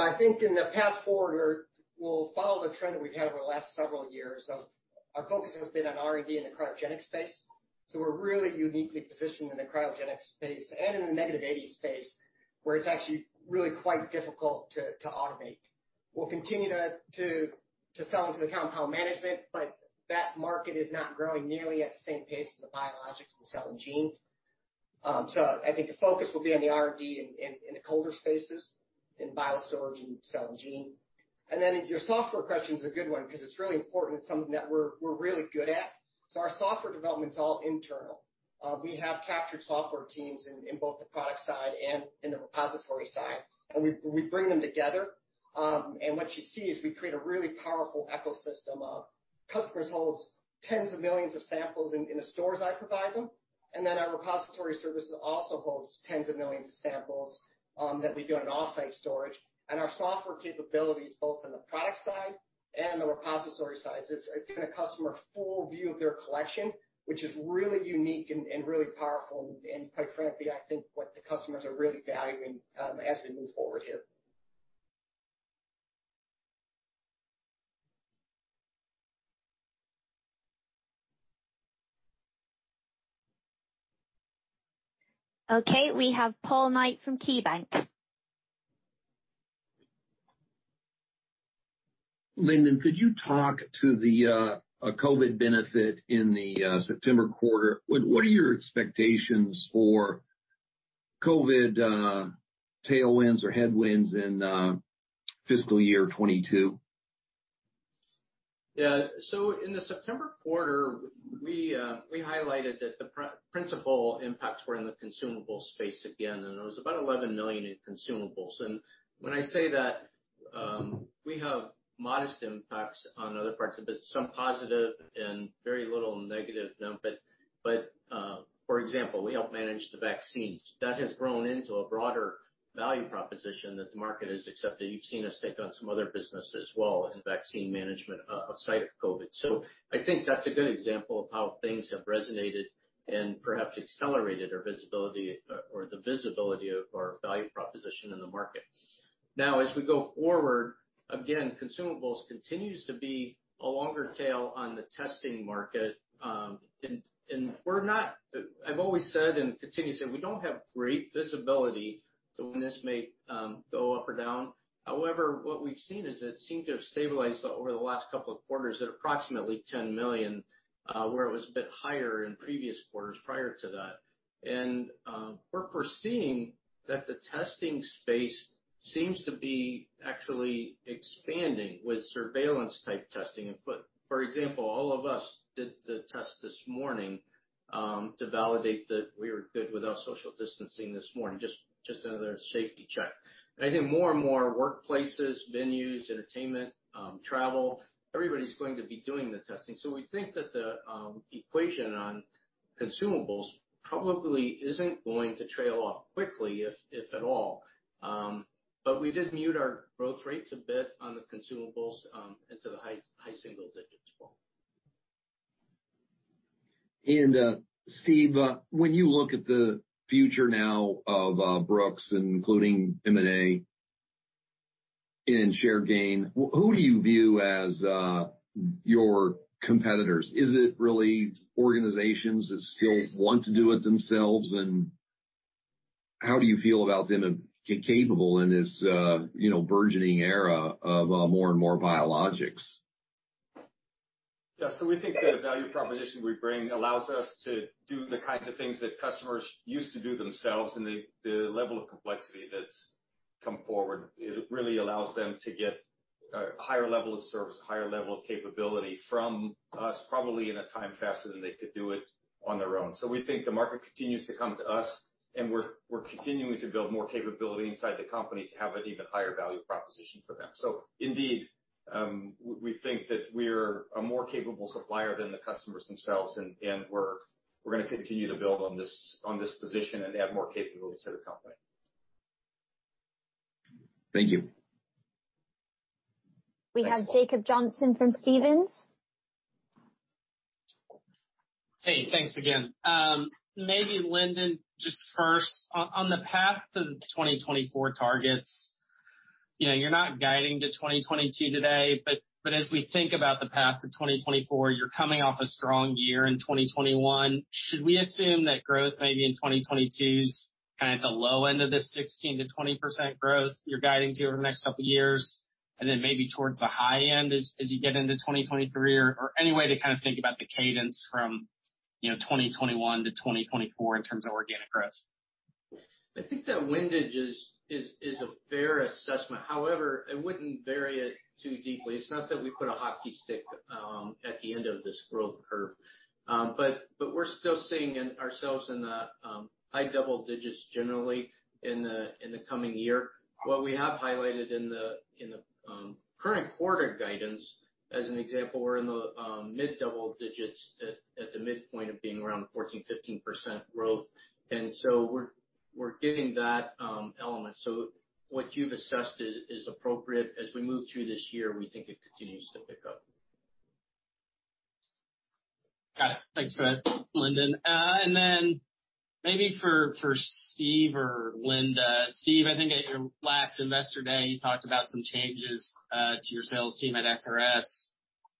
I think in the path forward, we'll follow the trend that we've had over the last several years of our focus has been on R&D in the cryogenic space. We're really uniquely positioned in the cryogenic space and in the negative eighty space, where it's actually really quite difficult to automate. We'll continue to sell into the compound management, but that market is not growing nearly at the same pace as the biologics and cell and gene. I think the focus will be on the R&D in the colder spaces, in BioStorage and cell and gene. Then your software question is a good one 'cause it's really important. It's something that we're really good at. Our software development's all internal. We have captured software teams in both the product side and the repository side, and we bring them together. What you see is we create a really powerful ecosystem. Customers hold tens of millions of samples in the stores we provide them. Our repository services also hold tens of millions of samples that we do in off-site storage and our software capabilities, both on the product side and the repository sides. It's giving a customer full view of their collection, which is really unique and really powerful, and quite frankly, I think what the customers are really valuing as we move forward here. Okay, we have Paul Knight from KeyBanc. LIndon, could you talk about the COVID benefit in the September quarter? What are your expectations for COVID tailwinds or headwinds in fiscal year 2022? In the September quarter, we highlighted that the principal impacts were in the consumable space again, and it was about $11 million in consumables. When I say that, we have modest impacts on other parts of the business, some positive and very little negative now. For example, we help manage the vaccines. That has grown into a broader value proposition that the market has accepted. You've seen us take on some other business as well in vaccine management outside of COVID. I think that's a good example of how things have resonated and perhaps accelerated our visibility or the visibility of our value proposition in the market. Now, as we go forward, again, consumables continues to be a longer tail on the testing market. I've always said and continue to say we don't have great visibility to when this may go up or down. However, what we've seen is it seemed to have stabilized over the last couple of quarters at approximately $10 million, where it was a bit higher in previous quarters prior to that. We're foreseeing that the testing space seems to be actually expanding with surveillance type testing. For example, all of us did the test this morning to validate that we were good without social distancing this morning, just another safety check. I think more and more workplaces, venues, entertainment, travel, everybody's going to be doing the testing. We think that the equation on consumables probably isn't going to trail off quickly, if at all. We did move our growth rates a bit on the consumables into the high single digits, Paul. Steve, when you look at the future now of Brooks and including M&A and in share gain, who do you view as your competitors? Is it really organizations that still want to do it themselves? How do you feel about them being capable in this, you know, burgeoning era of more and more biologics? Yeah. We think the value proposition we bring allows us to do the kinds of things that customers used to do themselves and the level of complexity that's come forward. It really allows them to get a higher level of service, a higher level of capability from us, probably in a time faster than they could do it on their own. We think the market continues to come to us, and we're continuing to build more capability inside the company to have an even higher value proposition for them. Indeed, we think that we're a more capable supplier than the customers themselves, and we're gonna continue to build on this position and add more capabilities to the company. Thank you. We have Jacob Johnson from Stephens. Hey, thanks again. Maybe Lindon, just first on the path to the 2024 targets, you know, you're not guiding to 2022 today, but as we think about the path to 2024, you're coming off a strong year in 2021. Should we assume that growth maybe in 2022 is kind of at the low end of the 16%-20% growth you're guiding to over the next couple of years, and then maybe towards the high end as you get into 2023? Or any way to kind of think about the cadence from, you know, 2021 to 2024 in terms of organic growth. I think that windage is a fair assessment. However, it wouldn't vary it too deeply. It's not that we put a hockey stick at the end of this growth curve. We're still seeing ourselves in the high double digits generally in the coming year. What we have highlighted in the current quarter guidance as an example, we're in the mid double-digits at the midpoint of being around 14%-15% growth. We're giving that element. What you've assessed is appropriate. As we move through this year, we think it continues to pick up. Got it. Thanks for that, Lindon. And then maybe for Steve or Linda. Steve, I think at your last Investor Day, you talked about some changes to your sales team at SRS.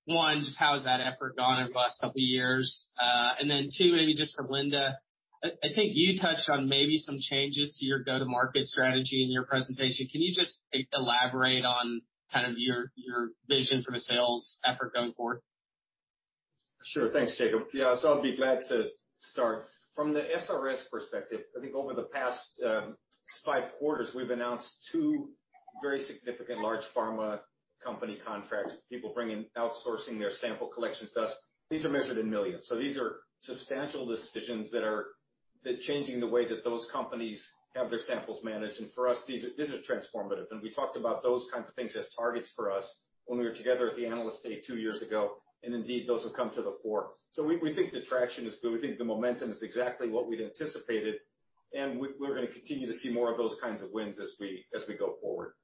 One, just how has that effort gone over the last couple of years? And then two, maybe just for Linda, I think you touched on maybe some changes to your go-to-market strategy in your presentation. Can you just elaborate on kind of your vision for the sales effort going forward? Sure. Thanks, Jacob. Yeah. I'll be glad to start. From the SRS perspective, I think over the past five quarters, we've announced two very significant large pharma company contracts, people outsourcing their sample collections to us. These are measured in millions. These are substantial decisions that are changing the way that those companies have their samples managed. For us, these are transformative. We talked about those kinds of things as targets for us when we were together at the Analyst Day two years ago. Indeed, those have come to the fore. We think the traction is good. We think the momentum is exactly what we'd anticipated, and we're gonna continue to see more of those kinds of wins as we go forward.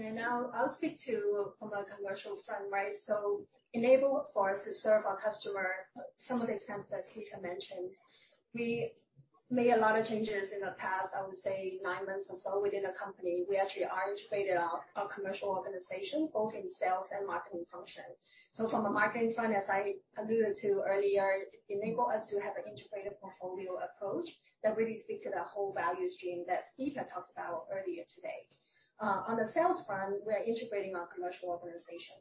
I'll speak to it from a commercial front, right? It enable for us to serve our customer some of the examples that Steve had mentioned. We made a lot of changes in the past, I would say nine months or so within the company. We actually are integrated our commercial organization, both in sales and marketing function. From a marketing front, as I alluded to earlier, it enable us to have an integrated portfolio approach that really speak to the whole value stream that Steve had talked about earlier today. On the sales front, we are integrating our commercial organization.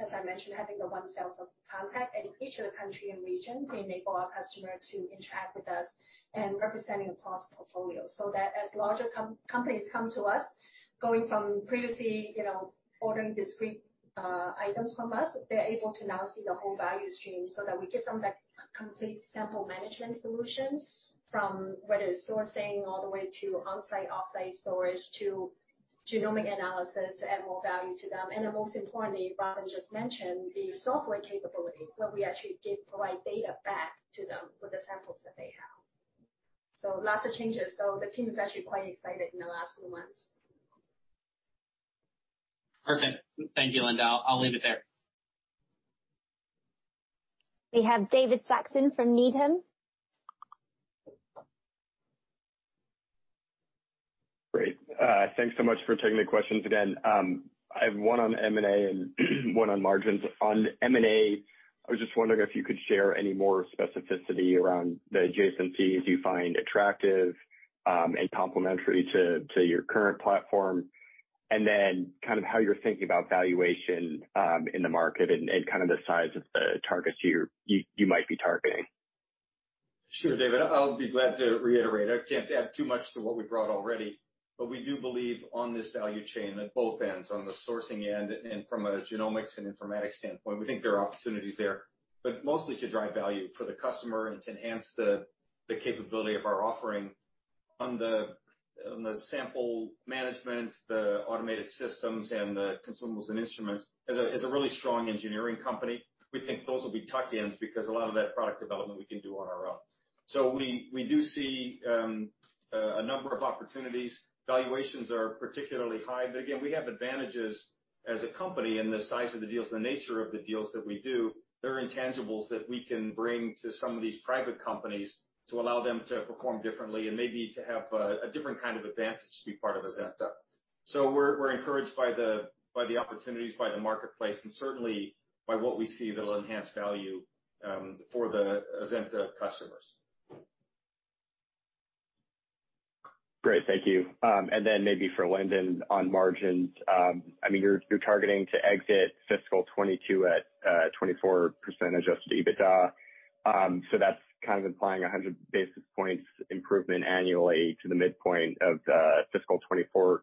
As I mentioned, having the one point of contact at each of the country and region to enable our customer to interact with us and representing across portfolio. That as larger companies come to us, going from previously, you know, ordering discrete items from us, they're able to now see the whole value stream so that we give them that complete sample management solution from whether it's sourcing all the way to on-site, off-site storage to genomic analysis to add more value to them. And then most importantly, Robin just mentioned the software capability, where we actually provide data back to them with the samples that they have. Lots of changes. The team is actually quite excited in the last few months. Perfect. Thank you, Linda. I'll leave it there. We have David Saxon from Needham. Great. Thanks so much for taking the questions again. I have one on M&A and one on margins. On M&A, I was just wondering if you could share any more specificity around the adjacencies you find attractive and complementary to your current platform. Then kind of how you're thinking about valuation in the market and kind of the size of the targets you might be targeting. Sure, David, I'll be glad to reiterate. I can't add too much to what we brought already, but we do believe on this value chain at both ends, on the sourcing end and from a genomics and informatics standpoint, we think there are opportunities there, but mostly to drive value for the customer and to enhance the capability of our offering. On the sample management, the automated systems, and the consumables and instruments, as a really strong engineering company, we think those will be tuck-ins because a lot of that product development we can do on our own. So we do see a number of opportunities. Valuations are particularly high, but again, we have advantages as a company in the size of the deals and the nature of the deals that we do. There are intangibles that we can bring to some of these private companies to allow them to perform differently and maybe to have a different kind of advantage to be part of Azenta. We're encouraged by the opportunities, by the marketplace, and certainly by what we see that'll enhance value for the Azenta customers. Great. Thank you. And then maybe for Lindon on margins. I mean, you're targeting to exit fiscal 2022 at 24% of EBITDA. That's kind of implying 100 basis points improvement annually to the midpoint of the fiscal 2024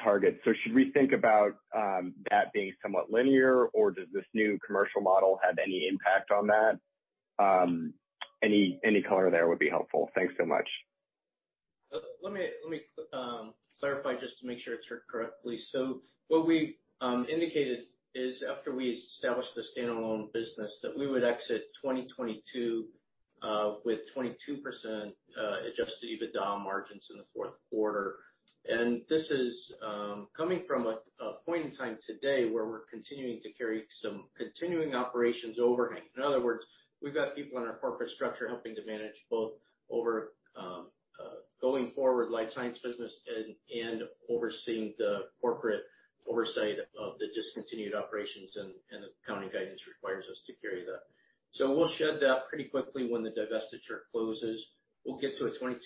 target. Should we think about that being somewhat linear, or does this new commercial model have any impact on that? Any color there would be helpful. Thanks so much. Let me clarify just to make sure it's heard correctly. What we indicated is after we established the standalone business, that we would exit 2022 with 22% adjusted EBITDA margins in the fourth quarter. This is coming from a point in time today where we're continuing to carry some continuing operations overhang. In other words, we've got people in our corporate structure helping to manage both going forward life science business and overseeing the corporate oversight of the discontinued operations and the accounting guidance requires us to carry that. We'll shed that pretty quickly when the divestiture closes. We'll get to a 22%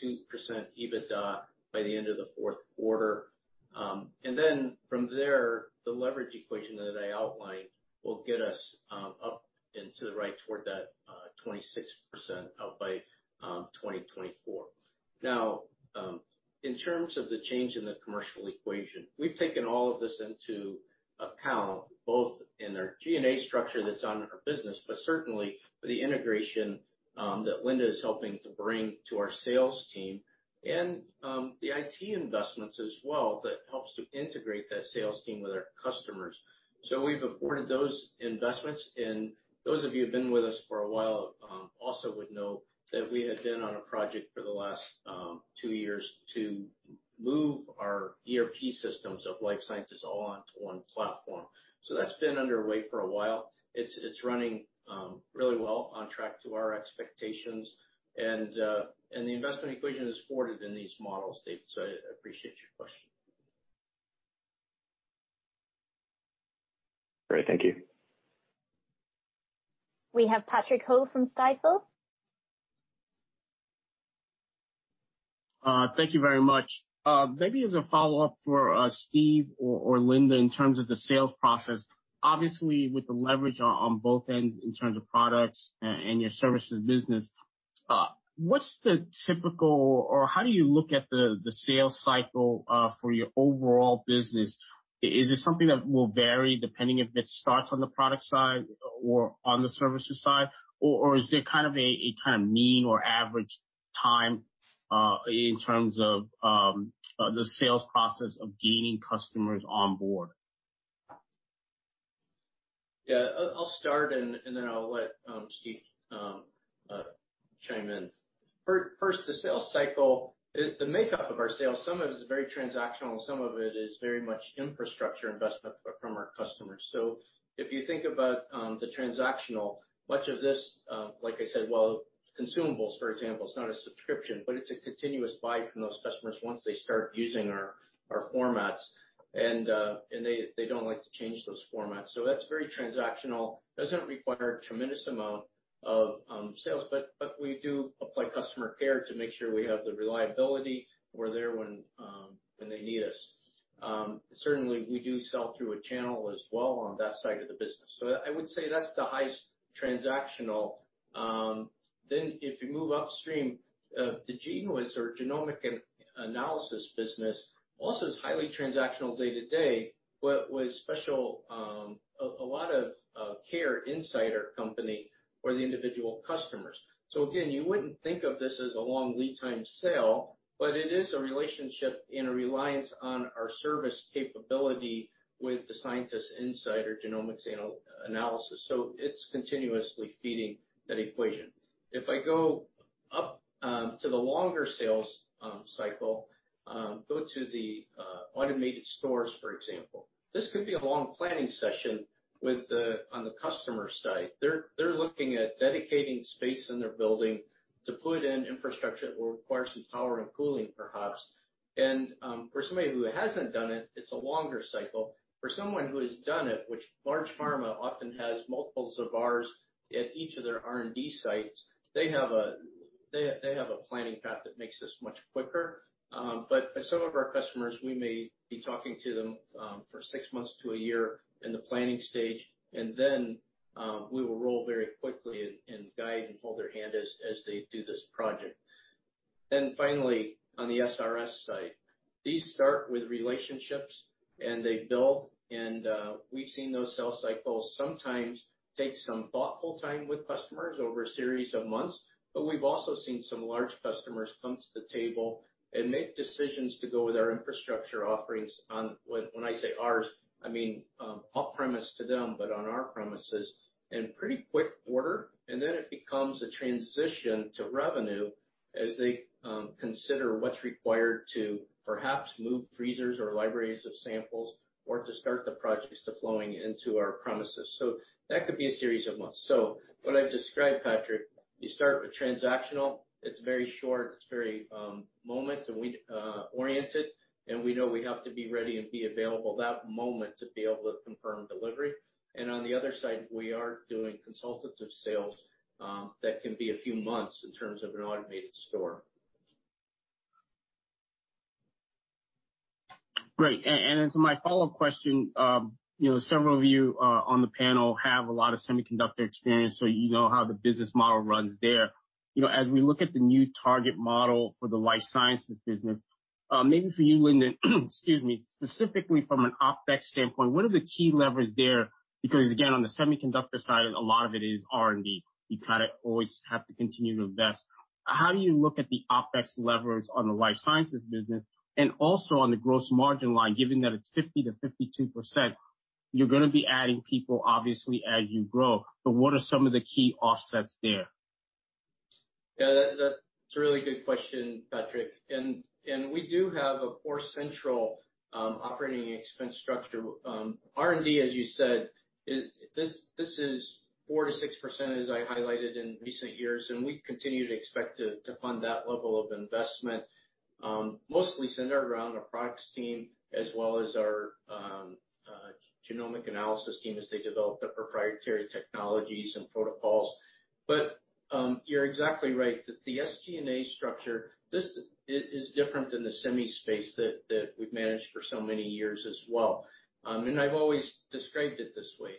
EBITDA by the end of the fourth quarter. From there, the leverage equation that I outlined will get us up into the right toward that 26% out by 2024. Now, in terms of the change in the commercial equation, we've taken all of this into account, both in our G&A structure that's on our business, but certainly for the integration that Linda is helping to bring to our sales team and the IT investments as well that helps to integrate that sales team with our customers. We've afforded those investments, and those of you who've been with us for a while also would know that we had been on a project for the last two years to move our ERP systems of Life Sciences all onto one platform. That's been underway for a while. It's running really well, on track to our expectations. The investment equation is forwarded in these model states. I appreciate your question. Great. Thank you. We have Patrick Ho from Stifel. Thank you very much. Maybe as a follow-up for Steve or Lindon, in terms of the sales process, obviously, with the leverage on both ends in terms of products and your services business, what's the typical or how do you look at the sales cycle for your overall business? Is it something that will vary depending if it starts on the product side or on the services side? Or is there kind of a kind of mean or average time in terms of the sales process of gaining customers on board? I'll start and then I'll let Steve chime in. First, the sales cycle is the makeup of our sales. Some of it is very transactional, some of it is very much infrastructure investment from our customers. If you think about the transactional, much of this, like I said, well, consumables, for example, is not a subscription, but it's a continuous buy from those customers once they start using our formats. They don't like to change those formats. That's very transactional. Doesn't require a tremendous amount of sales. We do apply customer care to make sure we have the reliability. We're there when they need us. Certainly we do sell through a channel as well on that side of the business. I would say that's the highest transactional. If you move upstream, the GENEWIZ genomic analysis business also is highly transactional day-to-day, but with special, a lot of care inside our company for the individual customers. Again, you wouldn't think of this as a long lead time sale, but it is a relationship and a reliance on our service capability with the scientists inside our genomics analysis. It's continuously feeding that equation. If I go up to the longer sales cycle, go to the Automated Stores, for example, this could be a long planning session with the on the customer side. They're looking at dedicating space in their building to put in infrastructure. It will require some power and cooling perhaps. For somebody who hasn't done it's a longer cycle. For someone who has done it, which large pharma often has multiples of ours at each of their R&D sites, they have a planning path that makes this much quicker. Some of our customers, we may be talking to them for six months to a year in the planning stage, and then we will roll very quickly and guide and hold their hand as they do this project. Finally, on the SRS side, these start with relationships and they build. We've seen those sales cycles sometimes take some thoughtful time with customers over a series of months. We've also seen some large customers come to the table and make decisions to go with our infrastructure offerings. When I say ours, I mean off-premise to them, but on our premises in pretty quick order. It becomes a transition to revenue as they consider what's required to perhaps move freezers or libraries of samples or to start the projects flowing into our premises. That could be a series of months. What I've described, Patrick, you start with transactional. It's very short, it's very momentary, and we orient it, and we know we have to be ready and be available that moment to be able to confirm delivery. On the other side, we are doing consultative sales that can be a few months in terms of an Automated Store. Great. As my follow-up question, you know, several of you on the panel have a lot of semiconductor experience, so you know how the business model runs there. You know, as we look at the new target model for the life sciences business, maybe for you, Lindon, excuse me, specifically from an OpEx standpoint, what are the key levers there? Because again, on the semiconductor side, a lot of it is R&D. You kind of always have to continue to invest. How do you look at the OpEx levers on the life sciences business and also on the gross margin line, given that it's 50%-52%? You're gonna be adding people obviously as you grow, but what are some of the key offsets there? Yeah, that's a really good question, Patrick. We do have a core central operating expense structure. R&D, as you said, is 4%-6% as I highlighted in recent years, and we continue to expect to fund that level of investment, mostly centered around our products team as well as our genomic analysis team as they develop the proprietary technologies and protocols. You're exactly right that the SG&A structure is different than the semi space that we've managed for so many years as well. I've always described it this way.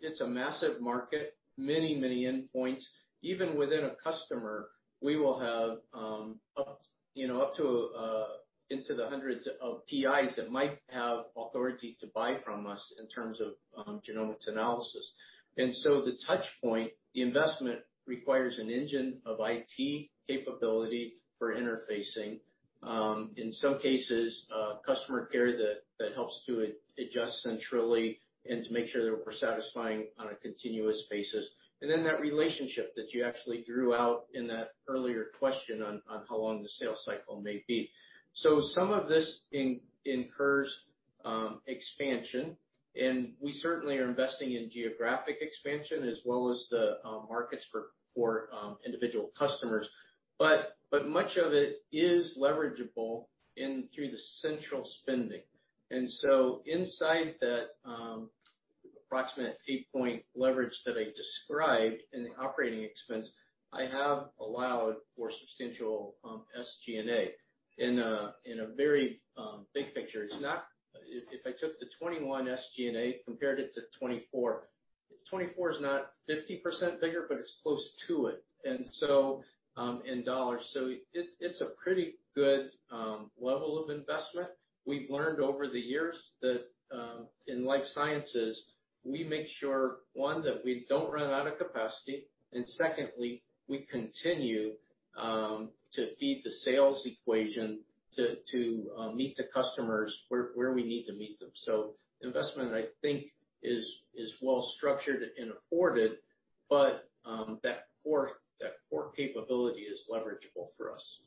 It's a massive market, many endpoints. Even within a customer, we will have you know up to into the hundreds of TIs that might have authority to buy from us in terms of genomics analysis. The touch point, the investment requires an engine of IT capability for interfacing, in some cases, customer care that helps to adjust centrally and to make sure that we're satisfying on a continuous basis. That relationship that you actually drew out in that earlier question on how long the sales cycle may be. Some of this incurs expansion, and we certainly are investing in geographic expansion as well as the markets for individual customers. Much of it is leverageable in through the central spending. Inside that approximate 8 point leverage that I described in the operating expense, I have allowed for substantial SG&A in a very big picture. It's not. If I took the 2021 SG&A compared it to 2024 is not 50% bigger, but it's close to it, and so in dollars. It's a pretty good level of investment. We've learned over the years that in life sciences we make sure one that we don't run out of capacity. Secondly, we continue to feed the sales equation to meet the customers where we need to meet them. Investment I think is well structured and afforded, but that core capability is leverageable for us.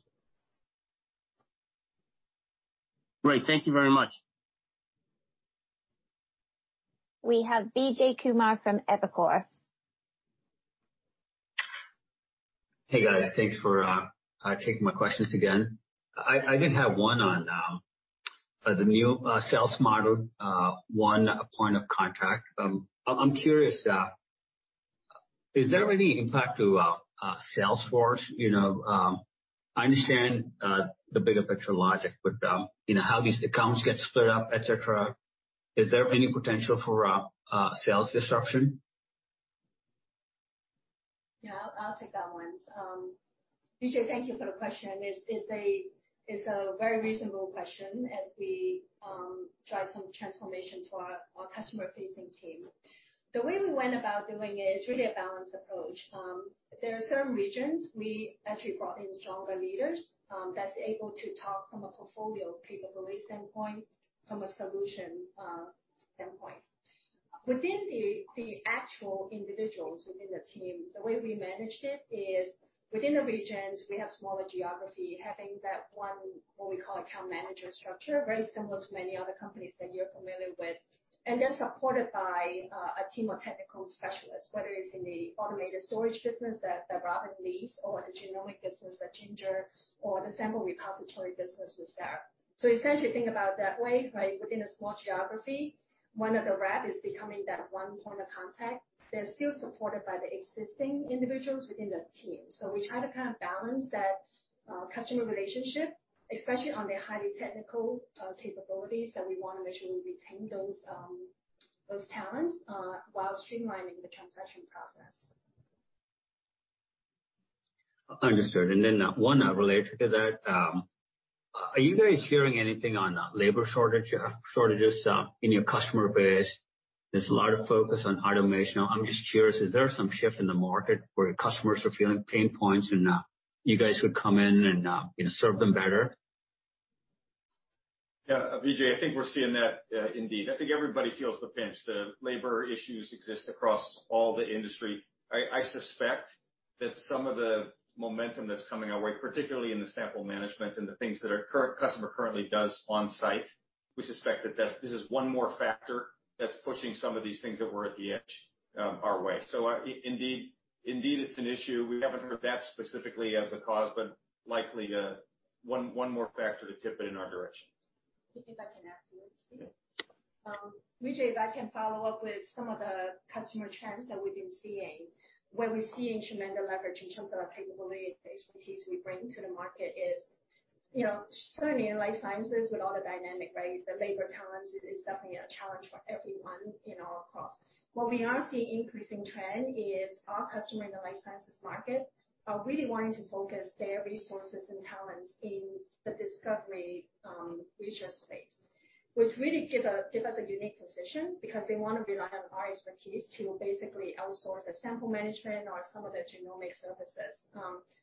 Great. Thank you very much. We have Vijay Kumar from Evercore. Hey, guys. Thanks for taking my questions again. I did have one on the new sales model, one point of contact. I'm curious, is there any impact to sales force? You know, I understand the bigger picture logic, but you know, how these accounts get split up, et cetera. Is there any potential for sales disruption? Yeah, I'll take that one. Vijay, thank you for the question. It's a very reasonable question as we drive some transformation to our customer-facing team. The way we went about doing it is really a balanced approach. There are certain regions we actually brought in stronger leaders that's able to talk from a portfolio capability standpoint, from a solution standpoint. Within the actual individuals within the team, the way we managed it is within the regions, we have smaller geography, having that one, what we call account manager structure, very similar to many other companies that you're familiar with. They're supported by a team of technical specialists, whether it's in the automated storage business that Robin Vacha leads or the genomic business that Ginger Zhou or the sample repository business with Sarah Eckenrode. Essentially, think about it that way, right? Within a small geography, one of the rep is becoming that one point of contact. They're still supported by the existing individuals within the team. We try to kind of balance that, customer relationship, especially on the highly technical capabilities that we wanna make sure we retain those talents while streamlining the transaction process. Understood. One related to that, are you guys hearing anything on labor shortages in your customer base? There's a lot of focus on automation. I'm just curious, is there some shift in the market where customers are feeling pain points and you guys would come in and you know, serve them better? Yeah, Vijay, I think we're seeing that, indeed. I think everybody feels the pinch. The labor issues exist across all the industry. I suspect that some of the momentum that's coming our way, particularly in the sample management and the things that our customer currently does on-site, we suspect that this is one more factor that's pushing some of these things that were at the edge, our way. Indeed, it's an issue. We haven't heard that specifically as the cause, but likely, one more factor to tip it in our direction. If I can add to it. Yeah. Vijay, if I can follow up with some of the customer trends that we've been seeing, where we're seeing tremendous leverage in terms of our capability and the expertise we bring to the market is, you know, certainly in life sciences with all the dynamic, right, the labor talents, it is definitely a challenge for everyone, you know, across. What we are seeing increasing trend is our customer in the life sciences market are really wanting to focus their resources and talents in the discovery research space, which really give us a unique position because they wanna rely on our expertise to basically outsource the sample management or some of the genomic services.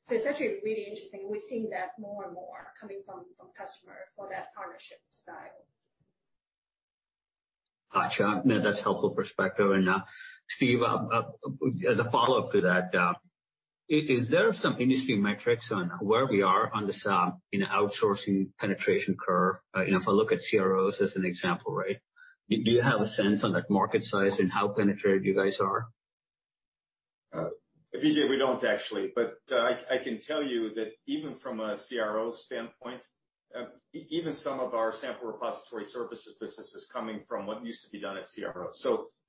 It's actually really interesting. We're seeing that more and more coming from customers for that partnership style. Gotcha. No, that's helpful perspective. Steve, as a follow-up to that, is there some industry metrics on where we are on this, you know, outsourcing penetration curve? You know, if I look at CROs as an example, right? Do you have a sense on that market size and how penetrated you guys are? Vijay, we don't actually. I can tell you that even from a CRO standpoint, even some of our sample repository services business is coming from what used to be done at CRO.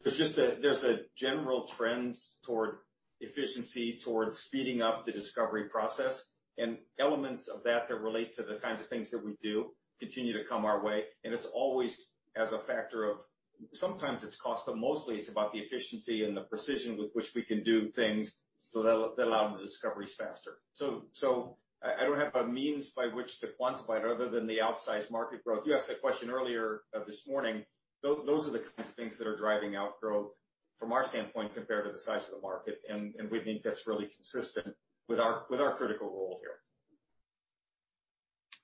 There's a general trend toward efficiency, toward speeding up the discovery process, and elements of that that relate to the kinds of things that we do continue to come our way, and it's always as a factor of sometimes it's cost, but mostly it's about the efficiency and the precision with which we can do things so that will allow the discoveries faster. I don't have a means by which to quantify it other than the outsized market growth. You asked that question earlier this morning. Those are the kinds of things that are driving our growth from our standpoint compared to the size of the market, and we think that's really consistent with our critical role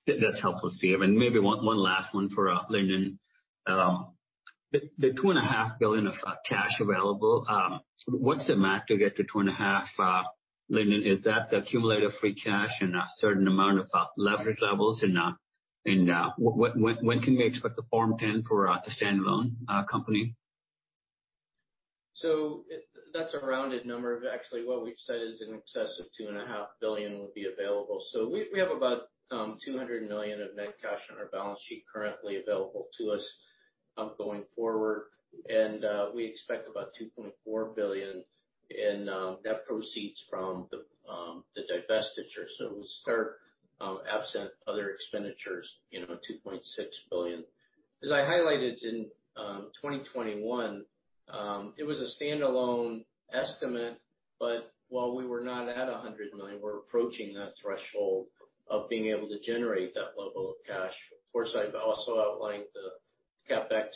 here. That's helpful, Steve. Maybe one last one for Lindon. The $2.5 billion of cash available, what's the math to get to $2.5 billion, Lindon? Is that the accumulated free cash and a certain amount of leverage levels? When can we expect the Form 10 for the standalone company? That's a rounded number of actually what we've said is in excess of $2.5 billion will be available. We have about $200 million of net cash on our balance sheet currently available to us going forward. We expect about $2.4 billion in net proceeds from the divestiture. We'll start absent other expenditures, you know, $2.6 billion. As I highlighted in 2021, it was a standalone estimate, but while we were not at $100 million, we're approaching that threshold of being able to generate that level of cash. Of course, I've also outlined the CapEx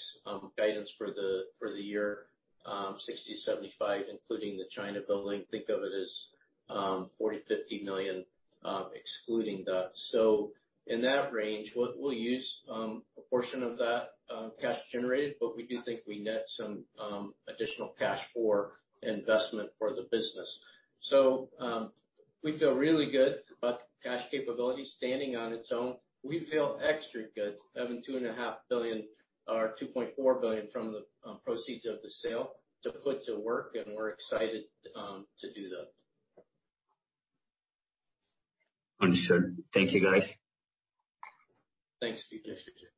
guidance for the year $60 million-$75 million, including the China building. Think of it as $40 million-$50 million excluding that. In that range, we'll use a portion of that cash generated, but we do think we net some additional cash for investment for the business. We feel really good about the cash capabilities standing on its own. We feel extra good having $2.5 billion or $2.4 billion from the proceeds of the sale to put to work, and we're excited to do that. Understood. Thank you, guys. Thanks, Vijay. Thanks, Vijay.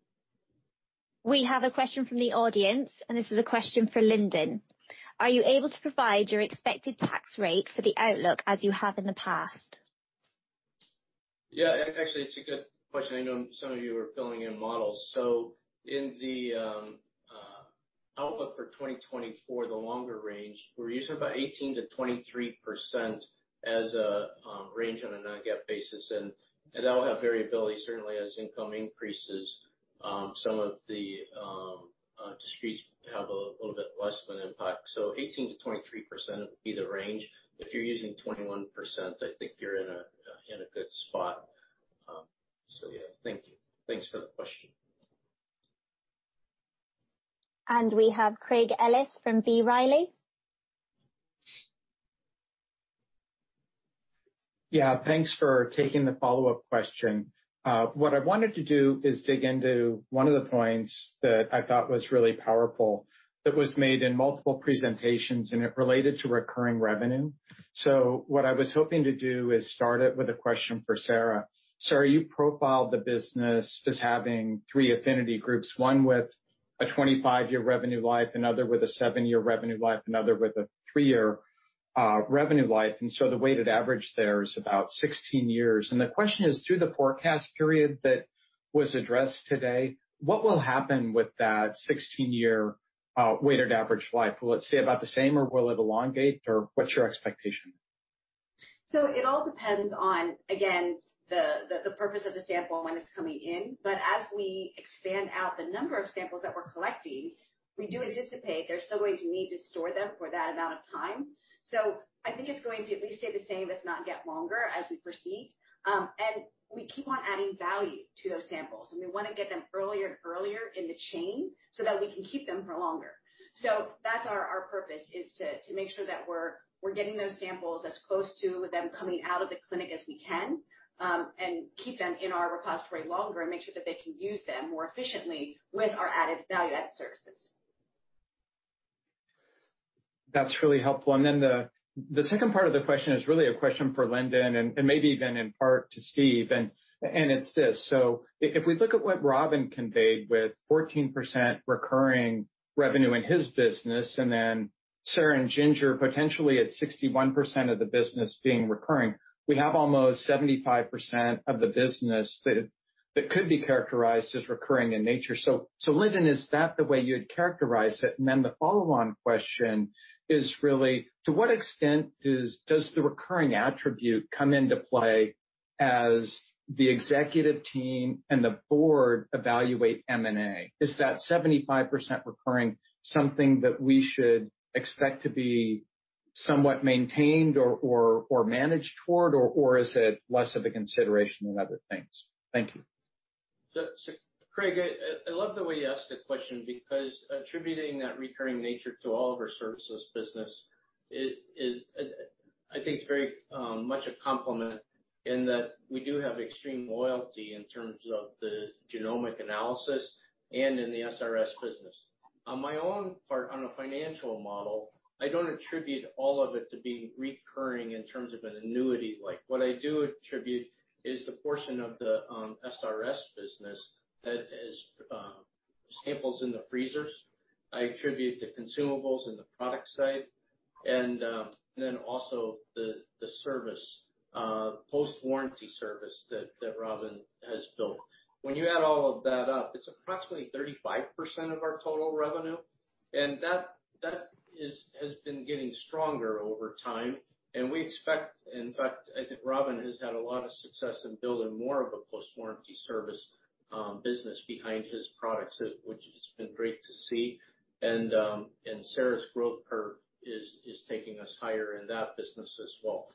We have a question from the audience, and this is a question for Lindon. Are you able to provide your expected tax rate for the outlook as you have in the past? Yeah. Actually, it's a good question. I know some of you are filling in models. In the outlook for 2024, the longer range, we're using about 18%-23% as a range on a non-GAAP basis. That will have variability certainly as income increases. Some of the discretes have a little bit less of an impact. 18%-23% would be the range. If you're using 21%, I think you're in a good spot. So yeah. Thank you. Thanks for the question. We have Craig Ellis from B. Riley. Yeah, thanks for taking the follow-up question. What I wanted to do is dig into one of the points that I thought was really powerful that was made in multiple presentations, and it related to recurring revenue. What I was hoping to do is start it with a question for Sarah. Sarah, you profiled the business as having three affinity groups, one with a 25 year revenue life, another with a seven year revenue life, another with a three year revenue life, and so the weighted average there is about 16 years. The question is, through the forecast period that was addressed today, what will happen with that 16 year weighted average life? Will it stay about the same or will it elongate, or what's your expectation? It all depends on, again, the purpose of the sample when it's coming in. As we expand out the number of samples that we're collecting, we do anticipate they're still going to need to store them for that amount of time. I think it's going to at least stay the same, if not get longer, as we proceed. We keep on adding value to those samples, and we wanna get them earlier and earlier in the chain so that we can keep them for longer. That's our purpose, is to make sure that we're getting those samples as close to them coming out of the clinic as we can, and keep them in our repository longer and make sure that they can use them more efficiently with our added value add services. That's really helpful. The second part of the question is really a question for Lindon and maybe even in part to Steve, and it's this: If we look at what Robin conveyed with 14% recurring revenue in his business, and then Sarah and Ginger potentially at 61% of the business being recurring, we have almost 75% of the business that could be characterized as recurring in nature. Lindon, is that the way you would characterize it? The follow-on question is really, to what extent does the recurring attribute come into play as the executive team and the board evaluate M&A? Is that 75% recurring something that we should expect to be- Somewhat maintained or managed toward or is it less of a consideration than other things? Thank you. Craig, I love the way you asked the question because attributing that recurring nature to all of our services business is I think it's very much a compliment in that we do have extreme loyalty in terms of the genomic analysis and in the SRS business. On my own part, on a financial model, I don't attribute all of it to being recurring in terms of an annuity like. What I do attribute is the portion of the SRS business that is samples in the freezers. I attribute the consumables in the product side and then also the service post-warranty service that Robin has built. When you add all of that up, it's approximately 35% of our total revenue, and that has been getting stronger over time. We expect, in fact, I think Robin has had a lot of success in building more of a post-warranty service business behind his products, which has been great to see. Sarah's growth curve is taking us higher in that business as well.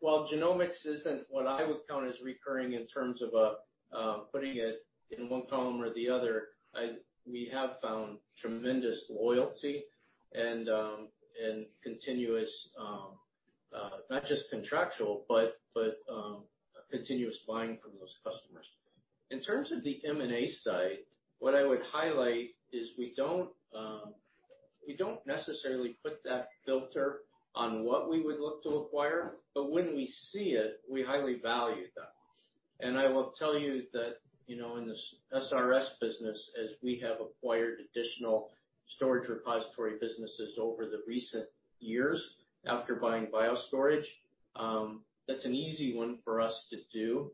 While genomics isn't what I would count as recurring in terms of putting it in one column or the other, we have found tremendous loyalty and continuous, not just contractual but continuous buying from those customers. In terms of the M&A side, what I would highlight is we don't necessarily put that filter on what we would look to acquire, but when we see it, we highly value that. I will tell you that, you know, in the SRS business, as we have acquired additional storage repository businesses over the recent years after buying BioStorage, that's an easy one for us to do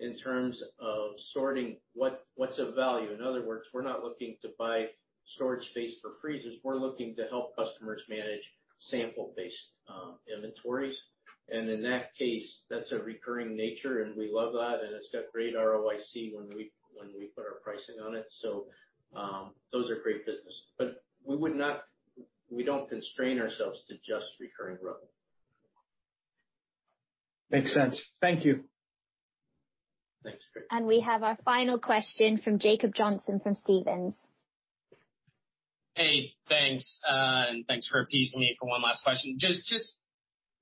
in terms of sorting what's of value. In other words, we're not looking to buy storage space for freezers. We're looking to help customers manage sample-based inventories. In that case, that's a recurring nature, and we love that, and it's got great ROIC when we put our pricing on it. Those are great business. We would not, we don't constrain ourselves to just recurring revenue. Makes sense. Thank you. Thanks, Craig. We have our final question from Jacob Johnson from Stephens. Hey, thanks. Thanks for picking on me for one last question. Just,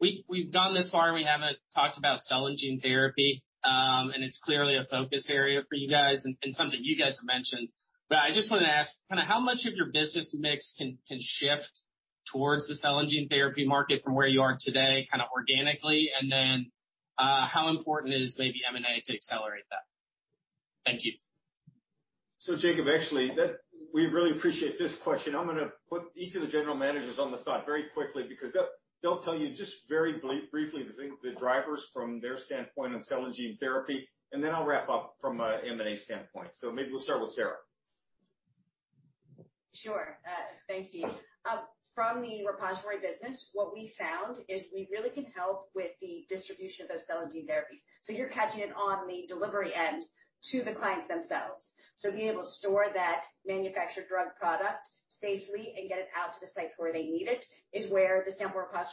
we've gone this far, and we haven't talked about cell and gene therapy. It's clearly a focus area for you guys and something you guys have mentioned. I just wanna ask, kinda how much of your business mix can shift towards the cell and gene therapy market from where you are today, kinda organically? Then, how important is maybe M&A to accelerate that? Thank you. Jacob, actually, that we really appreciate this question. I'm gonna put each of the general managers on the spot very quickly because they'll tell you just very briefly the thing, the drivers from their standpoint on cell and gene therapy, and then I'll wrap up from a M&A standpoint. Maybe we'll start with Sarah. Sure. Thank you. From the repository business, what we found is we really can help with the distribution of those cell and gene therapies. You're catching it on the delivery end to the clients themselves. Being able to store that manufactured drug product safely and get it out to the sites where they need it is where the SRS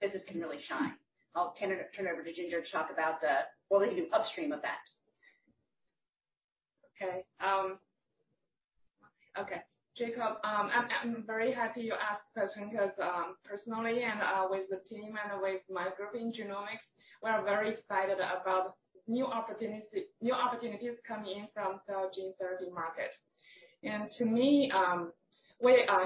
business can really shine. I'll turn it over to Ginger to talk about what they do upstream of that. Okay. Jacob, I'm very happy you asked the question 'cause, personally and with the team and with my group in genomics, we are very excited about new opportunity, new opportunities coming in from cell and gene therapy market. To me,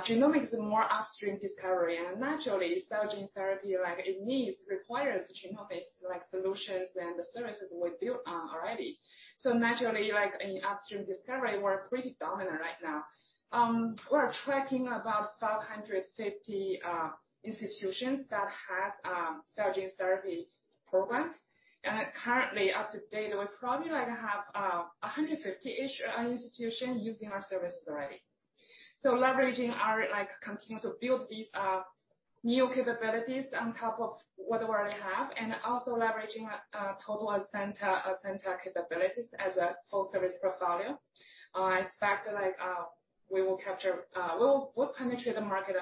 genomics is a more upstream discovery. Naturally, cell and gene therapy, like, it needs, requires genomics, like, solutions and the services we build, already. Naturally, like, in upstream discovery, we're pretty dominant right now. We're tracking about 550 institutions that have cell and gene therapy programs. Currently to date, we probably, like, have 150-ish institutions using our services already. Leveraging our, like, continuing to build these new capabilities on top of what we already have and also leveraging total Azenta capabilities as a full-service portfolio, I expect, like, we will capture, we'll penetrate the market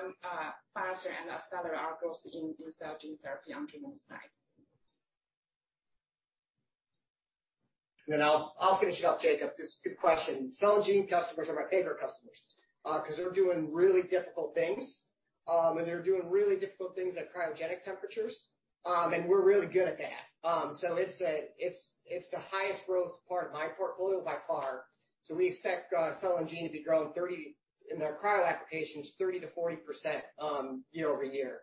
faster and accelerate our growth in cell and gene therapy on genomics side. I'll finish it up, Jacob. This is a good question. Cell and gene customers are my favorite customers, 'cause they're doing really difficult things. And they're doing really difficult things at cryogenic temperatures, and we're really good at that. It's the highest growth part of my portfolio by far. We expect cell and gene to be growing 30%-40% in their cryo applications, year-over-year.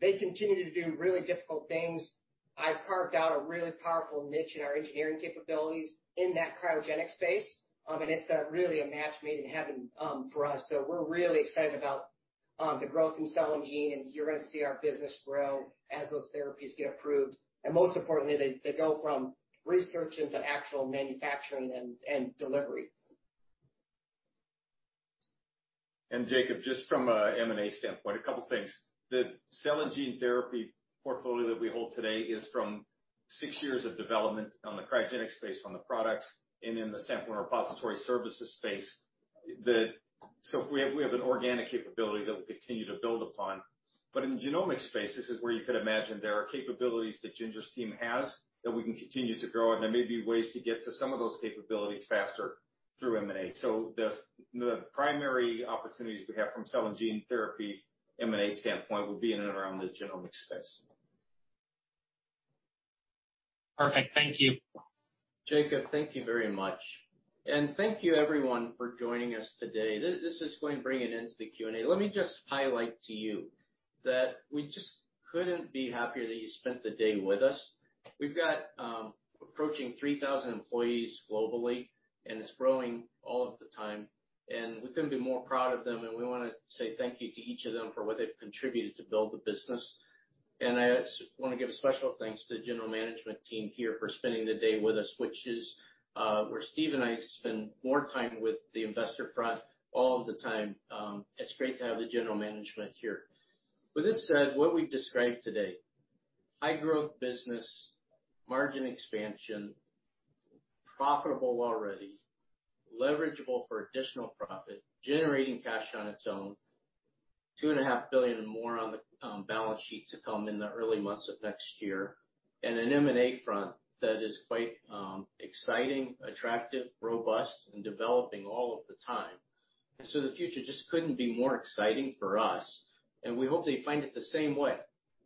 They continue to do really difficult things. I've carved out a really powerful niche in our engineering capabilities in that cryogenic space. It's really a match made in heaven for us. We're really excited about the growth in cell and gene, and you're gonna see our business grow as those therapies get approved. Most importantly, they go from research into actual manufacturing and delivery. Jacob, just from a M&A standpoint, a couple things. The cell and gene therapy portfolio that we hold today is from six years of development on the cryogenics space on the products and in the sample and repository services space. We have an organic capability that we'll continue to build upon. In the genomics space, this is where you could imagine there are capabilities that Ginger's team has that we can continue to grow, and there may be ways to get to some of those capabilities faster through M&A. The primary opportunities we have from cell and gene therapy, M&A standpoint, will be in and around the genomics space. Perfect. Thank you. Jacob, thank you very much. Thank you everyone for joining us today. This is going to bring an end to the Q&A. Let me just highlight to you that we just couldn't be happier that you spent the day with us. We've got approaching 3,000 employees globally, and it's growing all of the time, and we couldn't be more proud of them, and we wanna say thank you to each of them for what they've contributed to build the business. I wanna give a special thanks to the general management team here for spending the day with us, which is where Steve and I spend more time with the investor front all of the time. It's great to have the general management here. With this said, what we've described today, high-growth business, margin expansion, profitable already, leverageable for additional profit, generating cash on its own, $2.5 billion and more on the balance sheet to come in the early months of next year, and an M&A front that is quite exciting, attractive, robust, and developing all of the time. The future just couldn't be more exciting for us, and we hope that you find it the same way.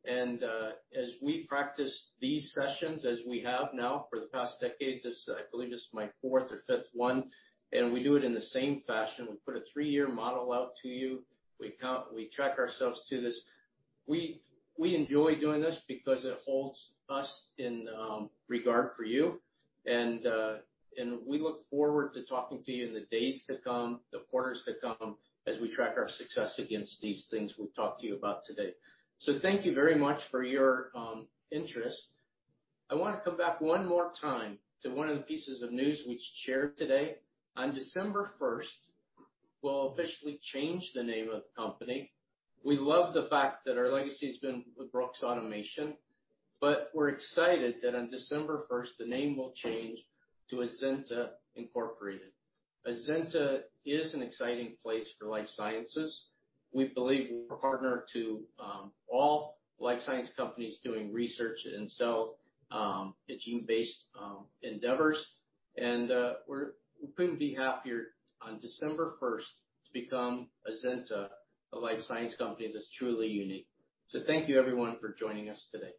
As we practice these sessions as we have now for the past decade, this, I believe, is my fourth or fifth one, and we do it in the same fashion. We put a three year model out to you. We track ourselves to this. We enjoy doing this because it holds us in regard for you. We look forward to talking to you in the days to come, the quarters to come, as we track our success against these things we've talked to you about today. Thank you very much for your interest. I wanna come back one more time to one of the pieces of news we shared today. On December 1st, we'll officially change the name of the company. We love the fact that our legacy has been with Brooks Automation, but we're excited that on December 1st, the name will change to Azenta, Inc. Azenta is an exciting place for life sciences. We believe we're a partner to all life science companies doing research in cell and gene-based endeavors. We couldn't be happier on December 1st to become Azenta, a life science company that's truly unique. Thank you everyone for joining us today.